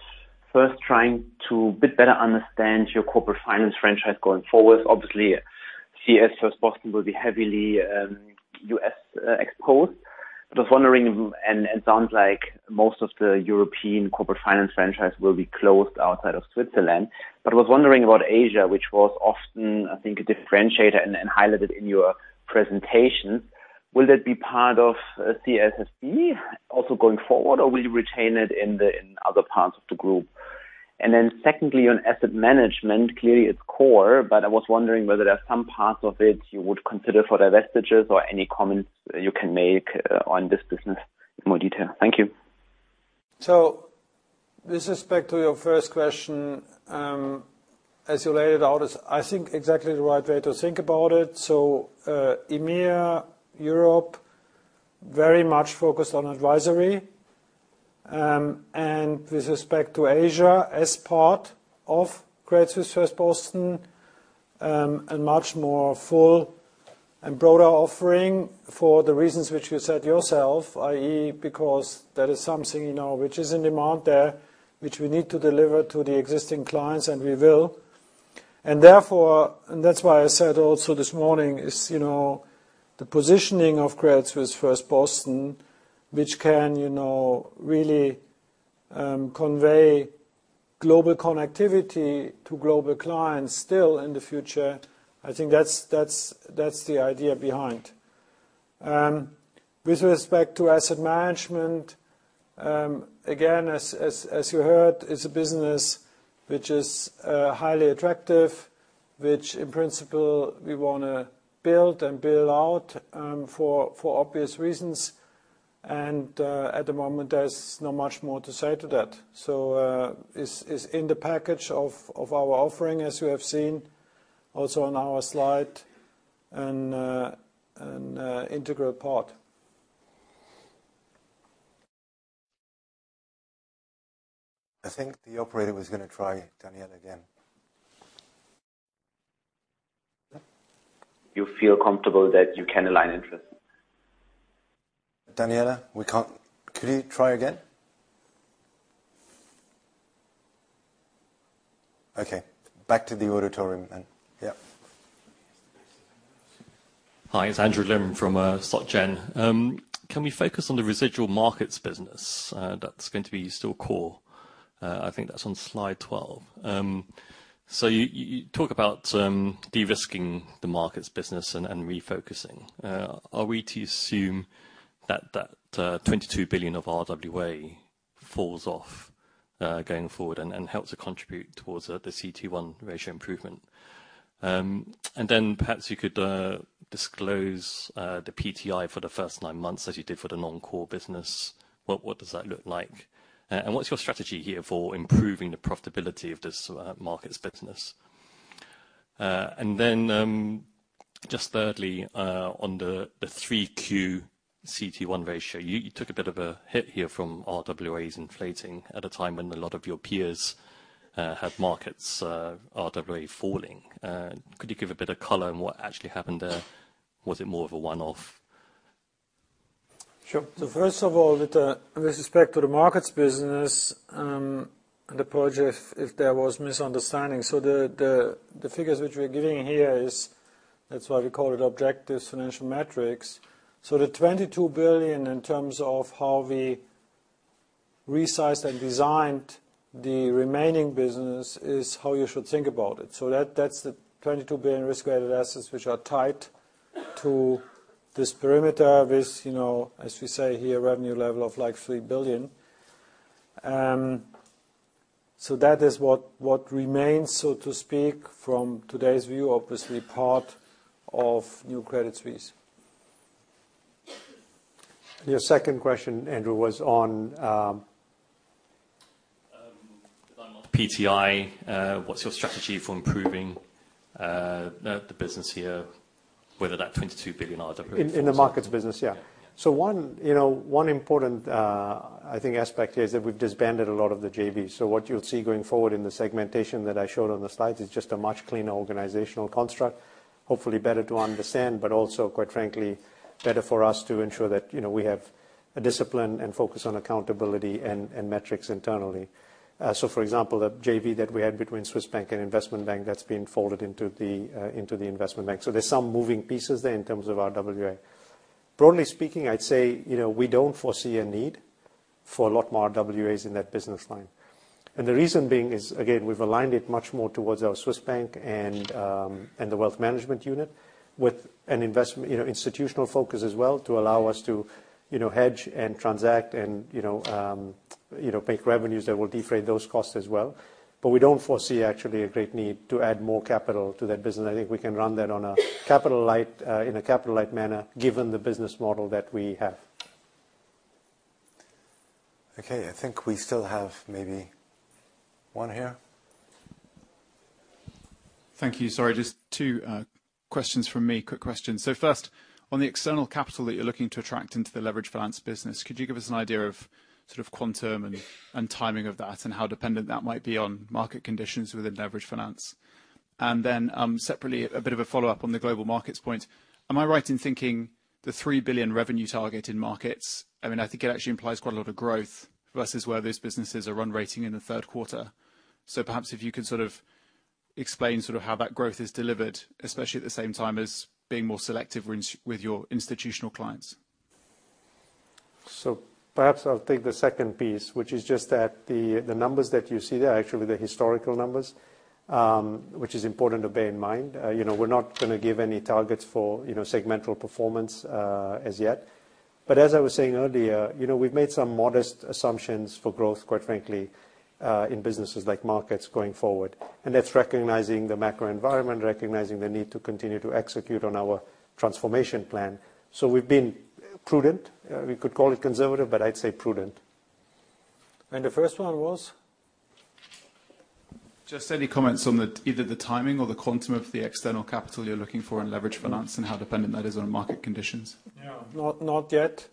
First, trying to a bit better understand your corporate finance franchise going forward. Obviously, CS First Boston will be heavily U.S. exposed. I was wondering, and it sounds like most of the European corporate finance franchise will be closed outside of Switzerland, but was wondering about Asia, which was often, I think, a differentiator and highlighted in your presentation. Will it be part of CSFB also going forward, or will you retain it in the in other parts of the group? And then secondly, on asset management, clearly it's core, but I was wondering whether there's some parts of it you would consider for divestitures or any comments you can make on this business in more detail. Thank you. With respect to your first question, as you laid it out, is I think exactly the right way to think about it. EMEA, Europe, very much focused on advisory. With respect to Asia as part of Credit Suisse First Boston, a much more full and broader offering for the reasons which you said yourself, i.e., because that is something, you know, which is in demand there, which we need to deliver to the existing clients, and we will. Therefore, and that's why I said also this morning, is, you know, the positioning of Credit Suisse First Boston, which can, you know, really, convey global connectivity to global clients still in the future. I think that's the idea behind. With respect to asset management, again, as you heard, it's a business which is highly attractive, which in principle we wanna build and build out, for obvious reasons. At the moment, there's not much more to say to that. It's in the package of our offering, as you have seen also on our slide, an integral part. I think the operator was gonna try Daniel again. You feel comfortable that you can align interests. Daniel, could you try again? Okay, back to the auditorium then. Yeah. Hi, it's Andrew Lim from SocGen. Can we focus on the residual markets business that's going to be still core? I think that's on slide 12. So you talk about de-risking the markets business and refocusing. Are we to assume that $22 billion of RWA falls off going forward and helps to contribute towards the CET1 ratio improvement? And then perhaps you could disclose the PTI for the first nine months as you did for the non-core business. What does that look like? And what's your strategy here for improving the profitability of this markets business? Just thirdly, on the 3Q CET1 ratio, you took a bit of a hit here from RWAs inflating at a time when a lot of your peers had market RWAs falling. Could you give a bit of color on what actually happened there? Was it more of a one-off? Sure. First of all, with respect to the markets business, and apologies if there was misunderstanding. The figures which we're giving here is that's why we call it objective financial metrics. The $22 billion in terms of how we resized and designed the remaining business is how you should think about it. That's the $22 billion risk-weighted assets which are tied to this perimeter with, you know, as we say here, revenue level of like $3 billion. That is what remains, so to speak, from today's view, obviously part of new Credit Suisse. Your second question, Andrew, was on-- One-off PTI. What's your strategy for improving the business here, whether that $22 billion RWA-- In the markets business? Yeah. Yeah. One, you know, important aspect here is that we've disbanded a lot of the JVs. What you'll see going forward in the segmentation that I showed on the slides is just a much cleaner organizational construct. Hopefully better to understand, but also, quite frankly, better for us to ensure that, you know, we have-- A discipline and focus on accountability and metrics internally. For example, the JV that we had between Swiss Bank and Investment Bank, that's been folded into the investment bank. There's some moving pieces there in terms of our RWA. Broadly speaking, I'd say, you know, we don't foresee a need for a lot more RWAs in that business line. The reason being is, again, we've aligned it much more towards our Swiss bank and the wealth management unit with an institutional focus as well to allow us to, you know, hedge and transact and, you know, pay revenues that will defray those costs as well. We don't foresee actually a great need to add more capital to that business. I think we can run that on a capital light, in a capital light manner given the business model that we have. Okay. I think we still have maybe one here. Thank you. Sorry, just two questions from me. Quick questions. First, on the external capital that you're looking to attract into the leveraged finance business, could you give us an idea of sort of quantum and timing of that, and how dependent that might be on market conditions within leveraged finance? Then, separately, a bit of a follow-up on the global markets point. Am I right in thinking the $3 billion revenue target in markets? I mean, I think it actually implies quite a lot of growth versus where those businesses are run rate in the third quarter. Perhaps if you could sort of explain sort of how that growth is delivered, especially at the same time as being more selective with your institutional clients. Perhaps I'll take the second piece, which is just that the numbers that you see there are actually the historical numbers, which is important to bear in mind. You know, we're not gonna give any targets for, you know, segmental performance, as yet. As I was saying earlier, you know, we've made some modest assumptions for growth, quite frankly, in businesses like markets going forward. That's recognizing the macro environment, recognizing the need to continue to execute on our transformation plan. We've been prudent. We could call it conservative, but I'd say prudent. The first one was? Just any comments on the, either the timing or the quantum of the external capital you're looking for in leverage finance and how dependent that is on market conditions? Yeah. Not yet,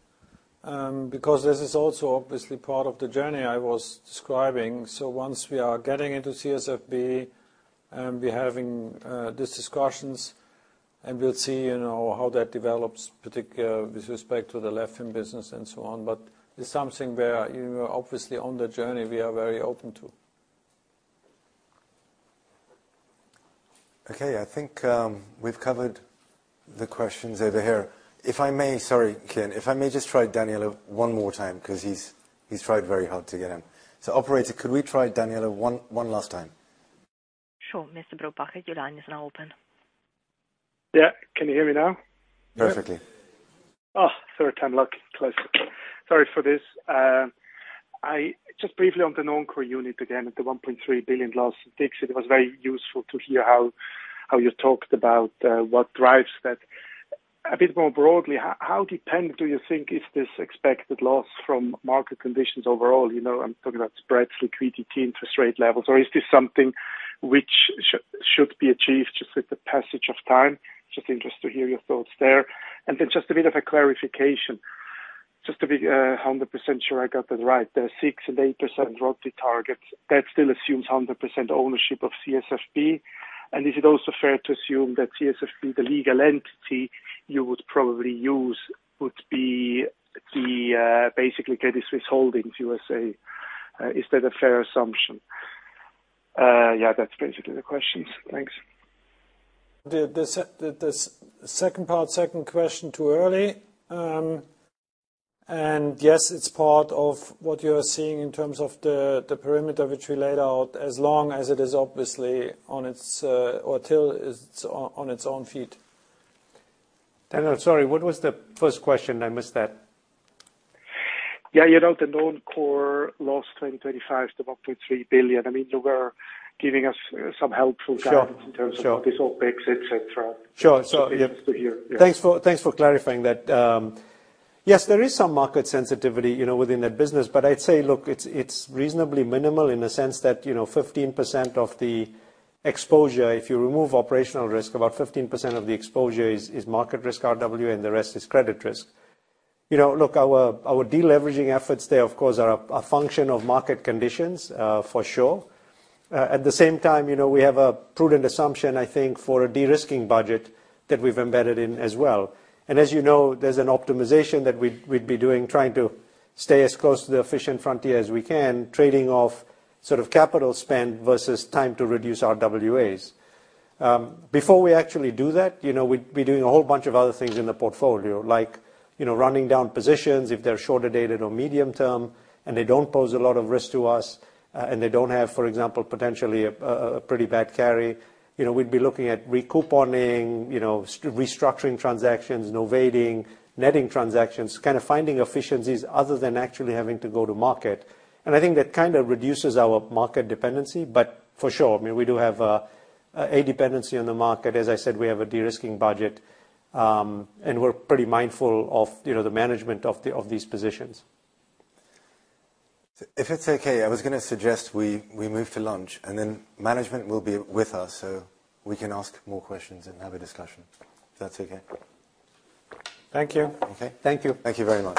because this is also obviously part of the journey I was describing. Once we are getting into CSFB and we're having these discussions, and we'll see, you know, how that develops, particularly with respect to the LevFin business and so on. It's something where, you know, obviously on the journey we are very open to. Okay. I think we've covered the questions over here. If I may, sorry, Kian, if I may just try Daniele one more time because he's tried very hard to get in. Operator, could we try Daniele one last time? Sure. Mr. Brupbacher, your line is now open. Yeah. Can you hear me now? Perfectly. Yeah. Third time lucky. Close. Sorry for this. Just briefly on the non-core unit again, at the 1.3 billion loss in 4Q, it was very useful to hear how you talked about what drives that. A bit more broadly, how dependent do you think is this expected loss from market conditions overall? You know, I'm talking about spreads, liquidity, interest rate levels, or is this something which should be achieved just with the passage of time? Just interested to hear your thoughts there. Just a bit of a clarification, just to be 100% sure I got that right. The 6% and 8% ROTE targets, that still assumes 100% ownership of CSFB. Is it also fair to assume that CSFB, the legal entity you would probably use, would be the basically Credit Suisse Holdings, you would say. Yeah, that's basically the questions. Thanks. The second part, second question too early. Yes, it's part of what you're seeing in terms of the perimeter which we laid out as long as it is obviously on its or till it's on its own feet. Daniel, sorry, what was the first question? I missed that. Yeah. You know, the non-core loss 2025 to the operating $3 billion. I mean, you were giving us some helpful guidance in terms of this OpEx, et cetera. Sure. Yeah. Just interested to hear. Yeah. Thanks for clarifying that. Yes, there is some market sensitivity, you know, within that business, but I'd say, look, it's reasonably minimal in the sense that, you know, 15% of the exposure, if you remove operational risk, about 15% of the exposure is market risk RWA and the rest is credit risk. You know, look, our deleveraging efforts there of course are a function of market conditions, for sure. At the same time, you know, we have a prudent assumption, I think, for a de-risking budget that we've embedded in as well. As you know, there's an optimization that we'd be doing trying to stay as close to the efficient frontier as we can, trading off sort of capital spend versus time to reduce RWAs. Before we actually do that, you know, we'd be doing a whole bunch of other things in the portfolio like, you know, running down positions if they're shorter dated or medium term, and they don't pose a lot of risk to us, and they don't have, for example, potentially a pretty bad carry. You know, we'd be looking at recouponing, you know, restructuring transactions, novating, netting transactions, kind of finding efficiencies other than actually having to go to market. I think that kind of reduces our market dependency. But for sure, I mean, we do have a dependency on the market. As I said, we have a de-risking budget, and we're pretty mindful of, you know, the management of these positions. If it's okay, I was gonna suggest we move to lunch, and then management will be with us, so we can ask more questions and have a discussion, if that's okay. Thank you. Okay. Thank you. Thank you very much.